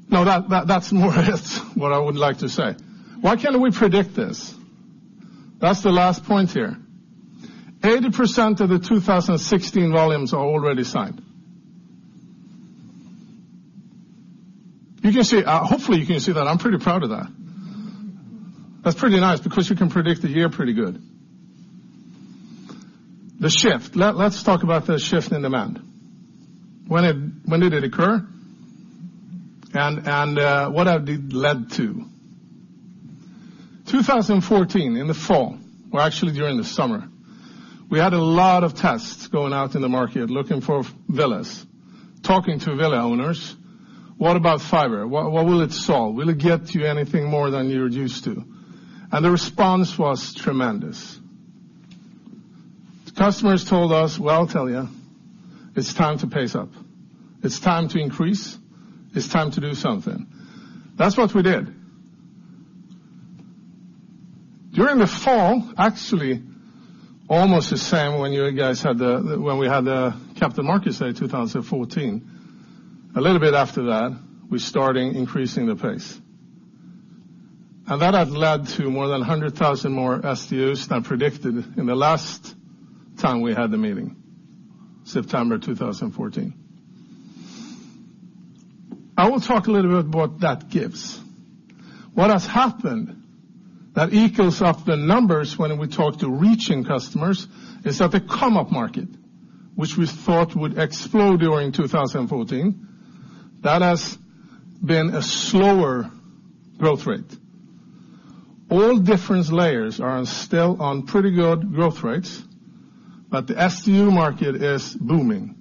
No, that's more it, what I would like to say. Why can we predict this? That's the last point here. 80% of the 2016 volumes are already signed. Hopefully you can see that. I'm pretty proud of that. That's pretty nice because you can predict the year pretty good. The shift. Let's talk about the shift in demand. When did it occur? What have they led to? 2014, in the fall, or actually during the summer, we had a lot of tests going out in the market looking for villas, talking to villa owners. What about fiber? What will it solve? Will it get you anything more than you're used to? The response was tremendous. The customers told us, "Well, I'll tell you, it's time to pace up. It's time to increase. It's time to do something." That's what we did. During the fall, actually, almost the same when we had the Capital Markets Day 2014. A little bit after that, we're starting increasing the pace. That has led to more than 100,000 more SDUs than predicted in the last time we had the meeting, September 2014. I will talk a little bit what that gives. What has happened that equals up the numbers when we talk to reaching customers is that the com-op market, which we thought would explode during 2014, that has been a slower growth rate. All different layers are still on pretty good growth rates, the SDU market is booming.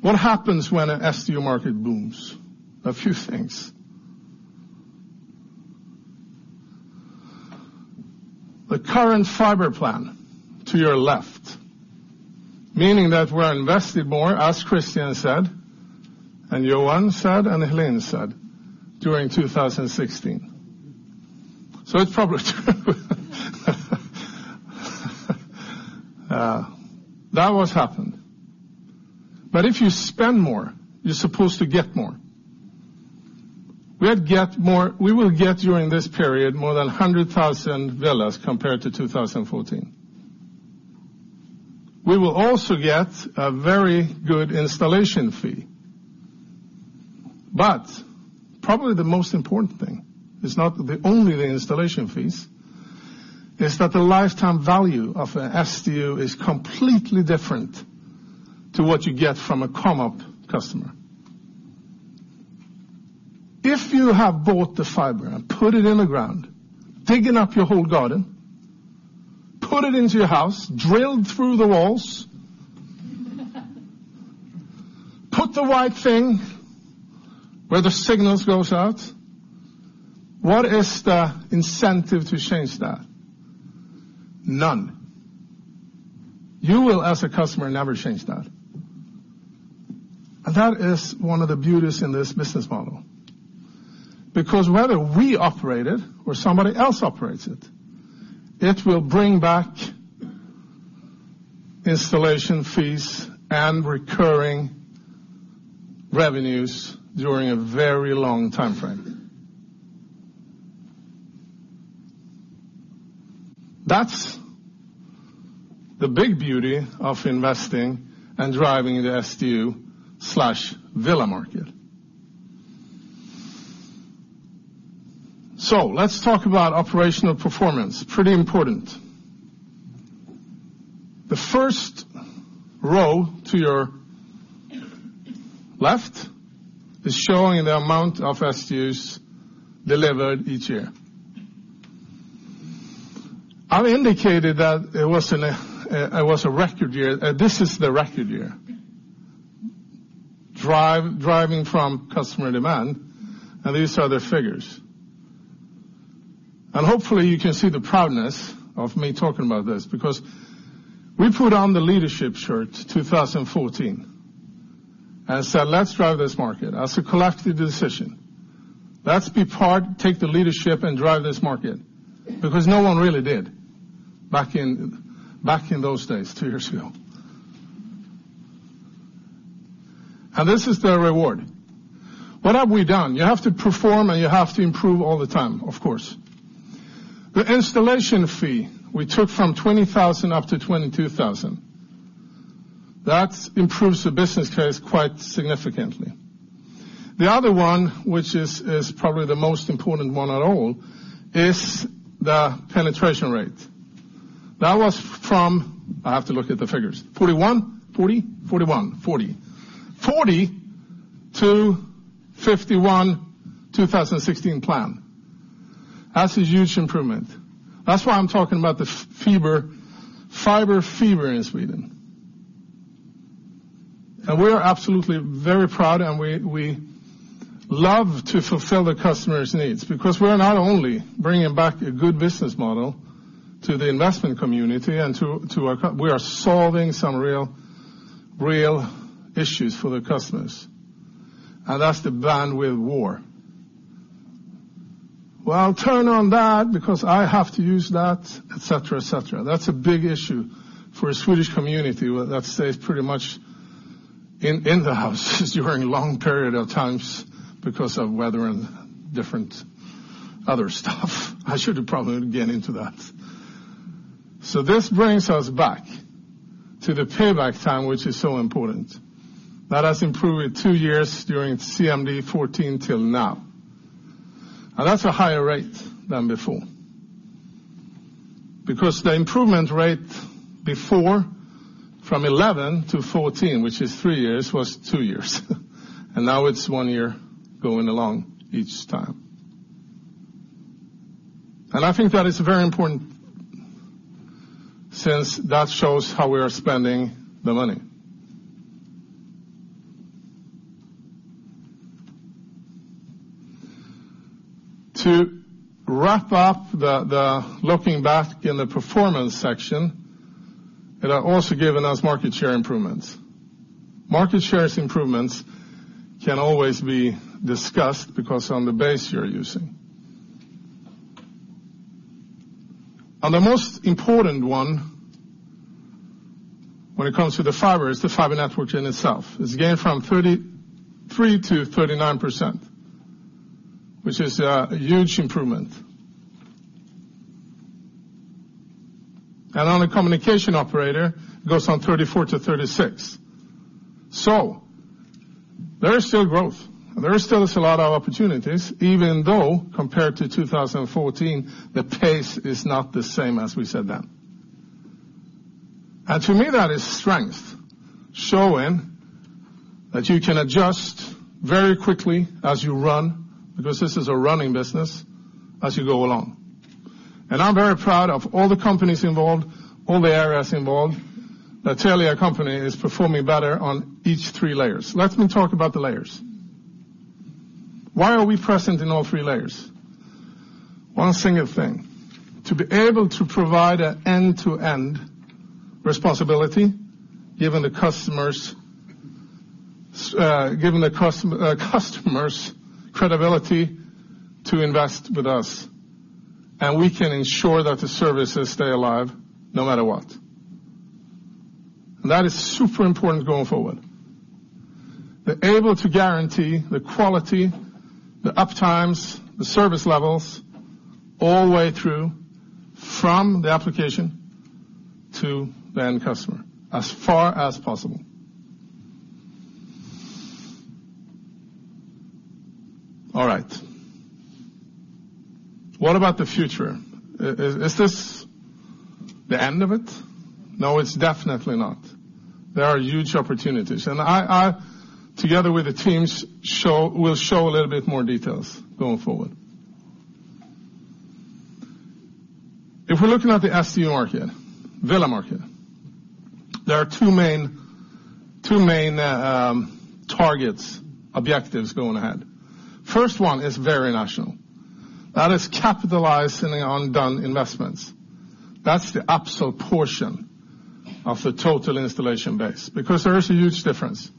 What happens when an SDU market booms? A few things. The current fiber plan to your left, meaning that we're invested more, as Christian said, Johan said, and Hélène said during 2016. It's probably true. That what's happened. If you spend more, you're supposed to get more. We will get during this period more than 100,000 villas compared to 2014. We will also get a very good installation fee. Probably the most important thing is not only the installation fees, it's that the lifetime value of an SDU is completely different to what you get from a com-op customer. If you have bought the fiber and put it in the ground, digging up your whole garden, put it into your house, drilled through the walls, put the white thing where the signals goes out, what is the incentive to change that? None. You will, as a customer, never change that. That is one of the beauties in this business model. Because whether we operate it or somebody else operates it will bring back installation fees and recurring revenues during a very long timeframe. That's the big beauty of investing and driving the SDU/villa market. Let's talk about operational performance. Pretty important. The first row to your left is showing the amount of SDUs delivered each year. I indicated that it was a record year. This is the record year. Driving from customer demand, these are the figures. Hopefully you can see the proudness of me talking about this because we put on the leadership shirt 2014. Said, "Let's drive this market as a collective decision. Let's be part, take the leadership, and drive this market." Because no one really did back in those days, two years ago. This is the reward. What have we done? You have to perform and you have to improve all the time, of course. The installation fee we took from 20,000 up to 22,000. That improves the business case quite significantly. The other one, which is probably the most important one of all, is the penetration rate. That was from, I have to look at the figures, 41? 40? 41. 40. 40% to 51%, 2016 plan. That's a huge improvement. That's why I'm talking about the fiber fever in Sweden. We're absolutely very proud, and we love to fulfill the customers' needs, because we're not only bringing back a good business model to the investment community. We are solving some real issues for the customers. That's the bandwidth war. I'll turn on that because I have to use that, et cetera. That's a big issue for a Swedish community that stays pretty much in the house during long periods of time because of weather and different other stuff. I shouldn't probably get into that. This brings us back to the payback time, which is so important. That has improved two years during CMD 2014 until now. That's a higher rate than before. Because the improvement rate before from 2011 to 2014, which is three years, was two years. Now it's one year going along each time. I think that is very important since that shows how we are spending the money. To wrap up the looking back in the performance section, it had also given us market shares improvements. Market shares improvements can always be discussed because on the base you're using. The most important one when it comes to the fiber is the fiber network in itself. It's gained from 33% to 39%, which is a huge improvement. On a communication operator, it goes from 34% to 36%. There is still growth and there is still a lot of opportunities, even though compared to 2014, the pace is not the same as we said then. To me that is strength, showing that you can adjust very quickly as you run because this is a running business as you go along. I'm very proud of all the companies involved, all the areas involved. The Telia Company is performing better on each 3 layers. Let me talk about the layers. Why are we present in all 3 layers? One single thing, to be able to provide an end-to-end responsibility, giving the customers credibility to invest with us. We can ensure that the services stay alive no matter what. That is super important going forward. They're able to guarantee the quality, the up times, the service levels all the way through from the application to the end customer as far as possible. All right. What about the future? Is this the end of it? No, it's definitely not. There are huge opportunities. I, together with the teams, will show a little bit more details going forward. If we're looking at the SDU market, villa market, there are two main targets, objectives going ahead. First one is very national. That is capitalizing on done investments. That's the upsell portion of the total installation base because there is a huge difference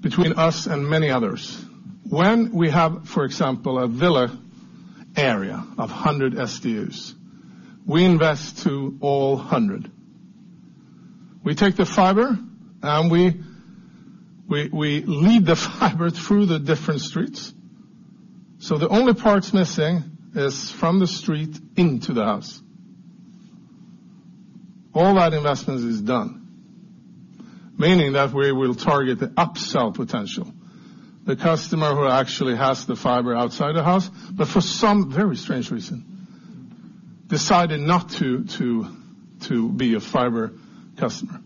between us and many others. When we have, for example, a villa area of 100 SDUs, we invest to all 100. We take the fiber and we lead the fiber through the different streets. The only parts missing is from the street into the house. All that investments is done, meaning that we will target the upsell potential. The customer who actually has the fiber outside the house, but for some very strange reason decided not to be a fiber customer.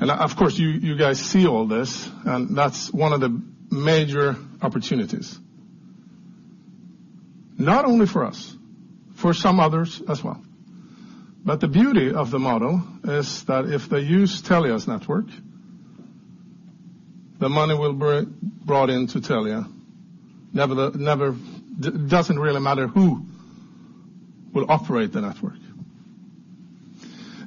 Of course, you guys see all this, and that's one of the major opportunities. Not only for us, for some others as well. The beauty of the model is that if they use Telia's network, the money will be brought into Telia. It doesn't really matter who will operate the network.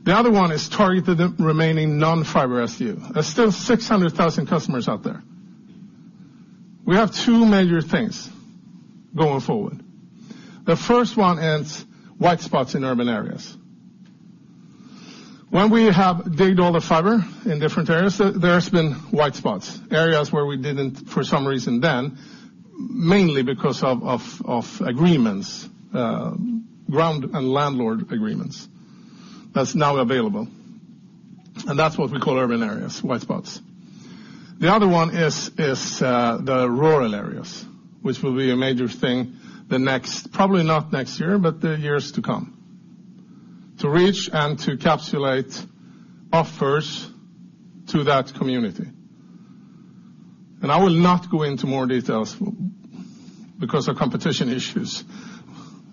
The other one is targeted at remaining non-fiber SDU. There's still 600,000 customers out there. We have two major things going forward. The first one is white spots in urban areas. When we have dug all the fiber in different areas, there's been white spots. Areas where we didn't, for some reason then, mainly because of agreements, ground and landlord agreements, that's now available, and that's what we call urban areas, white spots. The other one is the rural areas, which will be a major thing, probably not next year, but the years to come. To reach and to capsulate offers to that community. I will not go into more details because of competition issues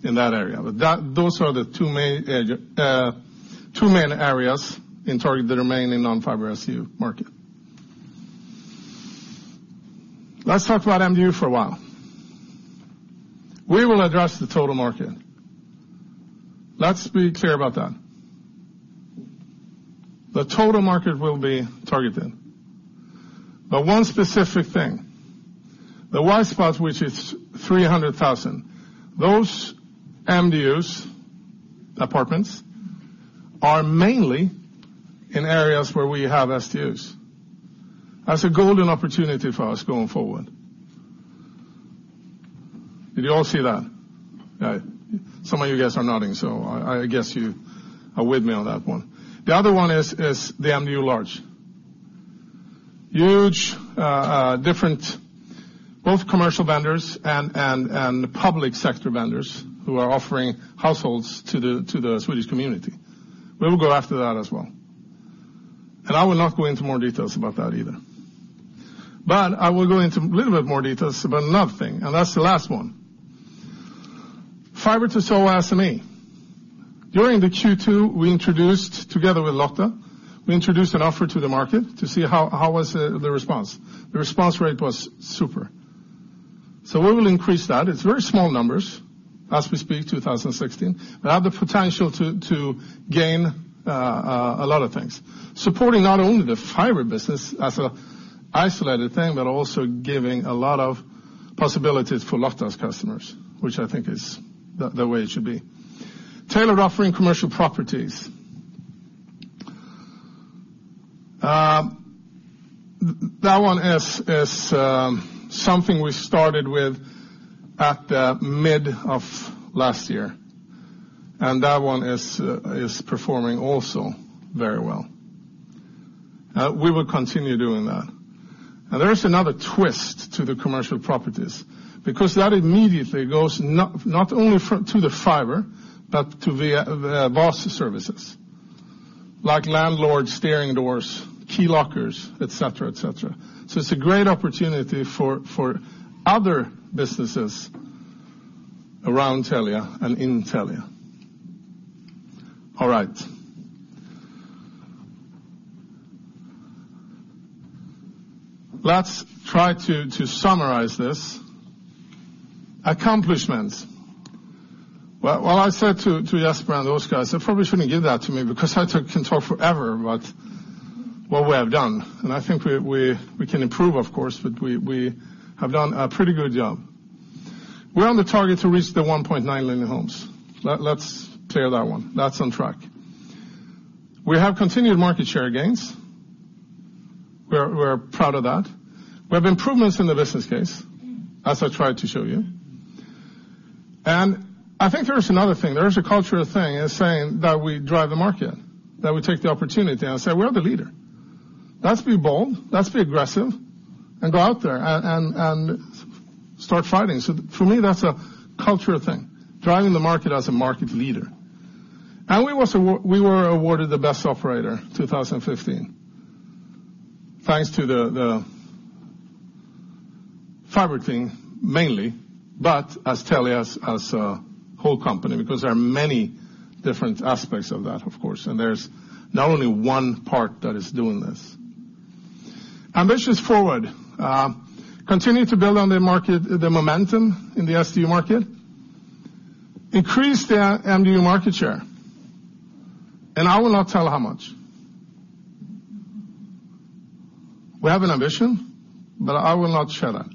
in that area. Those are the two main areas in targeting the remaining non-fiber SDU market. Let's talk about MDU for a while. We will address the total market. Let's be clear about that. The total market will be targeted. One specific thing, the white spots, which is 300,000, those MDUs, apartments, are mainly in areas where we have SDUs. That's a golden opportunity for us going forward. Did you all see that? Some of you guys are nodding, so I guess you are with me on that one. The other one is the MDU large. Huge different both commercial vendors and public sector vendors who are offering households to the Swedish community. We will go after that as well. I will not go into more details about that either. I will go into a little bit more details about another thing, and that's the last one. fiber to SOHO SME. During the Q2, we introduced together with Lotta, we introduced an offer to the market to see how was the response. The response rate was super. We will increase that. It's very small numbers as we speak 2016, but have the potential to gain a lot of things. Supporting not only the fiber business as an isolated thing, but also giving a lot of possibilities for Lotta's customers, which I think is the way it should be. Tailored offering commercial properties. That one is something we started with at mid of last year, and that one is performing also very well. We will continue doing that. There is another twist to the commercial properties because that immediately goes not only to the fiber, but to the VAS services, like landlords, steering doors, key lockers, et cetera. It's a great opportunity for other businesses around Telia and in Telia. All right. Let's try to summarize this. Accomplishments. Well, I said to Jesper and those guys, they probably shouldn't give that to me because I can talk forever about what we have done. I think we can improve, of course, but we have done a pretty good job. We're on the target to reach the 1.9 million homes. Let's clear that one. That's on track. We have continued market share gains. We're proud of that. We have improvements in the business case, as I tried to show you. I think there is another thing. There is a cultural thing in saying that we drive the market, that we take the opportunity and say, we're the leader. Let's be bold, let's be aggressive and go out there and start fighting. For me, that's a cultural thing, driving the market as a market leader. We were awarded the best operator 2015. Thanks to the fiber thing mainly, but as Telia, as a whole company, because there are many different aspects of that, of course, and there's not only one part that is doing this. Ambitions forward. Continue to build on the momentum in the SDU market. Increase the MDU market share. I will not tell how much. We have an ambition, but I will not share that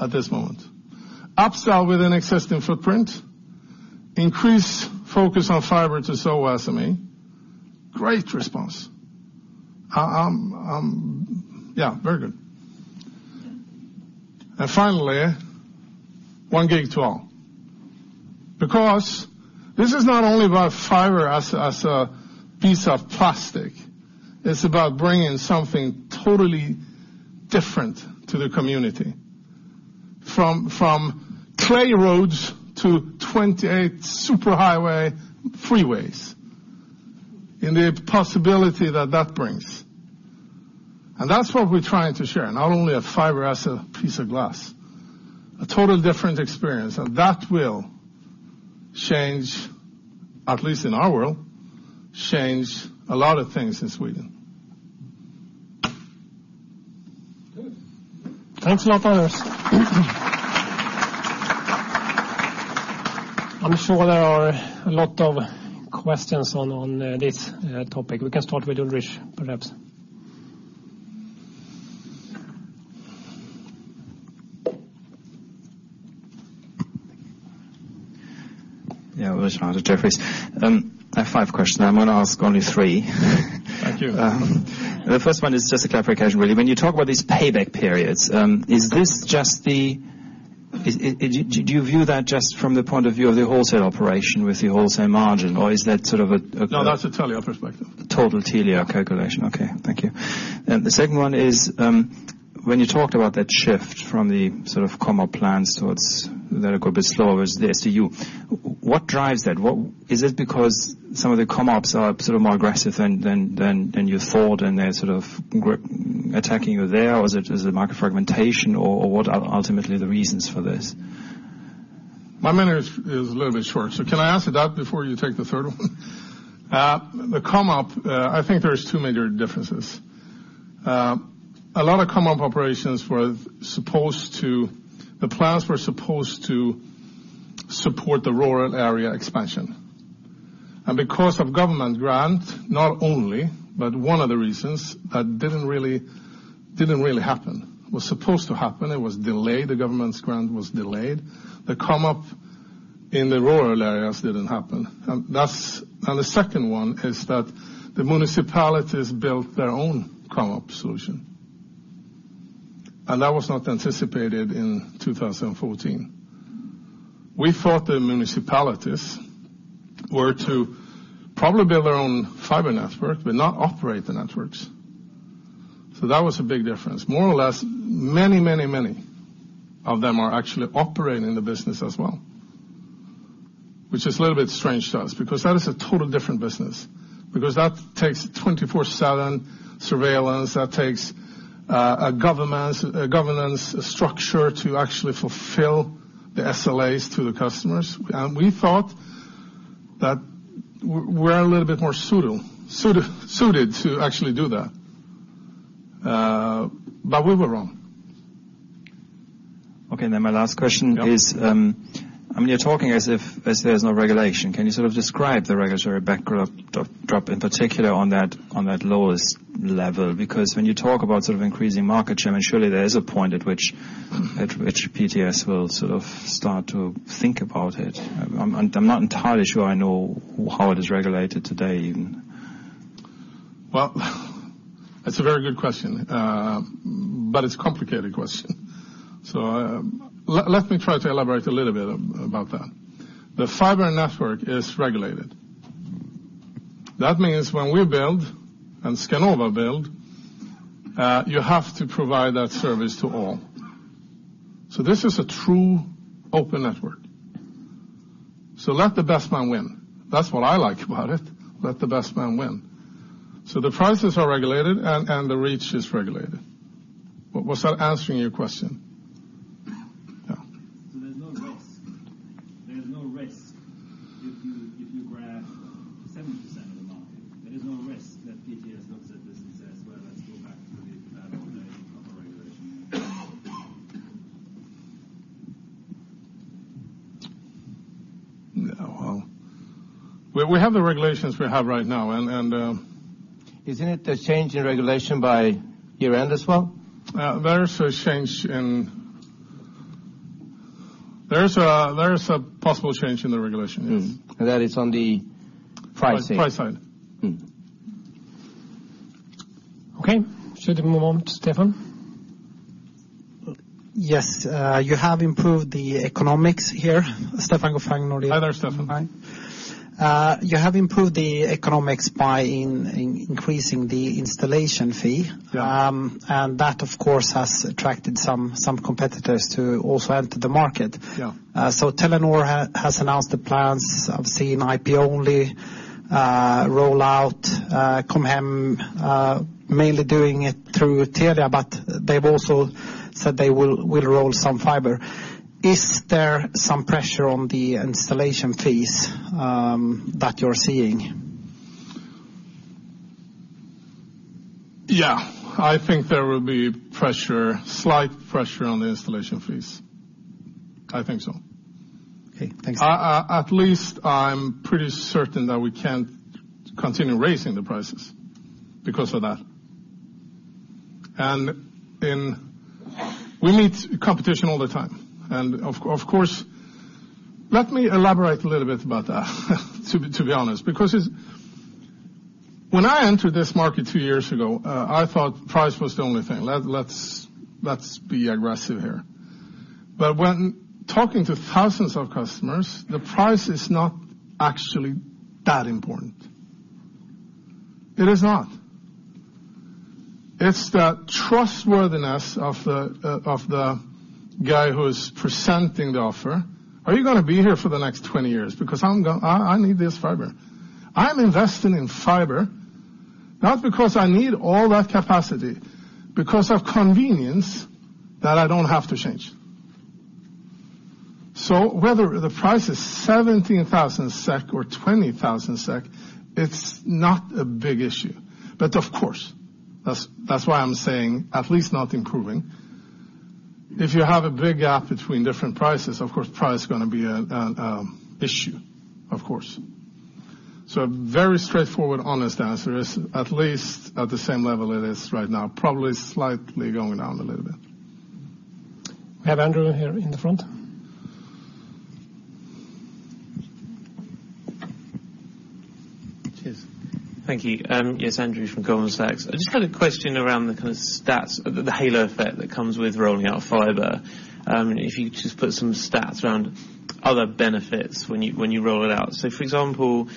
at this moment. Upsell within existing footprint. Increase focus on fiber to SOHO SME. Great response. Yeah, very good. Finally, 1 gig to all. This is not only about fiber as a piece of plastic. It's about bringing something totally different to the community. From clay roads to 28 super highway freeways, and the possibility that that brings. That's what we're trying to share, not only a fiber as a piece of glass. A total different experience. That will change, at least in our world, change a lot of things in Sweden. Thanks a lot, Anders. I'm sure there are a lot of questions on this topic. We can start with Ulrich, perhaps. Yeah. Ulrich Rathe, Jefferies. I have five questions. I'm going to ask only three. Thank you. The first one is just a clarification, really. When you talk about these payback periods, do you view that just from the point of view of the wholesale operation with the wholesale margin, or is that sort of a No, that's a Telia perspective. total Telia calculation. Okay. Thank you. The second one is, when you talked about that shift from the com-op plans towards the vertical bit slower is the SDU. What drives that? Is it because some of the com-ops are more aggressive than you thought, and they're sort of attacking you there, or is it market fragmentation, or what are ultimately the reasons for this? My memory is a little bit short, can I answer that before you take the third one? The com-op, I think there's two major differences. A lot of com-op operations, the plans were supposed to support the rural area expansion. Because of government grant, not only, but one of the reasons, that didn't really happen. It was supposed to happen. It was delayed. The government's grant was delayed. The com-op in the rural areas didn't happen. The second one is that the municipalities built their own com-op solution, and that was not anticipated in 2014. We thought the municipalities were to probably build their own fiber network, but not operate the networks. That was a big difference. More or less, many of them are actually operating the business as well, which is a little bit strange to us, because that is a total different business, because that takes 24/7 surveillance, that takes a governance structure to actually fulfill the SLAs to the customers. We thought that we're a little bit more suited to actually do that. We were wrong. Okay, my last question is. Yep I mean, you're talking as if there's no regulation. Can you sort of describe the regulatory backdrop, in particular on that lowest level? When you talk about increasing market share, surely there is a point at which PTS will start to think about it. I'm not entirely sure I know how it is regulated today, even. That's a very good question. It's a complicated question. Let me try to elaborate a little bit about that. The fiber network is regulated. That means when we build, and Skanova build, you have to provide that service to all. This is a true open network. Let the best man win. That's what I like about it. Let the best man win. The prices are regulated, and the reach is regulated. Was that answering your question? No. There's no risk if you grab 70% of the market, there is no risk that PTS looks at this and says, "Well, let's go back to the old days of the regulation. We have the regulations we have right now. Isn't it a change in regulation by year-end as well? There is a possible change in the regulation, yes. That is on the pricing? Price side. Okay. Should we move on to Stefan? Yes. You have improved the economics here. Stefan Gauffin, Nordea. Hi there, Stefan. Hi. You have improved the economics by increasing the installation fee. Yeah. That, of course, has attracted some competitors to also enter the market. Yeah. Telenor has announced the plans of seeing IP-Only roll out, Com Hem mainly doing it through Telia, but they've also said they will roll some fiber. Is there some pressure on the installation fees that you're seeing? Yeah. I think there will be pressure, slight pressure on the installation fees. I think so. Okay, thanks. At least, I'm pretty certain that we can't continue raising the prices because of that. We meet competition all the time. Of course, let me elaborate a little bit about that to be honest, because when I entered this market two years ago, I thought price was the only thing. Let's be aggressive here. When talking to thousands of customers, the price is not actually that important. It is not. It's the trustworthiness of the guy who's presenting the offer. Are you going to be here for the next 20 years? Because I need this fiber. I'm investing in fiber not because I need all that capacity, because of convenience that I don't have to change. Whether the price is 17,000 SEK or 20,000 SEK, it's not a big issue. Of course, that's why I'm saying at least not improving. If you have a big gap between different prices, of course, price is going to be an issue, of course. A very straightforward, honest answer is at least at the same level it is right now, probably slightly going down a little bit. We have Andrew here in the front. Cheers. Thank you. Yes, Andrew from Goldman Sachs. I just had a question around the kind of stats, the halo effect that comes with rolling out fiber, and if you could just put some stats around other benefits when you roll it out. For example,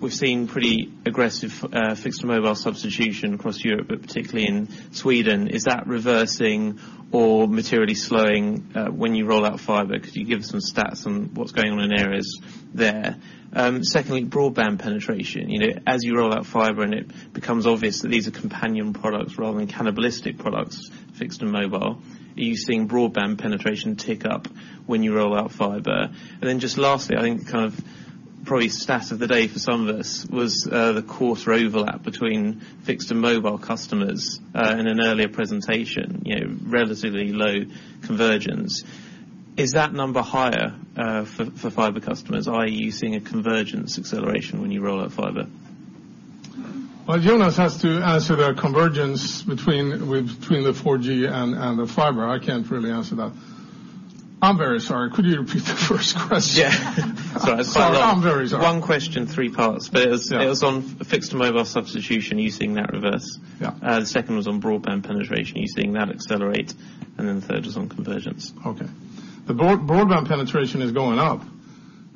we've seen pretty aggressive fixed mobile substitution across Europe, but particularly in Sweden. Is that reversing or materially slowing when you roll out fiber? Could you give us some stats on what's going on in areas there? Broadband penetration. As you roll out fiber and it becomes obvious that these are companion products rather than cannibalistic products, fixed and mobile, are you seeing broadband penetration tick up when you roll out fiber? Just lastly, I think kind of probably stat of the day for some of us was the quarter overlap between fixed and mobile customers in an earlier presentation, relatively low convergence. Is that number higher for fiber customers? Are you seeing a convergence acceleration when you roll out fiber? Well, Jonas has to answer the convergence between the 4G and the fiber. I can't really answer that. I'm very sorry. Could you repeat the first question? Yeah. Sorry, it's quite a lot. Sorry. I'm very sorry. One question, three parts. Yeah it was on fixed mobile substitution. Are you seeing that reverse? Yeah. The second was on broadband penetration. Are you seeing that accelerate? Then the third was on convergence. Okay. The broadband penetration is going up.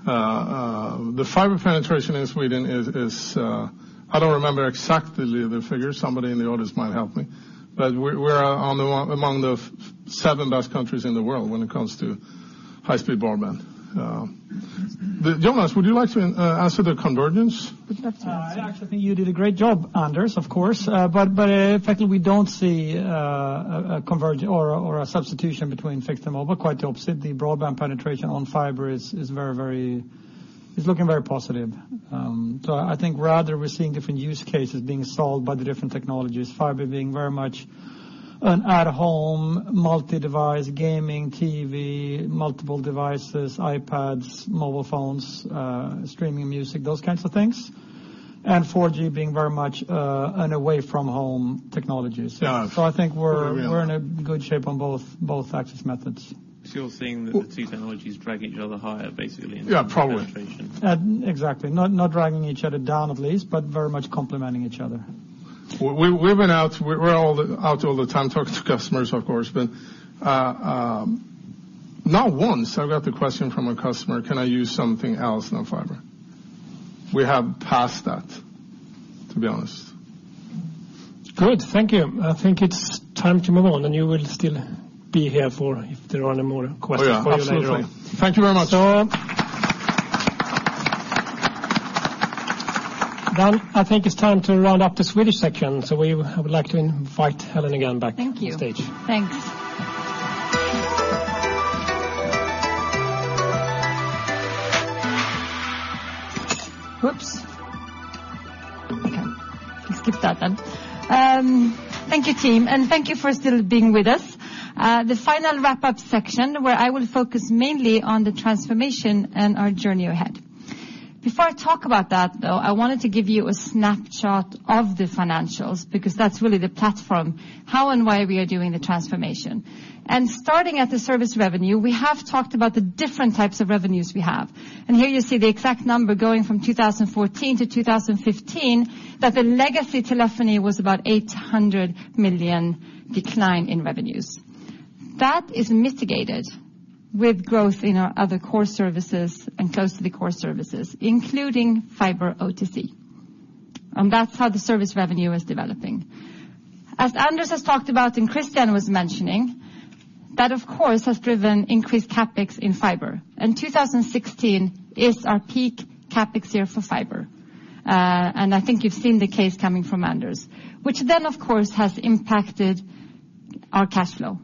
The fiber penetration in Sweden is, I don't remember exactly the figure. Somebody in the audience might help me. We're among the seven best countries in the world when it comes to high-speed broadband. Jonas, would you like to answer the convergence? Would you like to answer? I actually think you did a great job, Anders, of course. Effectively, we don't see a convergence or a substitution between fixed and mobile. Quite the opposite. The broadband penetration on fiber is looking very positive. I think rather we're seeing different use cases being solved by the different technologies, fiber being very much an at-home, multi-device, gaming, TV, multiple devices, iPads, mobile phones, streaming music, those kinds of things, and 4G being very much an away from home technology. Yeah. I think. We're We're in a good shape on both access methods. You're seeing that the two technologies drag each other higher. Yeah, probably in terms of penetration. Exactly. Not dragging each other down at least, but very much complementing each other. We're out all the time talking to customers, of course, but not once I got the question from a customer, "Can I use something else than fiber?" We have passed that, to be honest. Good. Thank you. I think it's time to move on, and you will still be here if there are any more questions for you later on. Oh, yeah. Absolutely. Thank you very much. I think it's time to round up the Swedish section, so we would like to invite Hélène again back to the stage. Thank you. Thanks. Whoops. Okay. Let's skip that then. Thank you, team, and thank you for still being with us. The final wrap-up section, where I will focus mainly on the transformation and our journey ahead. Before I talk about that, though, I wanted to give you a snapshot of the financials, because that's really the platform, how and why we are doing the transformation. Starting at the service revenue, we have talked about the different types of revenues we have. Here you see the exact number going from 2014 to 2015, that the legacy telephony was about 800 million decline in revenues. That is mitigated with growth in our other core services and close to the core services, including fiber OTC. That's how the service revenue is developing. As Anders has talked about, and Christian was mentioning, that of course, has driven increased CapEx in fiber. 2016 is our peak CapEx year for fiber. I think you've seen the case coming from Anders, which of course has impacted our cash flow.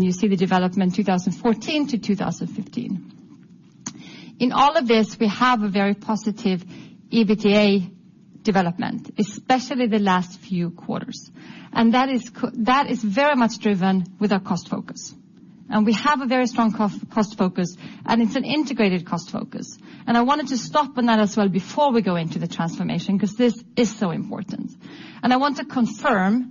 You see the development 2014 to 2015. In all of this, we have a very positive EBITDA development, especially the last few quarters. That is very much driven with our cost focus. We have a very strong cost focus, and it's an integrated cost focus. I wanted to stop on that as well before we go into the transformation, because this is so important. I want to confirm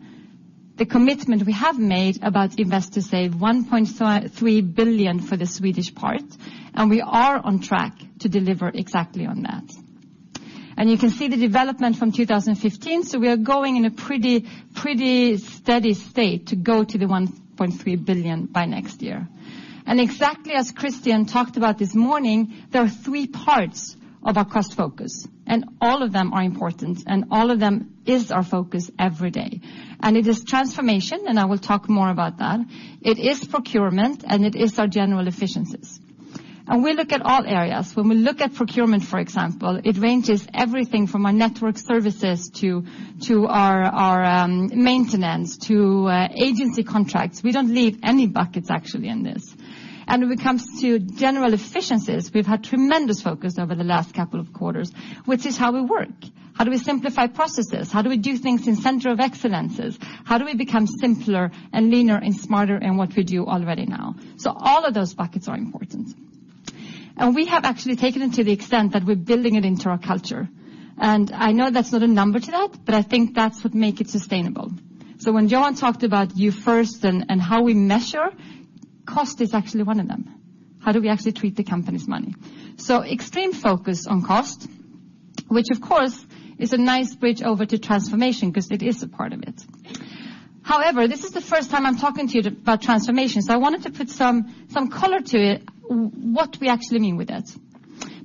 the commitment we have made about Invest to Save, 1.3 billion for the Swedish part, and we are on track to deliver exactly on that. You can see the development from 2015. We are going in a pretty steady state to go to the 1.3 billion by next year. Exactly as Christian talked about this morning, there are three parts of our cost focus, and all of them are important, and all of them is our focus every day. It is transformation, I will talk more about that. It is procurement, and it is our general efficiencies. We look at all areas. When we look at procurement, for example, it ranges everything from our network services to our maintenance, to agency contracts. We don't leave any buckets actually in this. When it comes to general efficiencies, we've had tremendous focus over the last couple of quarters, which is how we work. How do we simplify processes? How do we do things in center of excellences? How do we become simpler and leaner and smarter in what we do already now? All of those buckets are important. We have actually taken it to the extent that we're building it into our culture. I know that's not a number to that, but I think that's what make it sustainable. When Johan talked about You First and how we measure, cost is actually one of them. How do we actually treat the company's money? Extreme focus on cost, which of course is a nice bridge over to transformation because it is a part of it. However, this is the first time I'm talking to you about transformation, so I wanted to put some color to it, what we actually mean with it.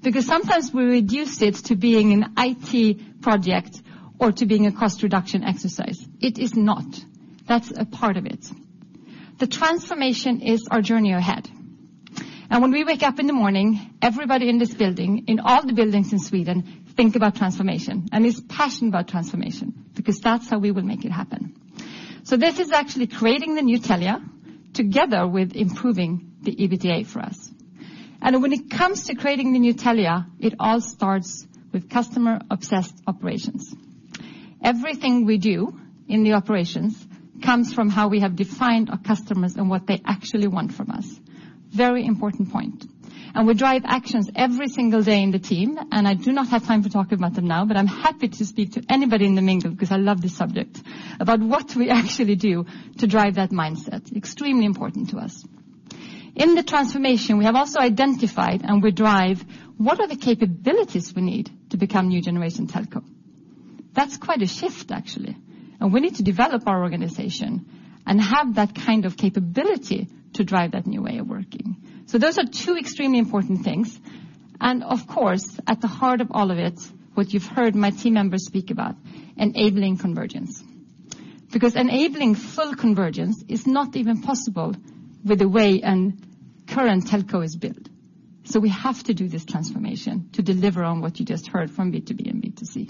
Because sometimes we reduce it to being an IT project or to being a cost reduction exercise. It is not. That's a part of it. The transformation is our journey ahead. When we wake up in the morning, everybody in this building, in all the buildings in Sweden, think about transformation and is passionate about transformation, because that's how we will make it happen. This is actually creating the new Telia together with improving the EBITDA for us. When it comes to creating the new Telia, it all starts with customer-obsessed operations. Everything we do in the operations comes from how we have defined our customers and what they actually want from us. Very important point. We drive actions every single day in the team, and I do not have time to talk about them now, but I'm happy to speak to anybody in the mingle, because I love this subject, about what we actually do to drive that mindset. Extremely important to us. In the transformation, we have also identified and we drive what are the capabilities we need to become new generation telco. That's quite a shift, actually, and we need to develop our organization and have that kind of capability to drive that new way of working. Those are two extremely important things. Of course, at the heart of all of it, what you've heard my team members speak about, enabling convergence. Because enabling full convergence is not even possible with the way a current telco is built. We have to do this transformation to deliver on what you just heard from B2B and B2C.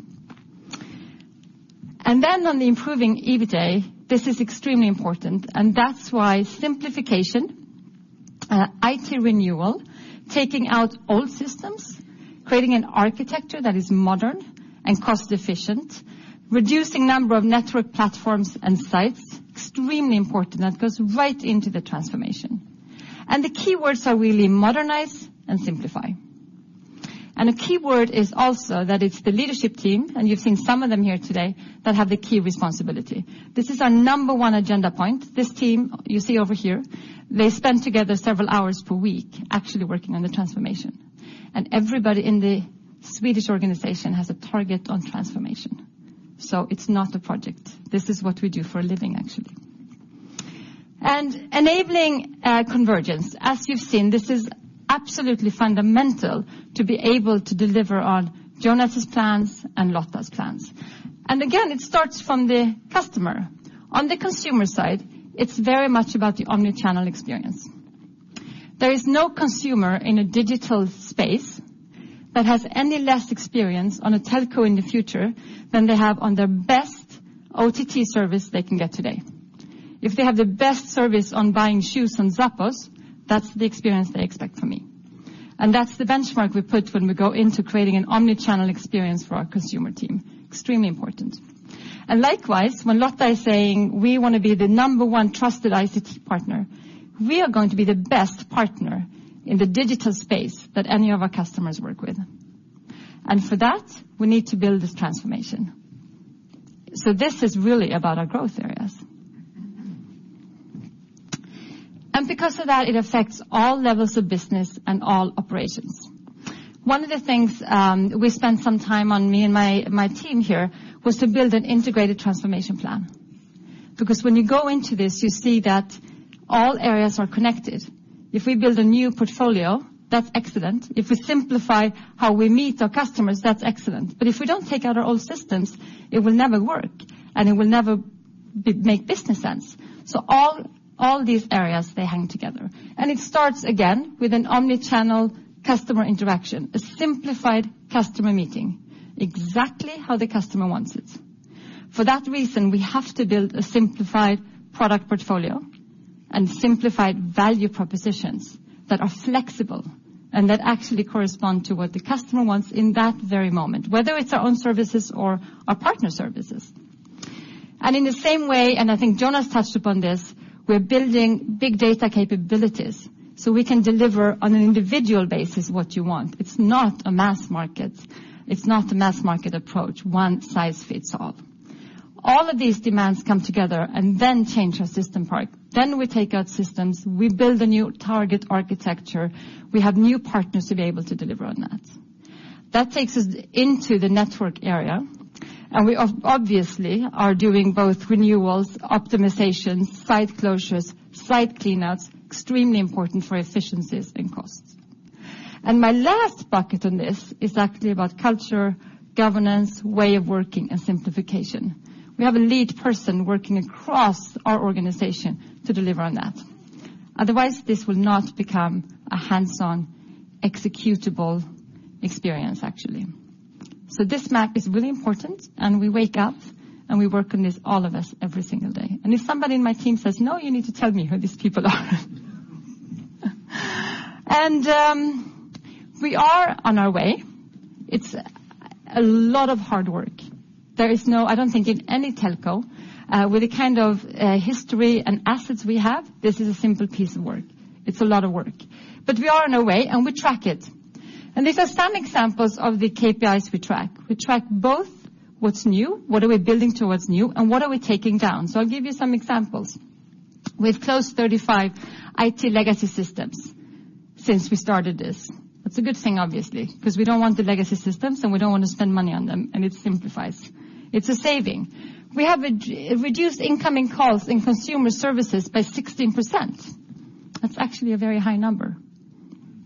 On the improving EBITDA, this is extremely important and that's why simplification, IT renewal, taking out old systems, creating an architecture that is modern and cost efficient, reducing number of network platforms and sites, extremely important, and it goes right into the transformation. The keywords are really modernize and simplify. A key word is also that it's the leadership team, and you've seen some of them here today, that have the key responsibility. This is our number one agenda point. This team you see over here, they spend together several hours per week actually working on the transformation, and everybody in the Swedish organization has a target on transformation. It's not a project. This is what we do for a living, actually. Enabling convergence, as you've seen, this is absolutely fundamental to be able to deliver on Jonas' plans and Lotta's plans. Again, it starts from the customer. On the consumer side, it's very much about the omni-channel experience. There is no consumer in a digital space that has any less experience on a telco in the future than they have on their best OTT service they can get today. If they have the best service on buying shoes on Zappos, that's the experience they expect from me. That's the benchmark we put when we go into creating an omni-channel experience for our consumer team. Extremely important. Likewise, when Lotta is saying we want to be the number one trusted ICT partner, we are going to be the best partner in the digital space that any of our customers work with. For that, we need to build this transformation. This is really about our growth areas. Because of that, it affects all levels of business and all operations. One of the things we spent some time on, me and my team here, was to build an integrated transformation plan. Because when you go into this, you see that all areas are connected. If we build a new portfolio, that's excellent. If we simplify how we meet our customers, that's excellent. If we don't take out our old systems, it will never work, and it will never make business sense. All these areas, they hang together. It starts, again, with an omni-channel customer interaction, a simplified customer meeting, exactly how the customer wants it. For that reason, we have to build a simplified product portfolio and simplified value propositions that are flexible and that actually correspond to what the customer wants in that very moment, whether it's our own services or our partner services. I think Jonas touched upon this, we're building big data capabilities so we can deliver on an individual basis what you want. It's not a mass market. It's not a mass market approach, one size fits all. All of these demands come together then change our system part. We take out systems, we build a new target architecture. We have new partners to be able to deliver on that. That takes us into the network area, we obviously are doing both renewals, optimizations, site closures, site cleanups, extremely important for efficiencies and costs. My last bucket on this is actually about culture, governance, way of working, and simplification. We have a lead person working across our organization to deliver on that. Otherwise, this will not become a hands-on executable experience, actually. This map is really important, we wake up, we work on this, all of us, every single day. If somebody in my team says, "No," you need to tell me who these people are. We are on our way. It's a lot of hard work. I don't think in any telco with the kind of history and assets we have, this is a simple piece of work. It's a lot of work. We are on our way, and we track it. These are some examples of the KPIs we track. We track both what's new, what are we building towards new, and what are we taking down. I'll give you some examples. We've closed 35 IT legacy systems since we started this. That's a good thing obviously, because we don't want the legacy systems, and we don't want to spend money on them, and it simplifies. It's a saving. We have reduced incoming calls in consumer services by 16%. That's actually a very high number.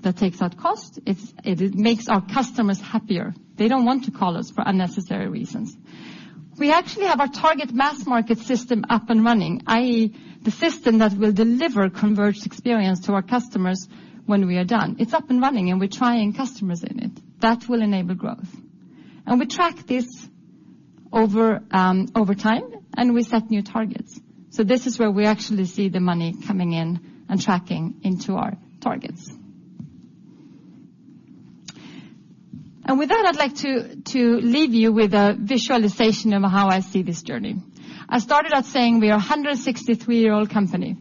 That takes out cost. It makes our customers happier. They don't want to call us for unnecessary reasons. We actually have our target mass market system up and running, i.e., the system that will deliver converged experience to our customers when we are done. It's up and running, and we're trying customers in it. That will enable growth. We track this over time, and we set new targets. This is where we actually see the money coming in and tracking into our targets. With that, I'd like to leave you with a visualization of how I see this journey. I started out saying we are a 163-year-old company.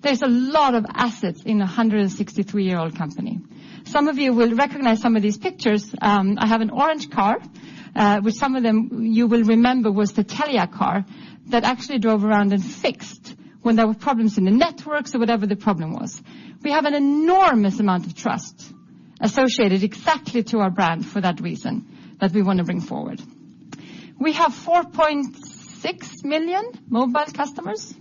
There's a lot of assets in a 163-year-old company. Some of you will recognize some of these pictures. I have an orange car, which some of them you will remember was the Telia car that actually drove around and fixed when there were problems in the networks or whatever the problem was. We have an enormous amount of trust associated exactly to our brand for that reason, that we want to bring forward. We have 4.6 million mobile customers.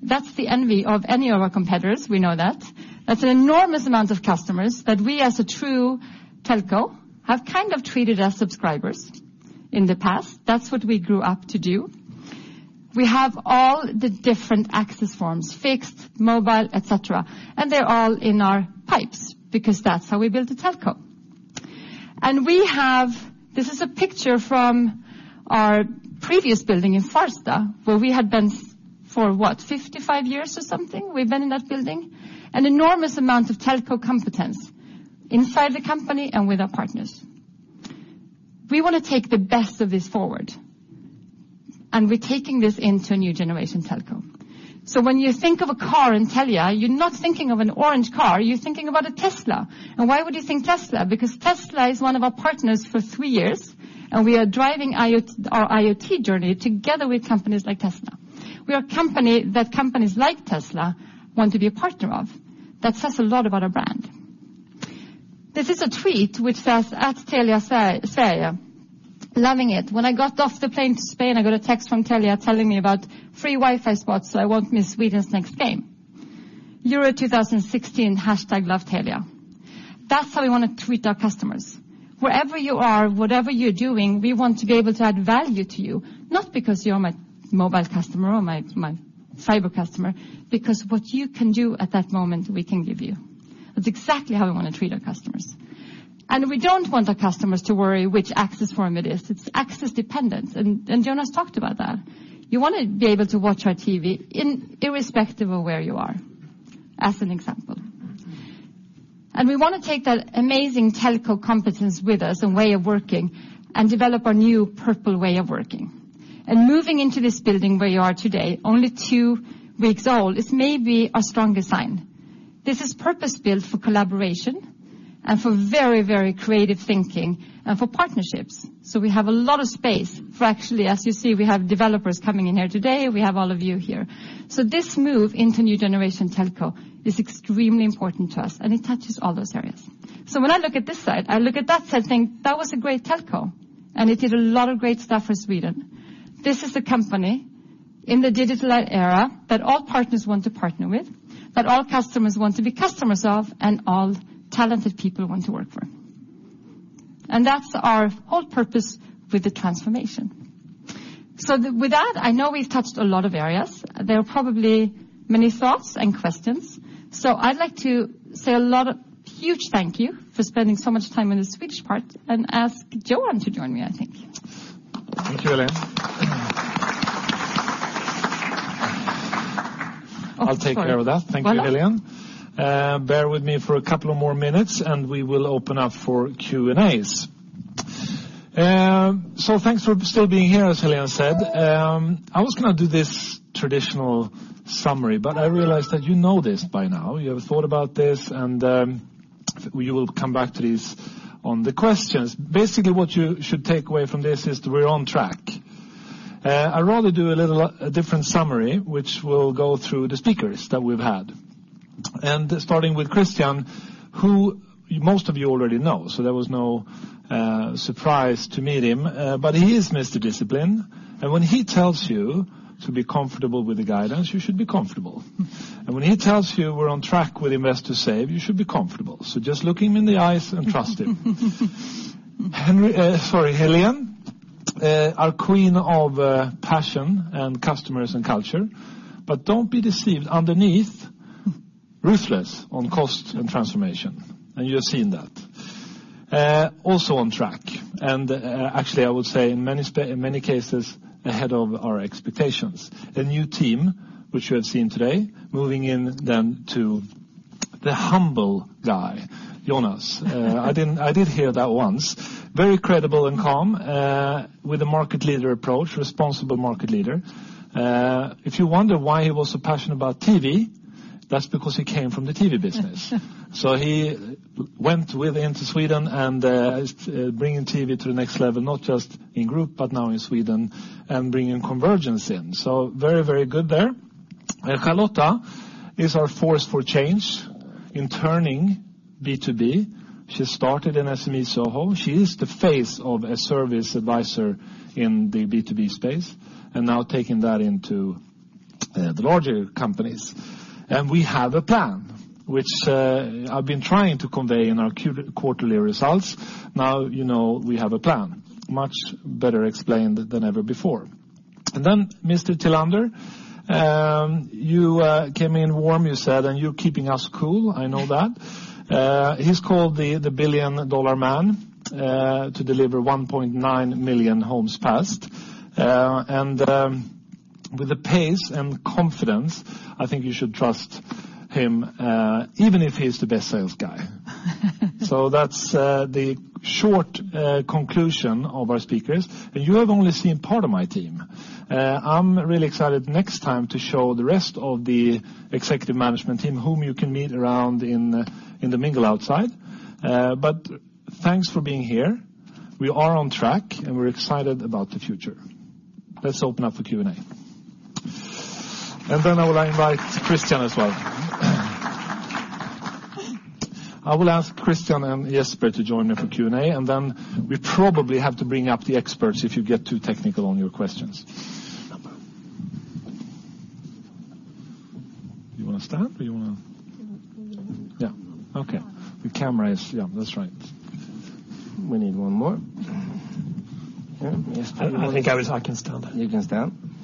That's the envy of any of our competitors, we know that. That's an enormous amount of customers that we, as a true telco, have kind of treated as subscribers in the past. That's what we grew up to do. We have all the different access forms, fixed, mobile, et cetera, and they're all in our pipes because that's how we built a telco. This is a picture from our previous building in Farsta, where we had been for what, 55 years or something, we've been in that building. An enormous amount of telco competence inside the company and with our partners. We want to take the best of this forward, and we're taking this into a new generation telco. When you think of a car in Telia, you're not thinking of an orange car, you're thinking about a Tesla. Why would you think Tesla? Tesla is one of our partners for three years, and we are driving our IoT journey together with companies like Tesla. We are a company that companies like Tesla want to be a partner of. That says a lot about a brand. This is a tweet which says, @TeliaSverige: "Loving it. When I got off the plane to Spain, I got a text from Telia telling me about free Wi-Fi spots, so I won't miss Sweden's next game. Euro 2016, #LoveTelia." That's how we want to treat our customers. Wherever you are, whatever you're doing, we want to be able to add value to you, not because you're my mobile customer or my fiber customer, because what you can do at that moment, we can give you. That's exactly how we want to treat our customers. We don't want our customers to worry which access form it is. It's access dependent, and Jonas talked about that. You want to be able to watch our TV irrespective of where you are, as an example. We want to take that amazing telco competence with us and way of working and develop our new purple way of working. Moving into this building where you are today, only two weeks old, is maybe a stronger sign. This is purpose-built for collaboration and for very creative thinking and for partnerships. We have a lot of space for actually, as you see, we have developers coming in here today, we have all of you here. This move into new generation telco is extremely important to us, and it touches all those areas. When I look at this side, I look at that side saying, "That was a great telco, and it did a lot of great stuff for Sweden. This is the company in the digital era that all partners want to partner with, that all customers want to be customers of, and all talented people want to work for." That's our whole purpose with the transformation. With that, I know we've touched a lot of areas. There are probably many thoughts and questions. I'd like to say a lot of huge thank you for spending so much time on the Swedish part and ask Johan to join me, I think. Thank you, Hélène. I'll take care of that. Thank you, Hélène. Bear with me for a couple of more minutes, and we will open up for Q&As. Thanks for still being here, as Hélène said. I was going to do this traditional summary, but I realized that you know this by now. You have thought about this, and we will come back to this on the questions. Basically, what you should take away from this is we're on track. I'd rather do a little different summary, which will go through the speakers that we've had. Starting with Christian, who most of you already know, so there was no surprise to meet him. He is Mr. Discipline, and when he tells you to be comfortable with the guidance, you should be comfortable, and when he tells you we're on track with Invest to Save, you should be comfortable. Just look him in the eyes and trust him. Hélène, our queen of passion and customers and culture. Don't be deceived, underneath. Ruthless on cost and transformation, and you have seen that. Also on track, actually, I would say in many cases ahead of our expectations. The new team, which you have seen today, moving in to the humble guy, Jonas. I did hear that once. Very credible and calm, with a market leader approach, responsible market leader. If you wonder why he was so passionate about TV, that's because he came from the TV business. He went with into Sweden and is bringing TV to the next level, not just in group, but now in Sweden, and bringing convergence in. Very good there. Charlotta is our force for change in turning B2B. She started in SME SOHO. She is the face of a service advisor in the B2B space, now taking that into the larger companies. We have a plan, which I've been trying to convey in our quarterly results. Now you know we have a plan, much better explained than ever before. Mr. Tillander. You came in warm, you said, and you're keeping us cool, I know that. He's called the billion-dollar man to deliver 1.9 million homes passed. With the pace and confidence, I think you should trust him, even if he's the best sales guy. That's the short conclusion of our speakers. You have only seen part of my team. I'm really excited next time to show the rest of the executive management team, whom you can meet around in the mingle outside. Thanks for being here. We are on track, we're excited about the future. Let's open up for Q&A. Then I will invite Christian as well. I will ask Christian and Jesper to join me for Q&A, then we probably have to bring up the experts if you get too technical on your questions. You want to start, or you want to We can. Yeah. Okay. The camera is, yeah, that's right. We need one more. Yeah. Jesper. I think I can stand. You can stand?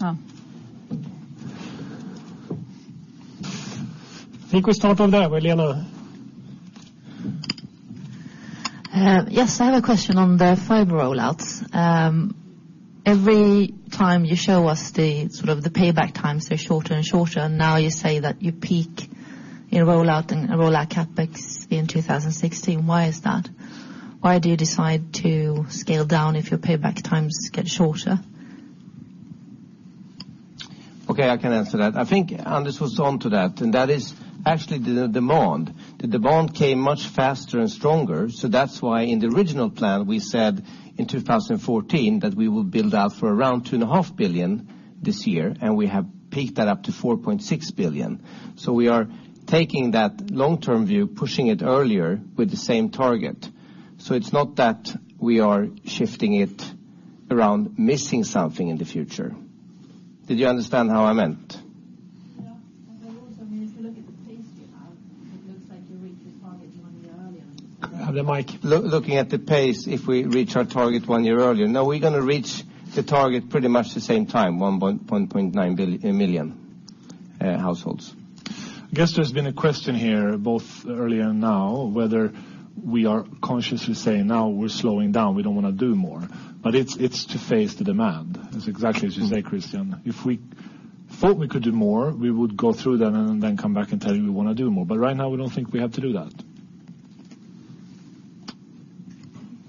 Yeah. I think we start over there with Lena. Yes, I have a question on the fiber rollouts. Every time you show us the payback times, they're shorter and shorter, and now you say that you peak in rollout and rollout CapEx in 2016. Why is that? Why do you decide to scale down if your payback times get shorter? Okay, I can answer that. I think Anders was onto that is actually the demand. The demand came much faster and stronger, that's why in the original plan, we said in 2014 that we will build out for around two and a half billion this year. We have peaked that up to 4.6 billion. We are taking that long-term view, pushing it earlier with the same target. It's not that we are shifting it around missing something in the future. Did you understand how I meant? Yeah. Also, if you look at the pace you have, it looks like you reached the target one year earlier. Have the mic. Looking at the pace, if we reach our target one year earlier. No, we're going to reach the target pretty much the same time, 1.9 million households. I guess there's been a question here both early and now whether we are consciously saying, "Now we're slowing down, we don't want to do more." It's to face the demand, is exactly as you say, Christian. If we thought we could do more, we would go through that and then come back and tell you we want to do more. Right now, we don't think we have to do that.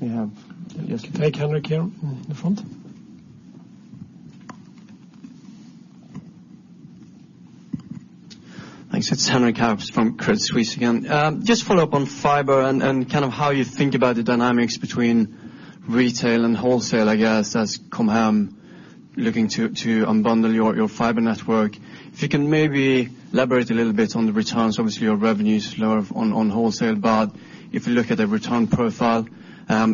We have Jesper. Take Henrik here in the front. Thanks. It's Henrik Arps from Credit Suisse again. Just follow up on fiber and how you think about the dynamics between retail and wholesale, I guess, as Com Hem looking to unbundle your fiber network. If you can maybe elaborate a little bit on the returns. Obviously, your revenue's lower on wholesale, but if you look at the return profile. I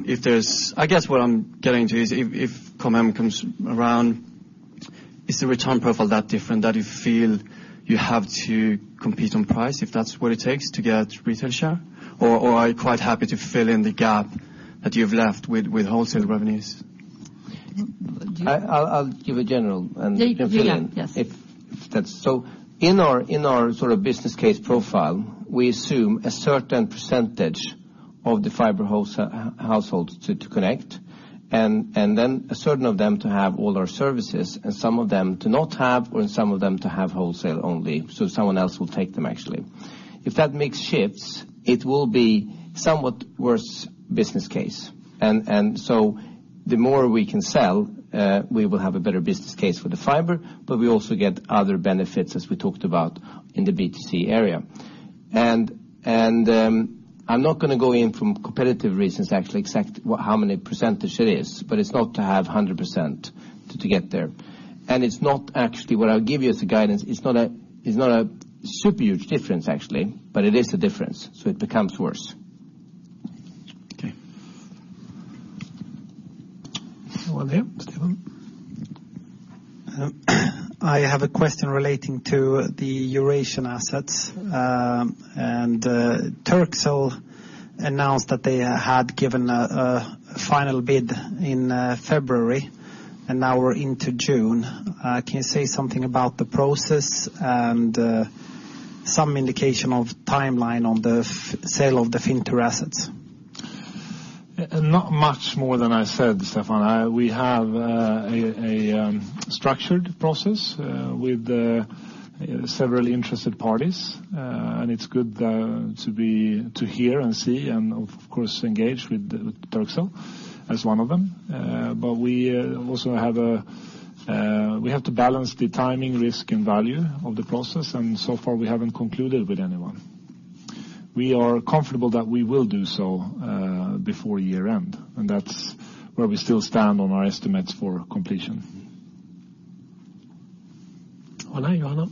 guess what I'm getting to is if Com Hem comes around, is the return profile that different that you feel you have to compete on price if that's what it takes to get retail share? Or are you quite happy to fill in the gap that you've left with wholesale revenues? I'll give a general and you can fill in. Yeah. In our business case profile, we assume a certain percentage of the fiber households to connect, then a certain of them to have all our services, some of them to not have, or some of them to have wholesale only. Someone else will take them, actually. If that mix shifts, it will be somewhat worse business case. The more we can sell, we will have a better business case for the fiber, but we also get other benefits as we talked about in the B2C area. I'm not going to go in from competitive reasons actually exact how many percentage it is, but it's not to have 100% to get there. It's not actually, what I'll give you as a guidance, it's not a super huge difference actually, but it is a difference. It becomes worse. Okay. Over there, Stefan. I have a question relating to the Eurasian assets. Turkcell announced that they had given a final bid in February. Now we're into June. Can you say something about the process and some indication of timeline on the sale of the Fintur assets? Not much more than I said, Stefan. We have a structured process with several interested parties, and it's good to hear and see and of course, engage with Turkcell as one of them. We also have to balance the timing, risk, and value of the process, and so far we haven't concluded with anyone. We are comfortable that we will do so before year-end, and that's where we still stand on our estimates for completion. All right. Johanna?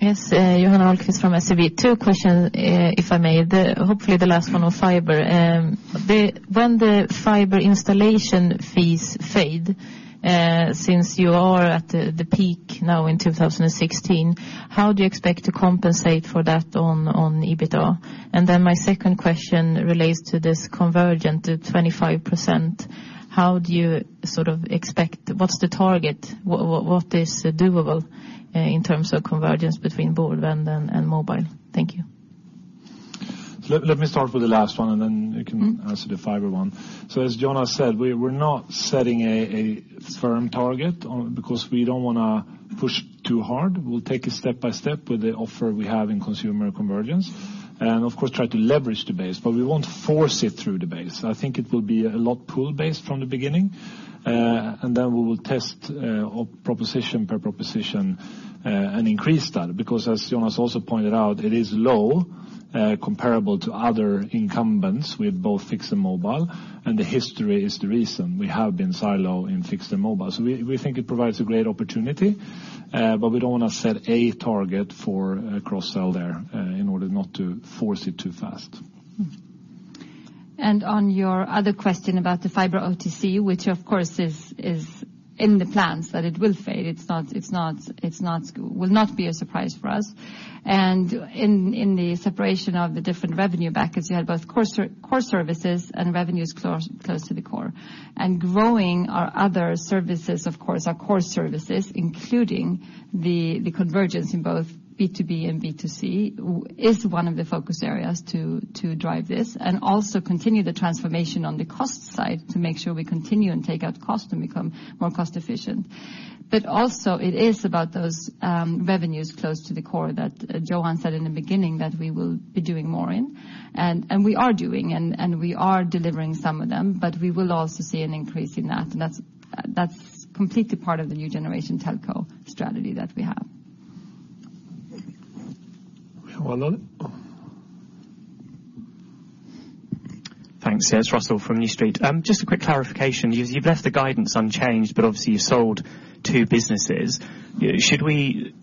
Yes. Johanna Ahlquist from SEB. Two questions, if I may. Hopefully, the last one on fiber. When the fiber installation fees fade, since you are at the peak now in 2016, how do you expect to compensate for that on EBITDA? Then my second question relates to this convergent at 25%. What's the target? What is doable in terms of convergence between broadband and mobile? Thank you. Let me start with the last one, and then you can answer the fiber one. As Jonas said, we're not setting a firm target because we don't want to push too hard. We'll take it step by step with the offer we have in consumer convergence. Of course, try to leverage the base, but we won't force it through the base. I think it will be a lot pool-based from the beginning, and then we will test proposition per proposition, and increase that. As Jonas also pointed out, it is low comparable to other incumbents with both fixed and mobile, and the history is the reason. We have been silo in fixed and mobile. We think it provides a great opportunity, but we don't want to set a target for cross-sell there in order not to force it too fast. On your other question about the fiber OTC, which of course is in the plans that it will fade. It will not be a surprise for us. In the separation of the different revenue buckets, you had both core services and revenues close to the core. Growing our other services, of course, our core services, including the convergence in both B2B and B2C, is one of the focus areas to drive this. Also continue the transformation on the cost side to make sure we continue and take out cost and become more cost-efficient. Also it is about those revenues close to the core that Johan said in the beginning that we will be doing more in. We are doing, we are delivering some of them, we will also see an increase in that's completely part of the new generation telco strategy that we have. Well done. Thanks. Yes, Russell from New Street. Just a quick clarification. You've left the guidance unchanged, obviously you sold two businesses. Should we make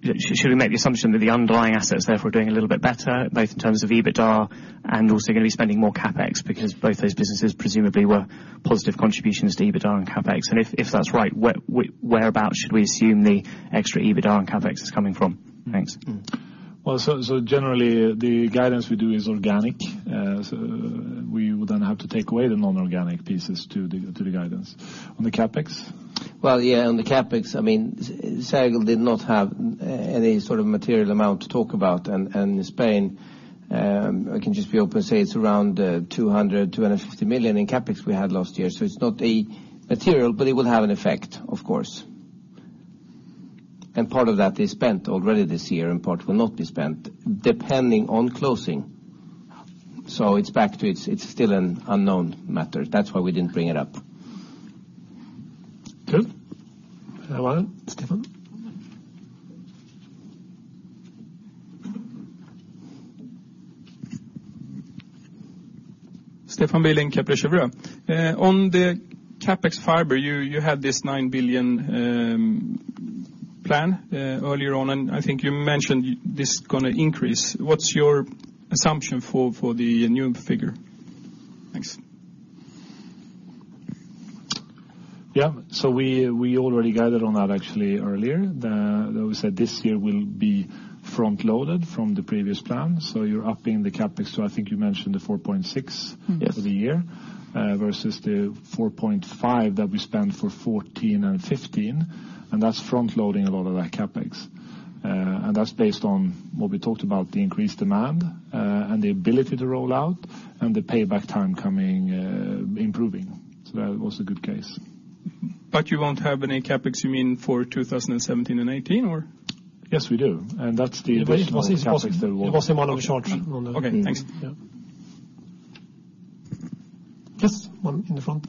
the assumption that the underlying assets, therefore, are doing a little bit better, both in terms of EBITDA and also going to be spending more CapEx? Because both those businesses presumably were positive contributions to EBITDA and CapEx. If that's right, whereabout should we assume the extra EBITDA and CapEx is coming from? Thanks. Generally, the guidance we do is organic. We would then have to take away the non-organic pieces to the guidance. On the CapEx? On the CapEx, Sergel did not have any sort of material amount to talk about. In Spain, I can just be open and say it's around 200 million-250 million in CapEx we had last year. It's not material, but it will have an effect, of course. Part of that is spent already this year, and part will not be spent depending on closing. It's back to it's still an unknown matter. That's why we didn't bring it up. Good. Stefan? Stefan Billing, Kepler Cheuvreux. On the CapEx fiber, you had this 9 billion plan earlier on, and I think you mentioned this is going to increase. What's your assumption for the new figure? Thanks. Yeah. We already guided on that actually earlier. We said this year will be front-loaded from the previous plan. You're upping the CapEx to I think you mentioned the 4.6- Yes for the year, versus the 4.5 billion that we spent for 2014 and 2015, that's front-loading a lot of that CapEx. That's based on what we talked about, the increased demand, and the ability to roll out, and the payback time coming, improving. That was a good case. You won't have any CapEx, you mean, for 2017 and 2018, or? Yes, we do. That's the- It was in one of the charts. Okay, thanks. Yeah. Yes. One in the front.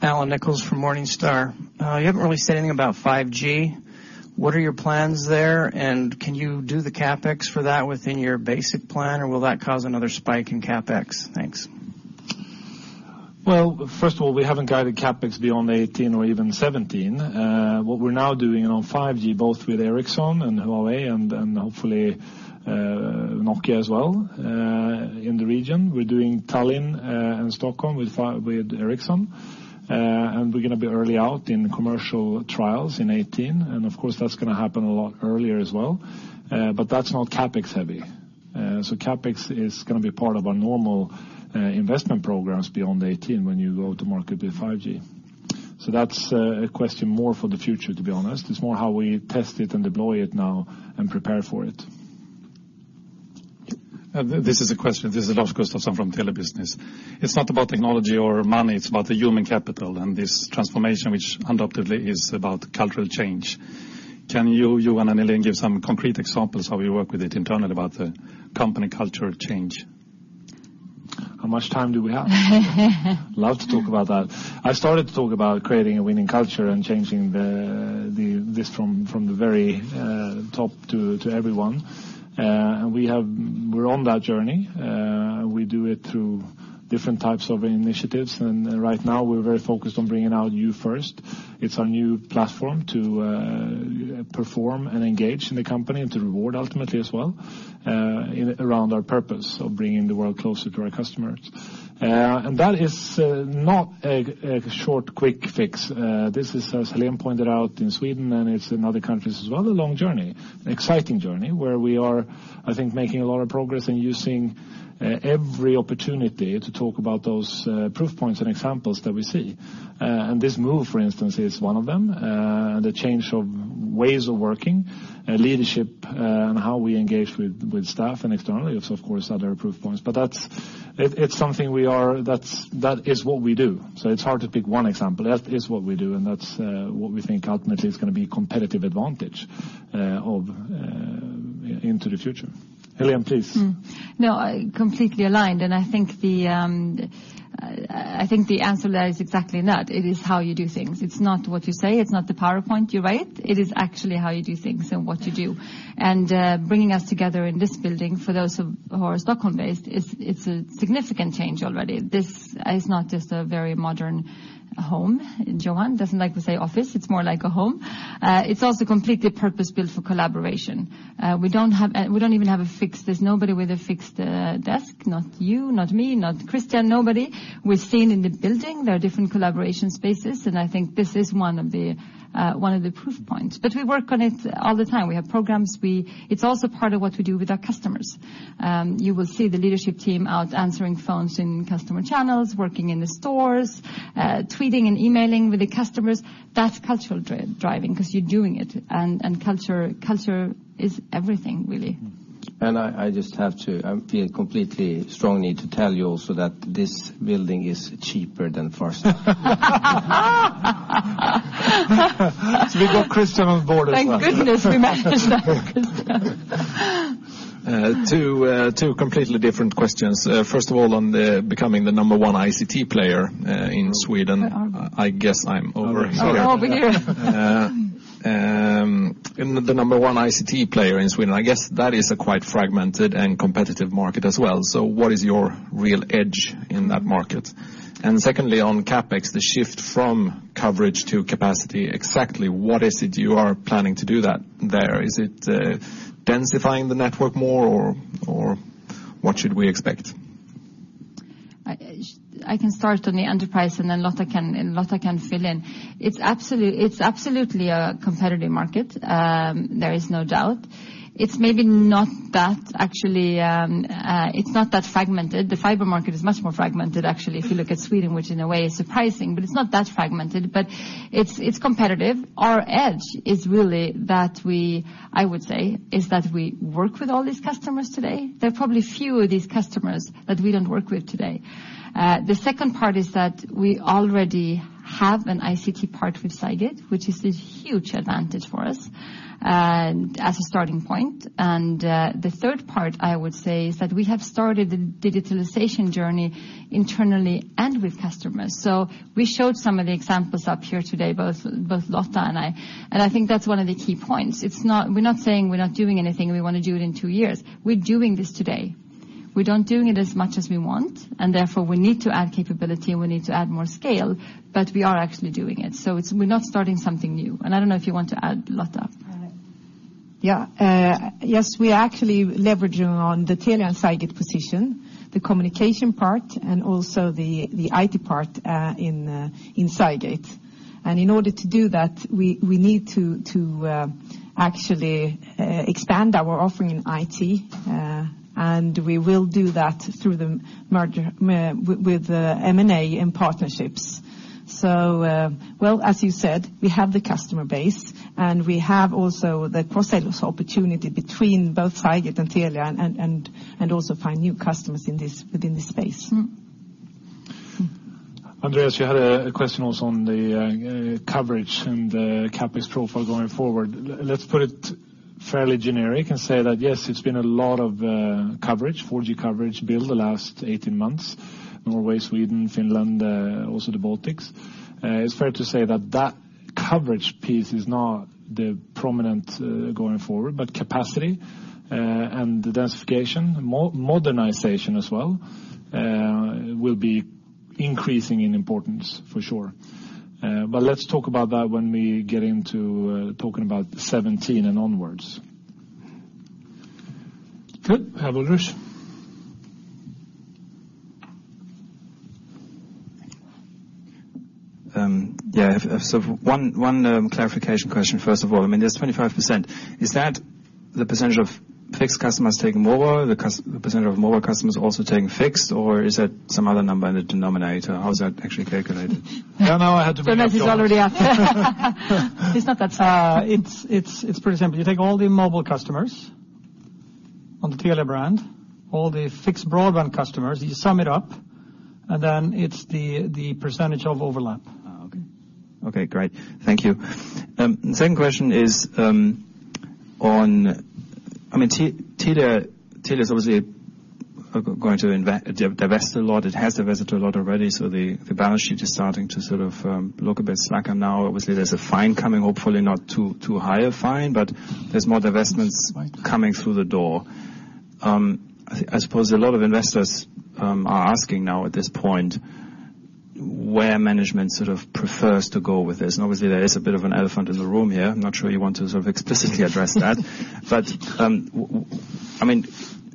Can you go forward? Allan Nichols from Morningstar. You haven't really said anything about 5G. What are your plans there? Can you do the CapEx for that within your basic plan, or will that cause another spike in CapEx? Thanks. First of all, we haven't guided CapEx beyond 2018 or even 2017. What we're now doing on 5G, both with Ericsson and Huawei, and hopefully Nokia as well in the region. We're doing Tallinn and Stockholm with Ericsson, and we're going to be early out in commercial trials in 2018. Of course, that's going to happen a lot earlier as well. That's not CapEx heavy. CapEx is going to be part of our normal investment programs beyond 2018 when you go to market with 5G. That's a question more for the future, to be honest. It's more how we test it and deploy it now and prepare for it. This is a question. This is Lovisa Gustafsson from Telebusiness. It's not about technology or money, it's about the human capital and this transformation, which undoubtedly is about cultural change. Can you, Johan and Hélène, give some concrete examples how you work with it internally, about the company culture change? How much time do we have? Love to talk about that. I started to talk about creating a winning culture and changing this from the very top to everyone. We're on that journey. We do it through different types of initiatives, and right now we're very focused on bringing out You First. It's our new platform to perform and engage in the company, and to reward ultimately as well, around our purpose of bringing the world closer to our customers. That is not a short, quick fix. This is, as Hélène pointed out in Sweden, and it's in other countries as well, a long journey, an exciting journey, where we are, I think, making a lot of progress in using every opportunity to talk about those proof points and examples that we see. This move, for instance, is one of them. The change of ways of working, leadership and how we engage with staff and externally is of course other proof points. That is what we do. It's hard to pick one example. That is what we do, and that's what we think ultimately is going to be a competitive advantage into the future. Hélène, please. No, completely aligned. I think the answer there is exactly that. It is how you do things. It's not what you say, it's not the PowerPoint you write. It is actually how you do things and what you do. Bringing us together in this building, for those who are Stockholm-based, it's a significant change already. This is not just a very modern home. Johan doesn't like to say office, it's more like a home. It's also completely purpose-built for collaboration. There's nobody with a fixed desk. Not you, not me, not Christian, nobody. We're seen in the building. There are different collaboration spaces. I think this is one of the proof points. We work on it all the time. We have programs. It's also part of what we do with our customers. You will see the leadership team out answering phones in customer channels, working in the stores, tweeting and emailing with the customers. That's cultural driving, because you're doing it. Culture is everything, really. I feel completely, strongly to tell you also that this building is cheaper than Farsta. We've got Christian on board as well. Thank goodness we managed that, Christian. Two completely different questions. First of all, on becoming the number one ICT player in Sweden. Where are we? I guess I'm over here. Oh, over here. The number one ICT player in Sweden. I guess that is a quite fragmented and competitive market as well. What is your real edge in that market? Secondly, on CapEx, the shift from coverage to capacity. Exactly what is it you are planning to do there? Is it densifying the network more or what should we expect? I can start on the enterprise. Then Lotta can fill in. It's absolutely a competitive market, there is no doubt. It's not that fragmented. The fiber market is much more fragmented, actually, if you look at Sweden. Which in a way is surprising, but it's not that fragmented. It's competitive. Our edge is really, I would say, is that we work with all these customers today. There are probably few of these customers that we don't work with today. The second part is that we already have an ICT part with Cygate, which is a huge advantage for us as a starting point. The third part, I would say, is that we have started the digitalization journey internally and with customers. We showed some of the examples up here today, both Lotta and I, and I think that's one of the key points. We're not saying we're not doing anything and we want to do it in two years. We're doing this today. We don't doing it as much as we want. Therefore, we need to add capability and we need to add more scale. We are actually doing it. We're not starting something new. I don't know if you want to add, Lotta. Yeah. Yes, we are actually leveraging on the Telia and Cygate position, the communication part, and also the IT part in Cygate. In order to do that, we need to actually expand our offering in IT, and we will do that through the merger and M&A and partnerships. As you said, we have the customer base and we have also the cross-sales opportunity between both Cygate and Telia, and also find new customers within this space. Andreas, you had a question also on the coverage and the CapEx profile going forward. Let's put it fairly generic and say that, yes, it's been a lot of coverage, 4G coverage build the last 18 months. Norway, Sweden, Finland, also the Baltics. It's fair to say that that coverage piece is not prominent going forward, but capacity and densification, modernization as well, will be increasing in importance for sure. Let's talk about that when we get into talking about 2017 and onwards. Good. Have Ulrich. Yeah. One clarification question, first of all. There's 25%. Is that the percentage of fixed customers taking mobile, the percentage of mobile customers also taking fixed, or is that some other number in the denominator? How is that actually calculated? Now I had to Jonas has already asked. He's not that smart. It's pretty simple. You take all the mobile customers on the Telia brand, all the fixed broadband customers, you sum it up, and then it's the % of overlap. Okay. Great. Thank you. Second question is on, Telia's obviously going to divest a lot. It has divested a lot already, so the balance sheet is starting to sort of look a bit slack. Now obviously there's a fine coming, hopefully not too high a fine, but there's more divestments coming through the door. I suppose a lot of investors are asking now at this point where management sort of prefers to go with this. Obviously there is a bit of an elephant in the room here. I'm not sure you want to sort of explicitly address that.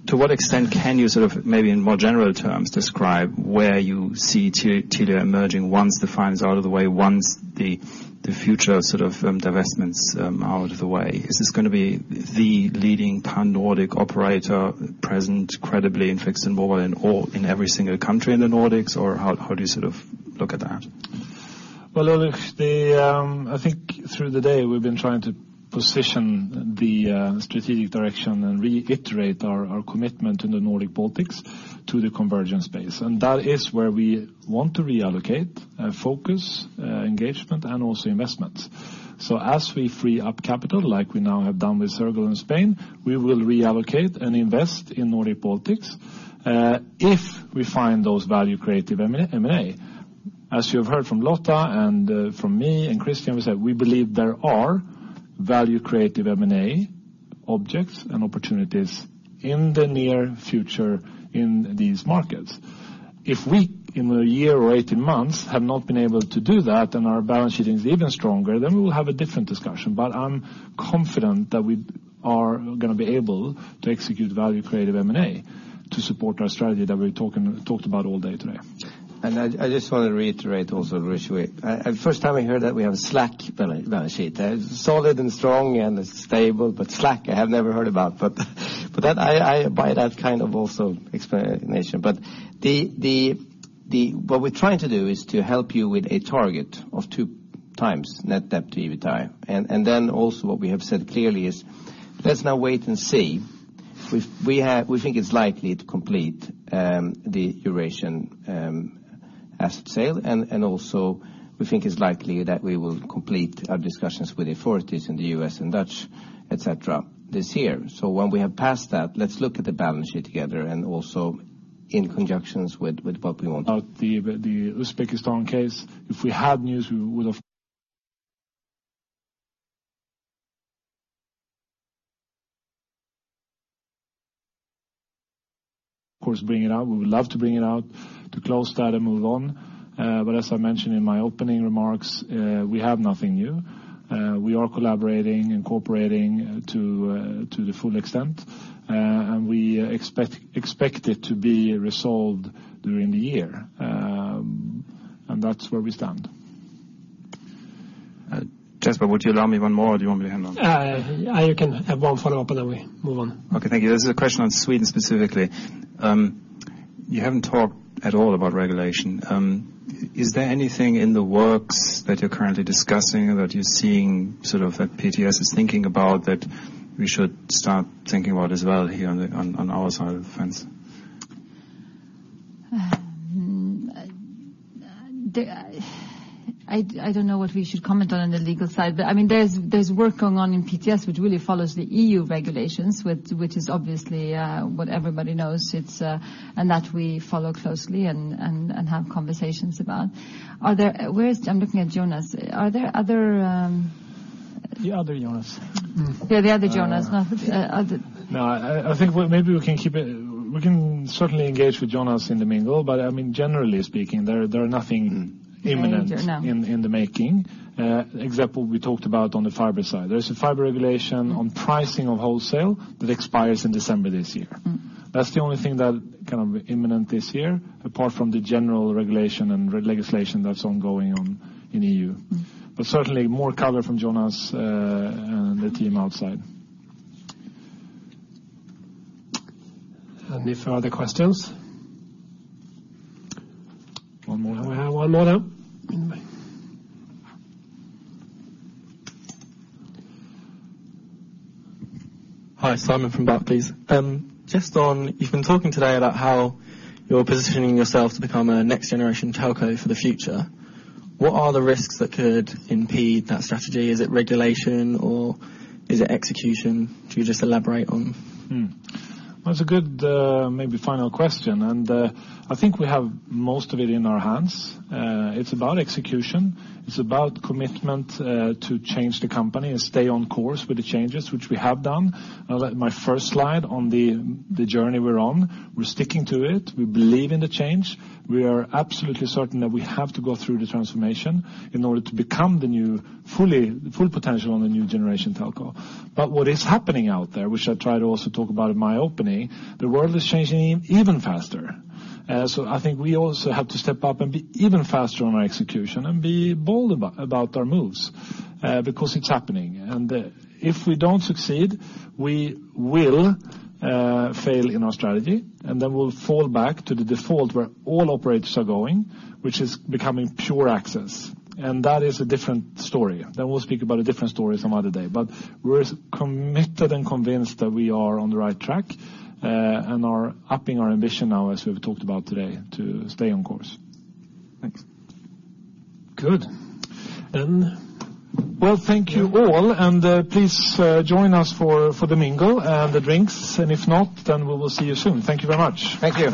To what extent can you sort of maybe in more general terms, describe where you see Telia emerging once the fine is out of the way, once the future sort of divestments are out of the way? Is this going to be the leading pan-Nordic operator present credibly in fixed mobile in every single country in the Nordics? Or how do you sort of look at that? Well, Ulrich, I think through the day we've been trying to position the strategic direction and reiterate our commitment in the Nordic Baltics to the convergence space. That is where we want to reallocate our focus, engagement, and also investments. As we free up capital, like we now have done with Yoigo in Spain, we will reallocate and invest in Nordic Baltics. If we find those value creative M&A. As you have heard from Lotta and from me and Christian, we believe there are value creative M&A objects and opportunities in the near future in these markets. If we, in a year or 18 months, have not been able to do that, and our balance sheet is even stronger, we'll have a different discussion. I'm confident that we are going to be able to execute value creative M&A to support our strategy that we talked about all day today. I just want to reiterate also, Ulrich, first time I heard that we have a slack balance sheet. Solid and strong and stable, but slack I have never heard about. I buy that kind of also explanation. What we're trying to do is to help you with a target of 2 times net debt to EBITDA. Also what we have said clearly is, let's now wait and see. We think it's likely to complete the Eurasian asset sale. Also we think it's likely that we will complete our discussions with authorities in the U.S. and Dutch, et cetera, this year. When we have passed that, let's look at the balance sheet together and also in conjunction with what we want. About the Uzbekistan case, if we had news, we would of course bring it out. We would love to bring it out to close that and move on. As I mentioned in my opening remarks, we have nothing new. We are collaborating and cooperating to the full extent, and we expect it to be resolved during the year. That's where we stand. Jesper, would you allow me one more, or do you want me to hand on? You can have one follow-up, then we move on. Okay, thank you. This is a question on Sweden specifically. You haven't talked at all about regulation. Is there anything in the works that you're currently discussing or that you're seeing sort of that PTS is thinking about that we should start thinking about as well here on our side of the fence? I don't know what we should comment on the legal side, but there's work going on in PTS, which really follows the EU regulations, which is obviously what everybody knows, and that we follow closely and have conversations about. I'm looking at Jonas. Are there other- The other Jonas. Yeah, the other Jonas. No, other. No. I think maybe we can certainly engage with Jonas in the mingle, but generally speaking, there are nothing imminent- Imminent, no. In the making. Example we talked about on the fiber side. There's a fiber regulation on pricing of wholesale that expires in December this year. That's the only thing that kind of imminent this year, apart from the general regulation and legislation that's ongoing in EU. Certainly more color from Jonas and the team outside. Any further questions? One more. We have one more now in the back. Hi, Simon from Barclays. You've been talking today about how you're positioning yourself to become a next generation telco for the future. What are the risks that could impede that strategy? Is it regulation or is it execution? Could you just elaborate on? Well, it's a good maybe final question, I think we have most of it in our hands. It's about execution. It's about commitment to change the company and stay on course with the changes, which we have done. My first slide on the journey we're on, we're sticking to it. We believe in the change. We are absolutely certain that we have to go through the transformation in order to become the full potential on the new generation telco. What is happening out there, which I try to also talk about in my opening, the world is changing even faster. I think we also have to step up and be even faster on our execution and be bold about our moves, because it's happening. If we don't succeed, we will fail in our strategy, we'll fall back to the default where all operators are going, which is becoming pure access. That is a different story. We'll speak about a different story some other day. We're committed and convinced that we are on the right track, and are upping our ambition now, as we've talked about today, to stay on course. Thanks. Good. Well, thank you all, please join us for the mingle and the drinks. If not, then we will see you soon. Thank you very much. Thank you.